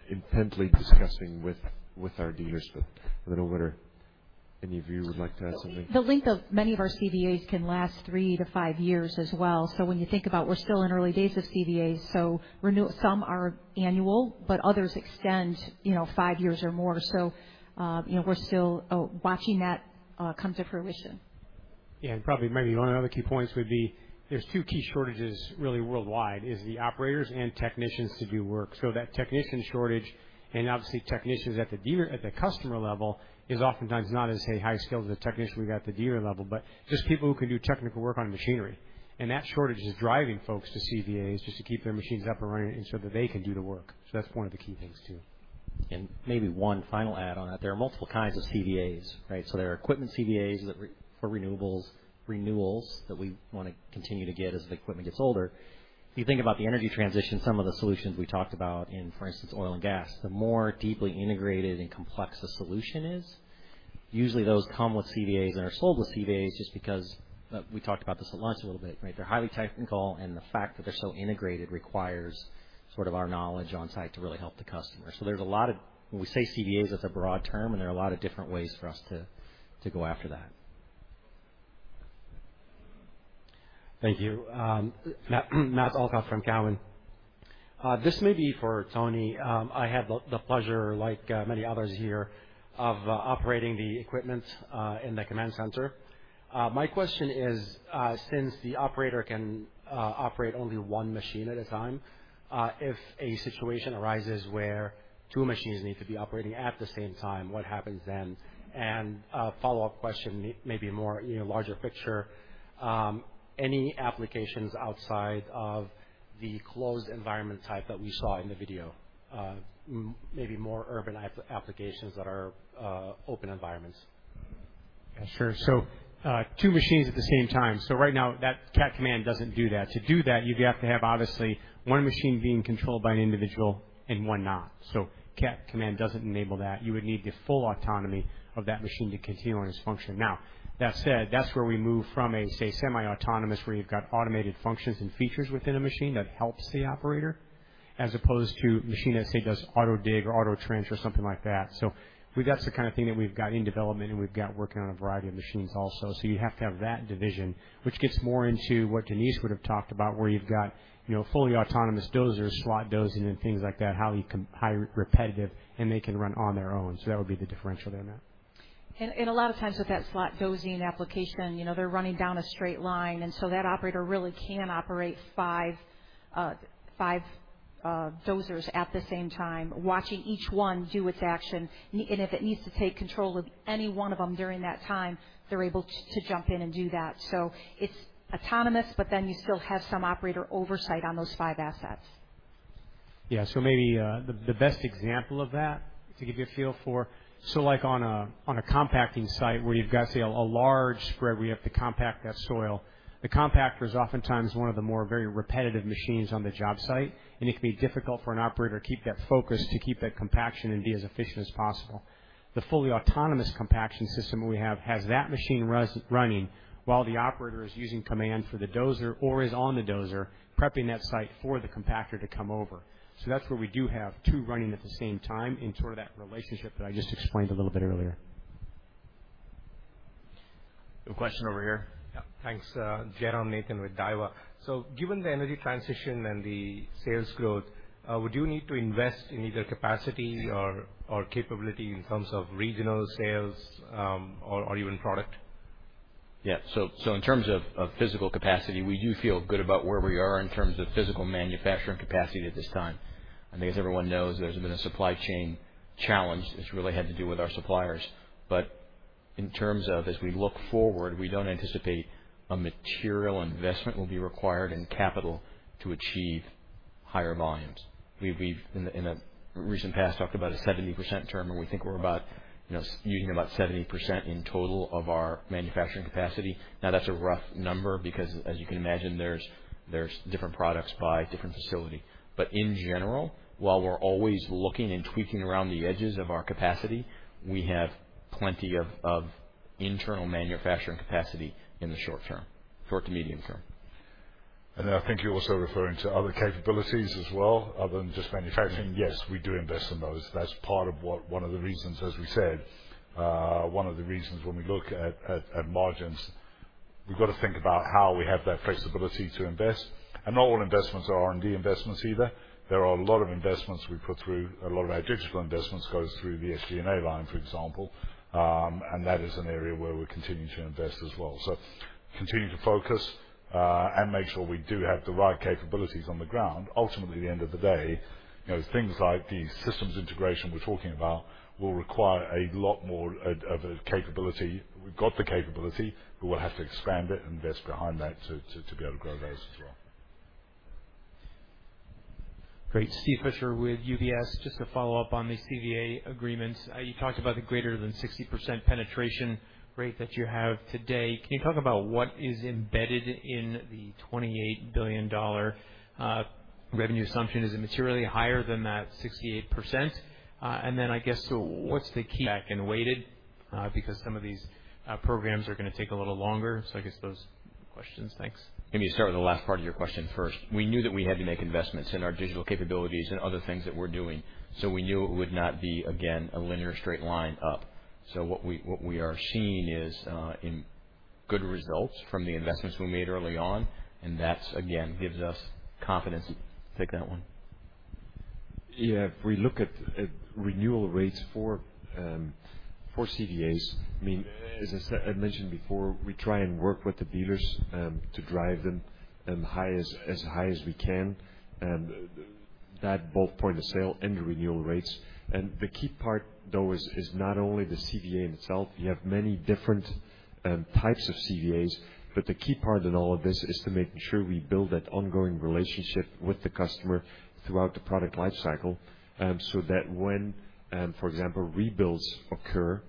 intently discussing with our dealers. I don't know whether any of you would like to add something. The length of many of our CVAs can last three to five years as well. When you think about we're still in early days of CVAs, so some are annual, but others extend, you know, five years or more. You know, we're still watching that come to fruition. Yeah. Probably maybe one other key points would be, there's two key shortages really worldwide, is the operators and technicians to do work. That technician shortage, and obviously technicians at the dealer, at the customer level is oftentimes not as, say, high skilled as a technician we got at the dealer level, but just people who can do technical work on machinery. That shortage is driving folks to CVAs just to keep their machines up and running and so that they can do the work. That's one of the key things too. Maybe one final add on that, there are multiple kinds of CVAs, right? There are equipment CVAs for renewables, renewals that we wanna continue to get as the equipment gets older. If you think about the energy transition, some of the solutions we talked about, for instance, oil and gas, the more deeply integrated and complex a solution is. Usually those come with CVAs and are sold with CVAs just because, we talked about this at lunch a little bit, right? They're highly technical, and the fact that they're so integrated requires sort of our knowledge on site to really help the customer. When we say CVAs, it's a broad term, and there are a lot of different ways for us to go after that. Thank you. Matt Elkott from Cowen. This may be for Tony. I had the pleasure, like many others here, of operating the equipment in the command center. My question is, since the operator can operate only one machine at a time, if a situation arises where two machines need to be operating at the same time, what happens then? A follow-up question, maybe more, you know, larger picture, any applications outside of the closed environment type that we saw in the video, maybe more urban applications that are open environments. Yeah, sure. Two machines at the same time. Right now, that Cat Command doesn't do that. To do that, you'd have to have, obviously, one machine being controlled by an individual and one not. Cat Command doesn't enable that. You would need the full autonomy of that machine to continue on its function. Now, that said, that's where we move from a, say, semi-autonomous, where you've got automated functions and features within a machine that helps the operator, as opposed to a machine that, say, does auto dig or auto trench or something like that. That's the kind of thing that we've got in development, and we've got working on a variety of machines also. You have to have that division, which gets more into what Denise would have talked about, where you've got, you know, fully autonomous dozers, slot dozing and things like that, highly repetitive, and they can run on their own. That would be the differential there, Matt. A lot of times with that slot dozing application, you know, they're running down a straight line, and so that operator really can operate five dozers at the same time, watching each one do its action. And if it needs to take control of any one of them during that time, they're able to jump in and do that. It's autonomous, but then you still have some operator oversight on those five assets. Yeah. Maybe the best example of that to give you a feel for, like on a compacting site where you've got, say, a large spread where you have to compact that soil, the compactor is oftentimes one of the more very repetitive machines on the job site, and it can be difficult for an operator to keep that focus, to keep that compaction and be as efficient as possible. The fully autonomous compaction system we have has that machine running while the operator is using Command for the dozer or is on the dozer prepping that site for the compactor to come over. That's where we do have two running at the same time in sort of that relationship that I just explained a little bit earlier. A question over here. Yeah. Thanks. Jairam Nathan with Daiwa. Given the energy transition and the sales growth, would you need to invest in either capacity or capability in terms of regional sales, or even product? Yeah. In terms of physical capacity, we do feel good about where we are in terms of physical manufacturing capacity at this time. I think as everyone knows, there's been a supply chain challenge that's really had to do with our suppliers. In terms of as we look forward, we don't anticipate a material investment will be required in capital to achieve higher volumes. We've in the recent past, talked about a 70% term, and we think we're about, you know, using about 70% in total of our manufacturing capacity. Now, that's a rough number because as you can imagine, there's different products by different facility. In general, while we're always looking and tweaking around the edges of our capacity, we have plenty of internal manufacturing capacity in the short-term, short to medium term. I think you're also referring to other capabilities as well other than just manufacturing. Yes, we do invest in those. That's part of what one of the reasons, as we said, one of the reasons when we look at margins, we've got to think about how we have that flexibility to invest. Not all investments are R&D investments either. There are a lot of investments we put through. A lot of our digital investments goes through the SG&A line, for example. That is an area where we're continuing to invest as well. Continue to focus and make sure we do have the right capabilities on the ground. Ultimately, at the end of the day, things like the systems integration we're talking about will require a lot more of a capability. We've got the capability, but we'll have to expand it and invest behind that to be able to grow those as well. Great. Steven Fisher with UBS. Just to follow up on the CVAs. You talked about the greater than 60% penetration rate that you have today. Can you talk about what is embedded in the $28 billion revenue assumption? Is it materially higher than that 68%? And then I guess so what's the key backlog and weighted, because some of these programs are gonna take a little longer. I guess those questions. Thanks. Let me start with the last part of your question first. We knew that we had to make investments in our digital capabilities and other things that we're doing, so we knew it would not be, again, a linear straight line up. What we are seeing is good results from the investments we made early on, and that, again, gives us confidence. Take that one. Yeah. If we look at renewal rates for CVAs, I mean, as I mentioned before, we try and work with the dealers to drive them as high as we can, that both point of sale and the renewal rates. The key part, though, is not only the CVA in itself. You have many different types of CVAs, but the key part in all of this is to making sure we build that ongoing relationship with the customer throughout the product lifecycle, so that when, for example, rebuilds occur,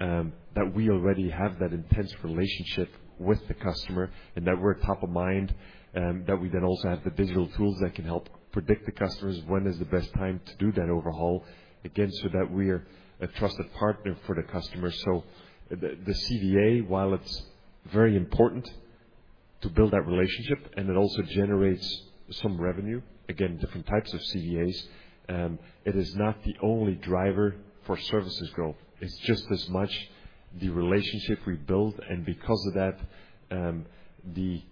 that we already have that intense relationship with the customer and that we're top of mind, that we then also have the digital tools that can help predict the customers when is the best time to do that overhaul, again, so that we are a trusted partner for the customer. So the CVA, while it's very important. To build that relationship, and it also generates some revenue. Again, different types of CVAs. It is not the only driver for services growth. It's just as much the relationship we build and because of that, the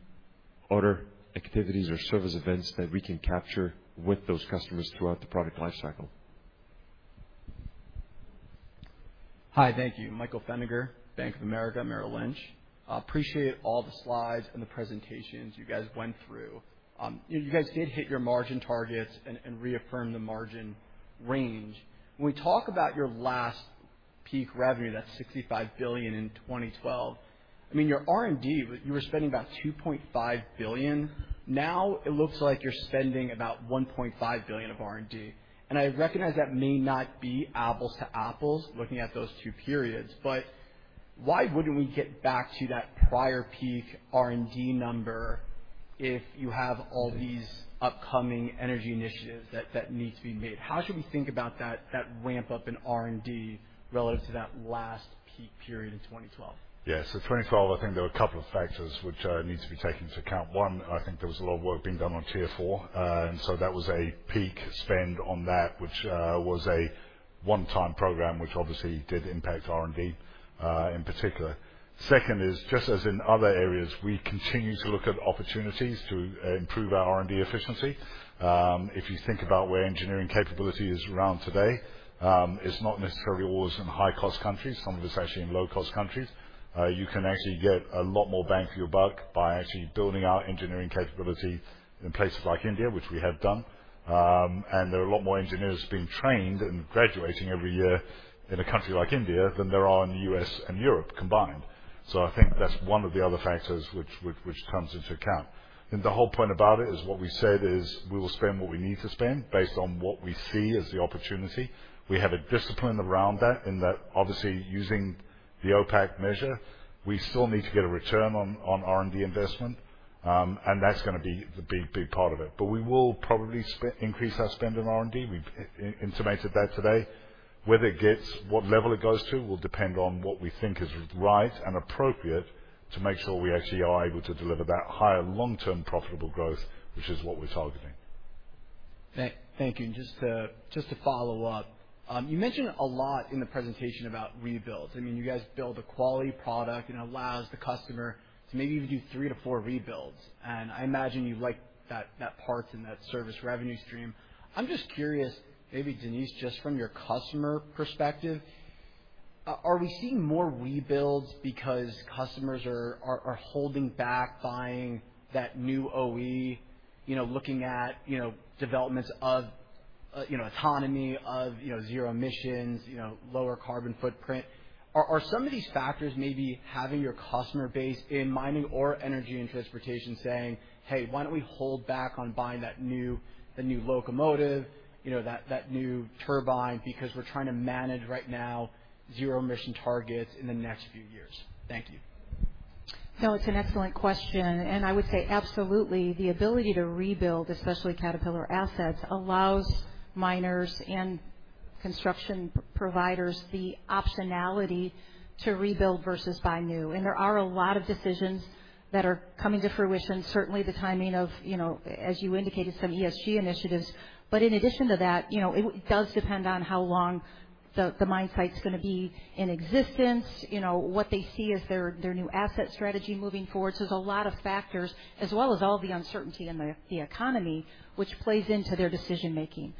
other activities or service events that we can capture with those customers throughout the product life cycle. Hi. Thank you. Michael Feniger, Bank of America Merrill Lynch. I appreciate all the slides and the presentations you guys went through. You guys did hit your margin targets and reaffirmed the margin range. When we talk about your last peak revenue, that $65 billion in 2012, I mean, your R&D, you were spending about $2.5 billion. Now it looks like you're spending about $1.5 billion of R&D. I recognize that may not be apples to apples looking at those two periods, but why wouldn't we get back to that prior peak R&D number if you have all these upcoming energy initiatives that need to be made? How should we think about that ramp-up in R&D relative to that last peak period in 2012? Yeah. 2012, I think there were a couple of factors which need to be taken into account. One, I think there was a lot of work being done on Tier 4. And so that was a peak spend on that, which was a one-time program, which obviously did impact R&D, in particular. Second is, just as in other areas, we continue to look at opportunities to improve our R&D efficiency. If you think about where engineering capability is around today, it's not necessarily always in high-cost countries. Some of it's actually in low-cost countries. You can actually get a lot more bang for your buck by actually building our engineering capability in places like India, which we have done. There are a lot more engineers being trained and graduating every year in a country like India than there are in the U.S. and Europe combined. I think that's one of the other factors which comes into account. The whole point about it is what we said is we will spend what we need to spend based on what we see as the opportunity. We have a discipline around that in that obviously using the OPAC measure, we still need to get a return on R&D investment, and that's gonna be the big part of it. We will probably increase our spend on R&D. We've intimated that today. Where it gets, what level it goes to will depend on what we think is right and appropriate to make sure we actually are able to deliver that higher long-term profitable growth, which is what we're targeting. Thank you. Just to follow up, you mentioned a lot in the presentation about rebuilds. I mean, you guys build a quality product and allows the customer to maybe even do three to four rebuilds. I imagine you like that parts and that service revenue stream. I'm just curious, maybe Denise, just from your customer perspective, are we seeing more rebuilds because customers are holding back buying that new OE, you know, looking at, you know, developments of, you know, autonomy, of, you know, zero emissions, you know, lower carbon footprint? Are some of these factors maybe having your customer base in mining or energy and transportation saying, "Hey, why don't we hold back on buying the new locomotive, you know, that new turbine because we're trying to manage right now zero emission targets in the next few years?" Thank you. No, it's an excellent question. I would say absolutely, the ability to rebuild, especially Caterpillar assets, allows miners and construction providers the optionality to rebuild versus buy new. There are a lot of decisions that are coming to fruition, certainly the timing of, you know, as you indicated, some ESG initiatives. But in addition to that, you know, it does depend on how long the mine site's gonna be in existence, you know, what they see as their new asset strategy moving forward. There's a lot of factors as well as all the uncertainty in the economy which plays into their decision-making.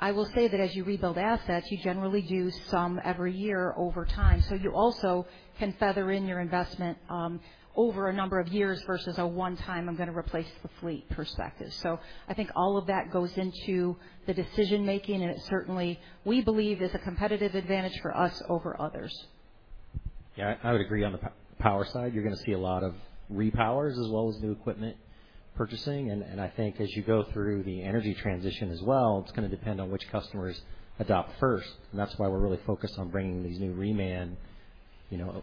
I will say that as you rebuild assets, you generally do some every year over time. You also can feather in your investment over a number of years versus a one time, "I'm gonna replace the fleet" perspective. I think all of that goes into the decision-making, and it certainly, we believe, is a competitive advantage for us over others. Yeah. I would agree. On the power side, you're gonna see a lot of repowers as well as new equipment purchasing. I think as you go through the energy transition as well, it's gonna depend on which customers adopt first. That's why we're really focused on bringing these new reman, you know,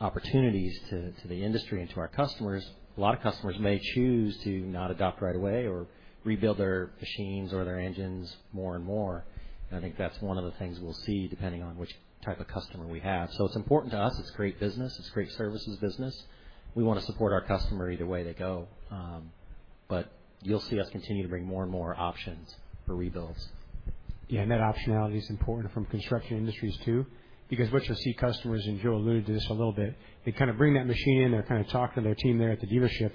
opportunities to the industry and to our customers. A lot of customers may choose to not adopt right away or rebuild their machines or their engines more and more. I think that's one of the things we'll see depending on which type of customer we have. It's important to us. It's great business. It's great services business. We wanna support our customer either way they go. But you'll see us continue to bring more and more options for rebuilds. Yeah. That optionality is important from Construction Industries too, because what you'll see customers, and Joe alluded to this a little bit, they kinda bring that machine in, they kinda talk to their team there at the dealership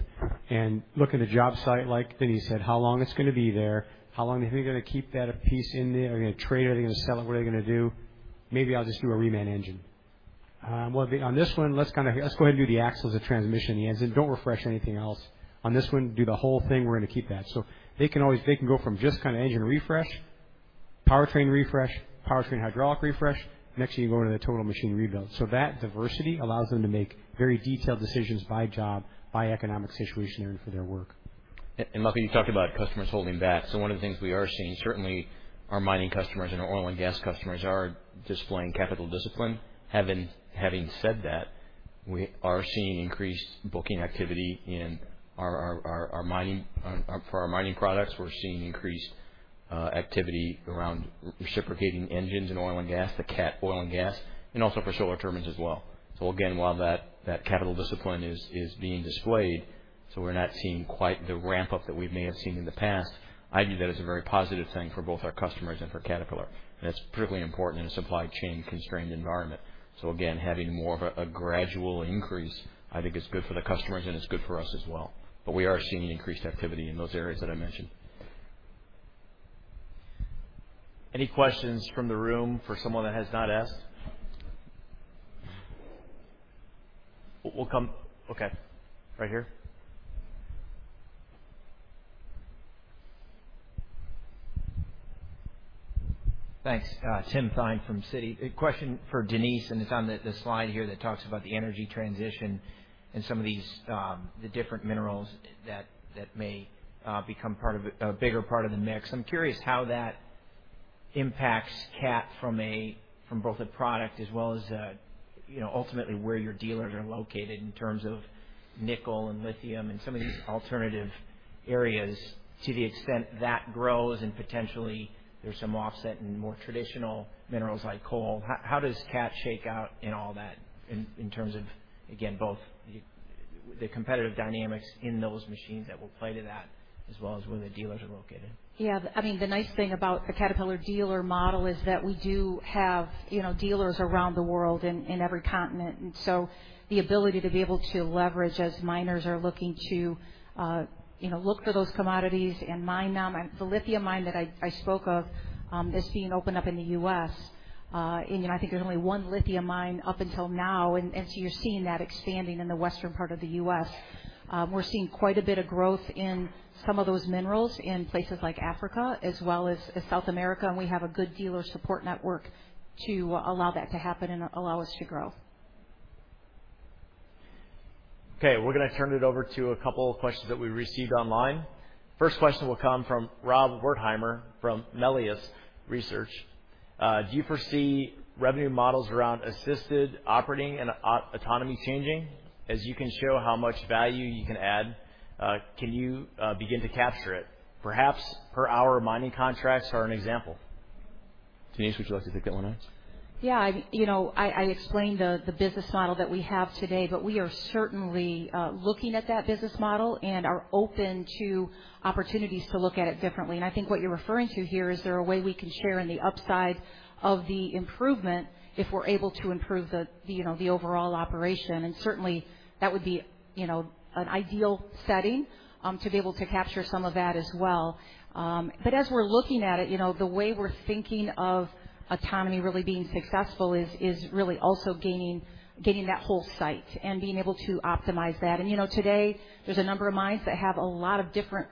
and look at a job site, like Denise said, how long it's gonna be there? How long are they gonna keep that a piece in there? Are they gonna trade, are they gonna sell it? What are they gonna do? Maybe I'll just do a reman engine. Well, on this one, let's kinda go ahead and do the axles, the transmission, the engine. Don't refresh anything else. On this one, do the whole thing. We're gonna keep that. They can always, they can go from just kinda engine refresh, powertrain refresh, powertrain hydraulic refresh. Next thing, you go into the total machine rebuild. That diversity allows them to make very detailed decisions by job, by economic situation for their work. Muffin, you talked about customers holding back. One of the things we are seeing, certainly our mining customers and our oil and gas customers are displaying capital discipline. Having said that, we are seeing increased booking activity in- Our mining products, we're seeing increased activity around reciprocating engines in oil and gas, the Cat oil and gas, and also for Solar Turbines as well. Again, while that capital discipline is being displayed, we're not seeing quite the ramp-up that we may have seen in the past. I view that as a very positive thing for both our customers and for Caterpillar, and it's particularly important in a supply chain constrained environment. Again, having more of a gradual increase, I think is good for the customers and it's good for us as well. We are seeing increased activity in those areas that I mentioned. Any questions from the room for someone that has not asked? Okay. Right here. Thanks. Tim Thein from Citi. A question for Denise, and it's on the slide here that talks about the energy transition and some of these, the different minerals that may become part of a bigger part of the mix. I'm curious how that impacts Cat from both a product as well as, you know, ultimately where your dealers are located in terms of nickel and lithium and some of these alternative areas to the extent that grows and potentially there's some offset in more traditional minerals like coal. How does Cat shake out in all that in terms of, again, both the competitive dynamics in those machines that will play to that as well as where the dealers are located? Yeah. I mean, the nice thing about the Caterpillar dealer model is that we do have, you know, dealers around the world in every continent. The ability to be able to leverage as miners are looking to look for those commodities and mine them. The lithium mine that I spoke of is being opened up in the U.S. I think there's only one lithium mine up until now. You're seeing that expanding in the western part of the U.S. We're seeing quite a bit of growth in some of those minerals in places like Africa as well as South America, and we have a good dealer support network to allow that to happen and allow us to grow. Okay, we're gonna turn it over to a couple of questions that we received online. First question will come from Rob Wertheimer from Melius Research. Do you foresee revenue models around assisted operating and autonomy changing? As you can show how much value you can add, can you begin to capture it? Perhaps per hour mining contracts are an example. Denise, would you like to take that one next? Yeah. You know, I explained the business model that we have today, but we are certainly looking at that business model and are open to opportunities to look at it differently. I think what you're referring to here is there a way we can share in the upside of the improvement if we're able to improve, you know, the overall operation. Certainly, that would be, you know, an ideal setting to be able to capture some of that as well. But as we're looking at it, you know, the way we're thinking of autonomy really being successful is really also gaining that whole site and being able to optimize that. You know, today there's a number of mines that have a lot of different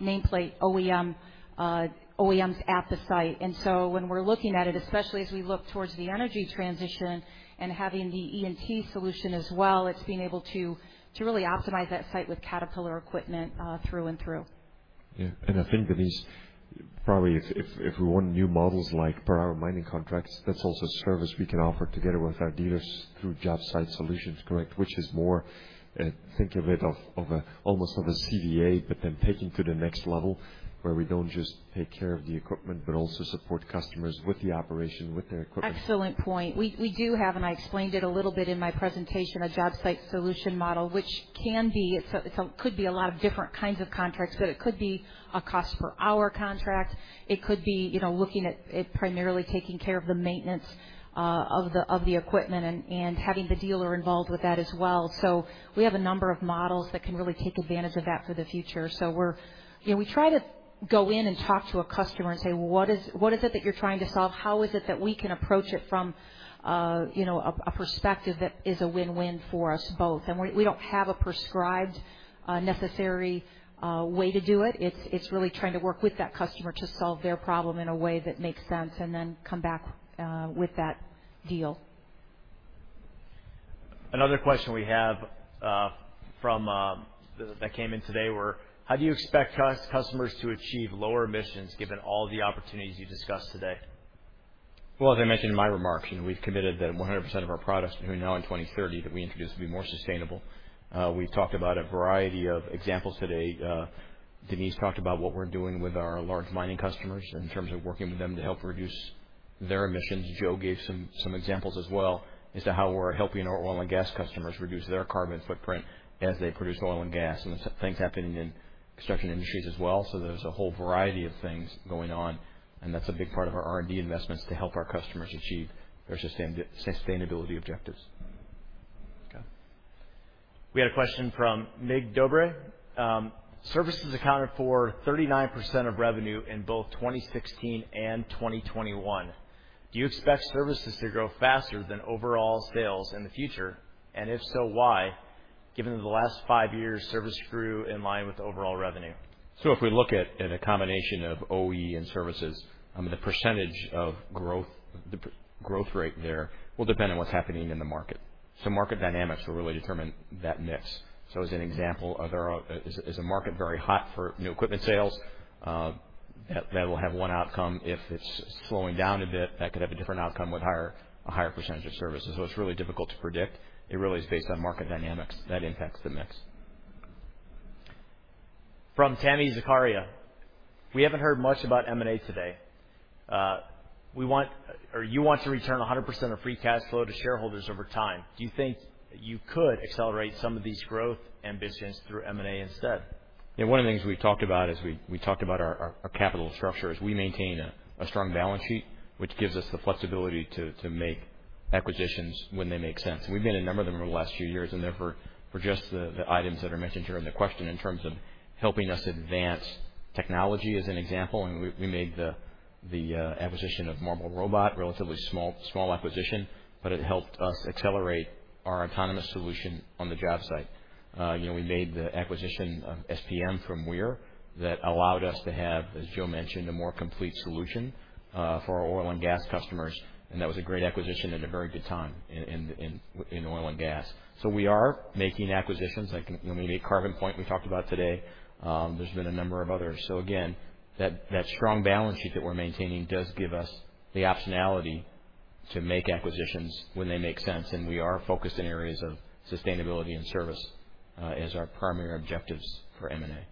nameplate OEMs at the site. When we're looking at it, especially as we look towards the energy transition and having the E&T solution as well, it's being able to really optimize that site with Caterpillar equipment through and through. Yeah. I think, Denise, probably if we want new models like per hour mining contracts, that's also a service we can offer together with our dealers through job site solutions, correct? Which is more, think of it as almost a CVA, but then taking to the next level where we don't just take care of the equipment, but also support customers with the operation, with their equipment. Excellent point. We do have, and I explained it a little bit in my presentation, a job site solution model, which could be a lot of different kinds of contracts, but it could be a cost per hour contract. It could be, you know, looking at it, primarily, taking care of the maintenance of the equipment and having the dealer involved with that as well. We have a number of models that can really take advantage of that for the future. We're, you know, we try to go in and talk to a customer and say, "What is it that you're trying to solve? How is it that we can approach it from a, you know, perspective that is a win-win for us both? We don't have a prescribed necessary way to do it. It's really trying to work with that customer to solve their problem in a way that makes sense, and then come back with that deal. Another question we have from that came in today: How do you expect customers to achieve lower emissions given all the opportunities you discussed today? Well, as I mentioned in my remarks, you know, we've committed that 100% of our products, you know, in 2030 that we introduce to be more sustainable. We've talked about a variety of examples today. Denise talked about what we're doing with our large mining customers in terms of working with them to help reduce their emissions. Joe gave some examples as well as to how we're helping our oil and gas customers reduce their carbon footprint as they produce oil and gas. There's things happening in construction industries as well. There's a whole variety of things going on, and that's a big part of our R&D investments to help our customers achieve their sustainability objectives. Okay. We had a question from Mircea Dobre. Services accounted for 39% of revenue in both 2016 and 2021. Do you expect services to grow faster than overall sales in the future? If so, why? Given that the last five years service grew in line with overall revenue. If we look at a combination of OE and services, I mean, the percentage of growth, the growth rate there will depend on what's happening in the market. Market dynamics will really determine that mix. As an example, is the market very hot for new equipment sales? That will have one outcome. If it's slowing down a bit, that could have a different outcome with a higher percentage of services. It's really difficult to predict. It really is based on market dynamics that impacts the mix. From Tami Zakaria. We haven't heard much about M&A today. We want or you want to return 100% of free cash flow to shareholders over time. Do you think you could accelerate some of these growth ambitions through M&A instead? Yeah, one of the things we talked about is our capital structure. We maintain a strong balance sheet, which gives us the flexibility to make acquisitions when they make sense. We've made a number of them over the last few years, and they're for just the items that are mentioned here in the question in terms of helping us advance technology as an example, and we made the acquisition of Marble Robot, relatively small acquisition, but it helped us accelerate our autonomous solution on the job site. You know, we made the acquisition of SPM from Weir that allowed us to have, as Joe mentioned, a more complete solution, for our oil and gas customers, and that was a great acquisition at a very good time in oil and gas. We are making acquisitions like, you know, maybe CarbonPoint we talked about today. There's been a number of others. Again, that strong balance sheet that we're maintaining does give us the optionality to make acquisitions when they make sense, and we are focused in areas of sustainability and service, as our primary objectives for M&A.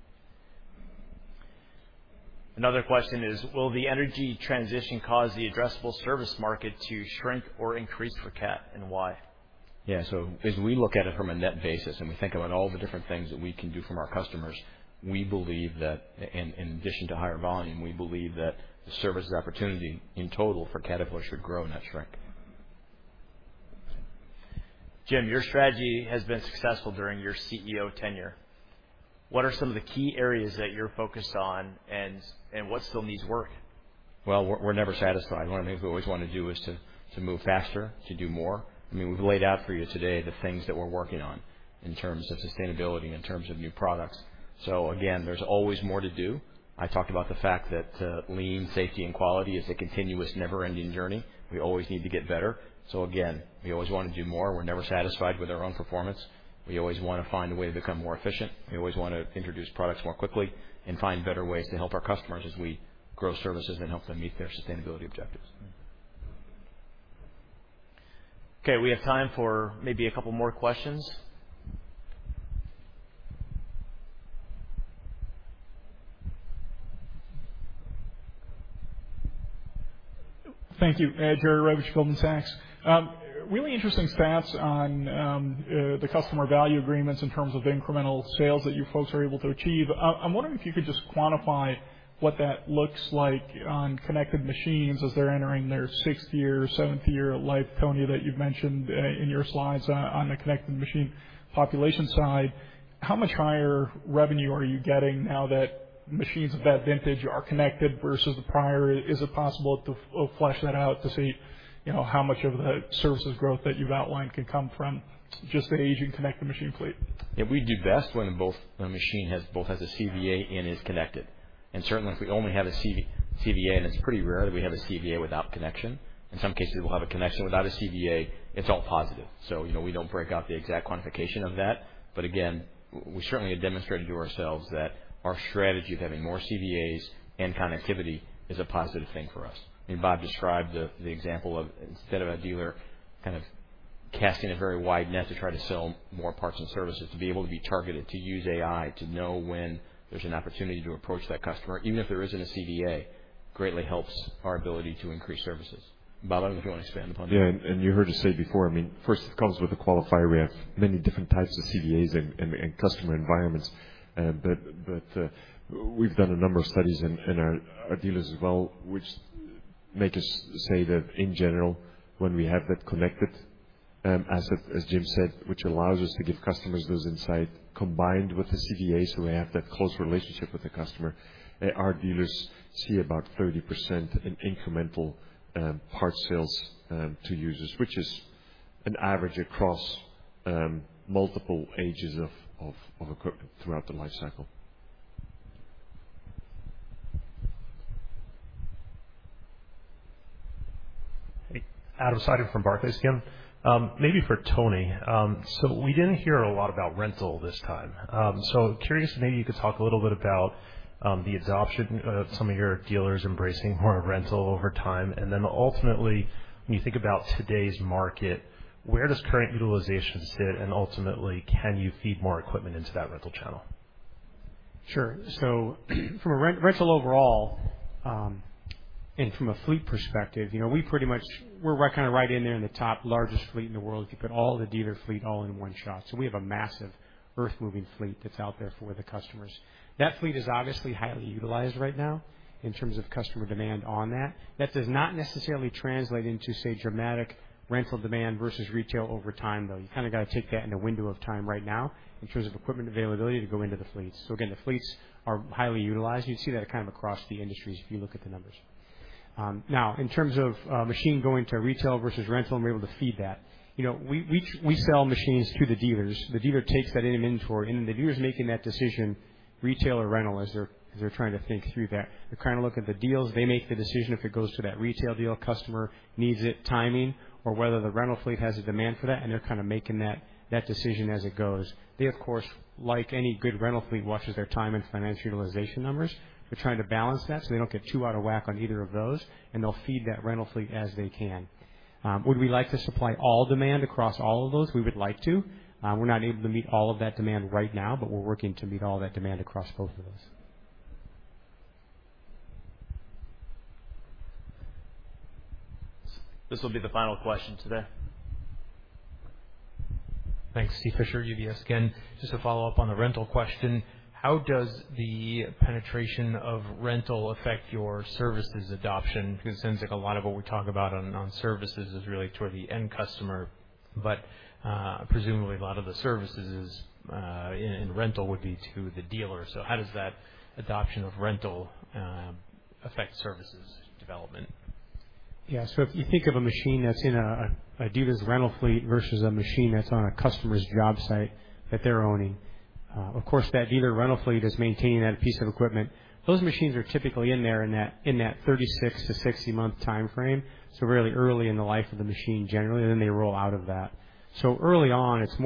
Another question is, will the energy transition cause the addressable service market to shrink or increase for Cat, and why? Yeah. As we look at it from a net basis, and we think about all the different things that we can do from our customers, we believe that in addition to higher volume, we believe that the services opportunity in total for Caterpillar should grow, not shrink. Jim, your strategy has been successful during your CEO tenure. What are some of the key areas that you're focused on and what still needs work? Well, we're never satisfied. One of the things we always want to do is to move faster, to do more. I mean, we've laid out for you today the things that we're working on in terms of sustainability, in terms of new products. Again, there's always more to do. I talked about the fact that lean safety and quality is a continuous, never-ending journey. We always need to get better. Again, we always wanna do more. We're never satisfied with our own performance. We always wanna find a way to become more efficient. We always wanna introduce products more quickly and find better ways to help our customers as we grow services and help them meet their sustainability objectives. Okay, we have time for maybe a couple more questions. Thank you. Jerry Revich, Goldman Sachs. Really interesting stats on the Customer Value Agreements in terms of incremental sales that you folks are able to achieve. I'm wondering if you could just quantify what that looks like on connected machines as they're entering their 6th year, 7th year life, Tony, that you've mentioned in your slides on the connected machine population side. How much higher revenue are you getting now that machines of that vintage are connected versus the prior? Is it possible to flesh that out to see, you know, how much of the services growth that you've outlined can come from just the aging connected machine fleet? Yeah, we do best when both the machine has a CVA and is connected. Certainly, if we only have a CVA, and it's pretty rare that we have a CVA without connection, in some cases, we'll have a connection without a CVA, it's all positive. You know, we don't break out the exact quantification of that. Again, we certainly have demonstrated to ourselves that our strategy of having more CVAs and connectivity is a positive thing for us. I mean, Bob described the example of instead of a dealer kind of casting a very wide net to try to sell more parts and services, to be able to be targeted, to use AI, to know when there's an opportunity to approach that customer, even if there isn't a CVA, greatly helps our ability to increase services. Bob, I don't know if you want to expand upon that. Yeah, you heard us say before, I mean, first it comes with a qualifier. We have many different types of CVAs and customer environments. We've done a number of studies and our dealers as well, which make us say that in general, when we have that connected asset, as Jim said, which allows us to give customers those insight combined with the CVAs who have that close relationship with the customer, our dealers see about 30% in incremental parts sales to users, which is an average across multiple ages of equipment throughout the life cycle. Hey, Adam Seiden from Barclays again. Maybe for Tony. So we didn't hear a lot about rental this time. So curious, maybe you could talk a little bit about the adoption of some of your dealers embracing more rental over time. Then ultimately, when you think about today's market, where does current utilization sit? Ultimately, can you feed more equipment into that rental channel? Sure. From a rental overall, and from a fleet perspective, you know, we pretty much we're right, kinda right in there in the top largest fleet in the world if you put all the dealer fleet all in one shot. We have a massive earthmoving fleet that's out there for the customers. That fleet is obviously highly utilized right now in terms of customer demand on that. That does not necessarily translate into, say, dramatic rental demand versus retail over time, though. You kinda gotta take that in a window of time right now in terms of equipment availability to go into the fleets. Again, the fleets are highly utilized. You see that kind of across the industries if you look at the numbers. Now in terms of machine going to retail versus rental, and we're able to feed that. You know, we sell machines to the dealers. The dealer takes that into inventory, and the dealer's making that decision, retail or rental, as they're trying to think through that. They're trying to look at the deals. They make the decision if it goes to that retail deal, customer needs it, timing, or whether the rental fleet has a demand for that, and they're kinda making that decision as it goes. They, of course, like any good rental fleet, watches their time and financial utilization numbers. They're trying to balance that, so they don't get too out of whack on either of those, and they'll feed that rental fleet as they can. Would we like to supply all demand across all of those? We would like to. We're not able to meet all of that demand right now, but we're working to meet all that demand across both of those. This will be the final question today. Thanks. Steven Fisher, UBS again. Just to follow up on the rental question, how does the penetration of rental affect your services adoption? Because it seems like a lot of what we talk about on services is really toward the end customer, but presumably a lot of the services in rental would be to the dealer. How does that adoption of rental affect services development? Yeah. If you think of a machine that's in a dealer's rental fleet versus a machine that's on a customer's job site that they're owning. Of course, that dealer rental fleet is maintaining that piece of equipment. Those machines are typically in that 36- to 60-month time frame, so really early in the life of the machine generally, then they roll out of that. Early on, it's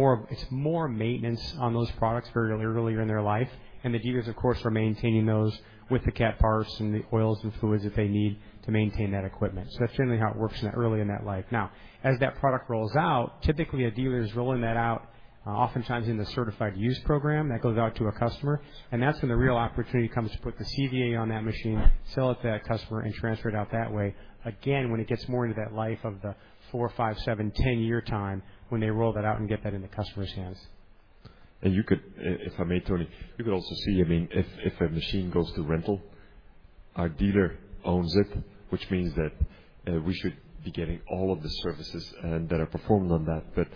more maintenance on those products very early in their life. The dealers, of course, are maintaining those with the Cat parts and the oils and fluids if they need to maintain that equipment. That's generally how it works early in that life. Now, as that product rolls out, typically a dealer is rolling that out, oftentimes in the certified used program that goes out to a customer, and that's when the real opportunity comes to put the CVA on that machine, sell it to that customer, and transfer it out that way. Again, when it gets more into that life of the four, five, seven, 10-year time when they roll that out and get that into customers' hands. If I may, Tony, you could also see, I mean, if a machine goes to rental, our dealer owns it, which means that we should be getting all of the services that are performed on that.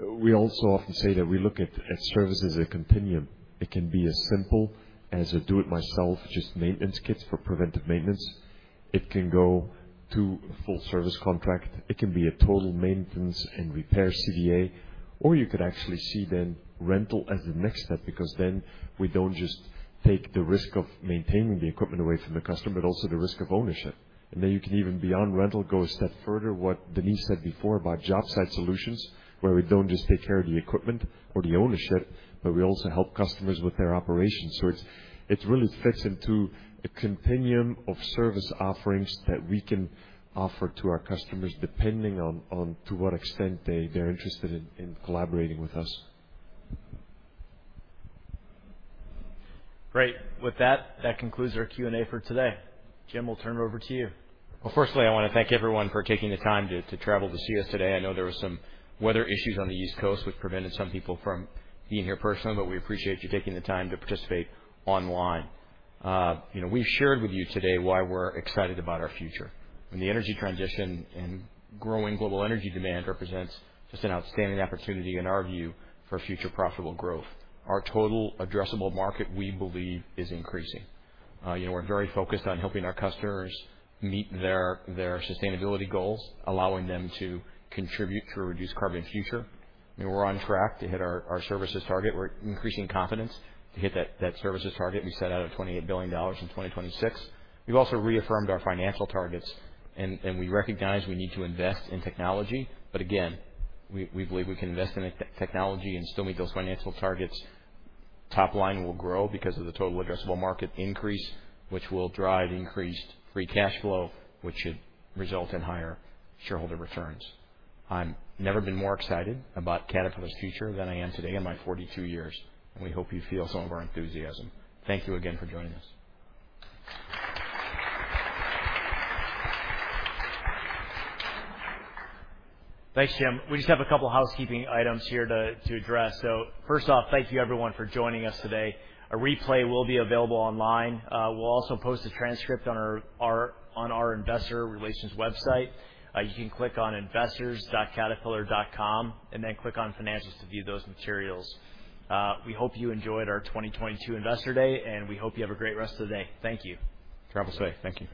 We also often say that we look at service as a continuum. It can be as simple as a do-it-yourself, just maintenance kits for preventive maintenance. It can go to a full service contract. It can be a total maintenance and repair CVA, or you could actually see then rental as the next step, because then we don't just take the risk of maintaining the equipment away from the customer, but also the risk of ownership. You can even, beyond rental, go a step further, what Denise said before about job site solutions, where we don't just take care of the equipment or the ownership, but we also help customers with their operations. It's it really fits into a continuum of service offerings that we can offer to our customers depending on to what extent they're interested in collaborating with us. Great. With that concludes our Q&A for today. Jim, we'll turn it over to you. Well, firstly, I wanna thank everyone for taking the time to travel to see us today. I know there were some weather issues on the East Coast which prevented some people from being here personally, but we appreciate you taking the time to participate online. You know, we've shared with you today why we're excited about our future. With the energy transition and growing global energy demand represents just an outstanding opportunity in our view for future profitable growth. Our total addressable market, we believe, is increasing. You know, we're very focused on helping our customers meet their sustainability goals, allowing them to contribute to a reduced carbon future. You know, we're on track to hit our services target. We're increasing confidence to hit that services target we set out for $28 billion in 2026. We've also reaffirmed our financial targets and we recognize we need to invest in technology. Again, we believe we can invest in technology and still meet those financial targets. Top line will grow because of the total addressable market increase, which will drive increased free cash flow, which should result in higher shareholder returns. I'm never been more excited about Caterpillar's future than I am today in my 42 years. We hope you feel some of our enthusiasm. Thank you again for joining us. Thanks, Jim. We just have a couple of housekeeping items here to address. First off, thank you everyone for joining us today. A replay will be available online. We'll also post a transcript on our investor relations website. You can click on investors.caterpillar.com and then click on financials to view those materials. We hope you enjoyed our 2022 Investor Day, and we hope you have a great rest of the day. Thank you. Travel safe. Thank you.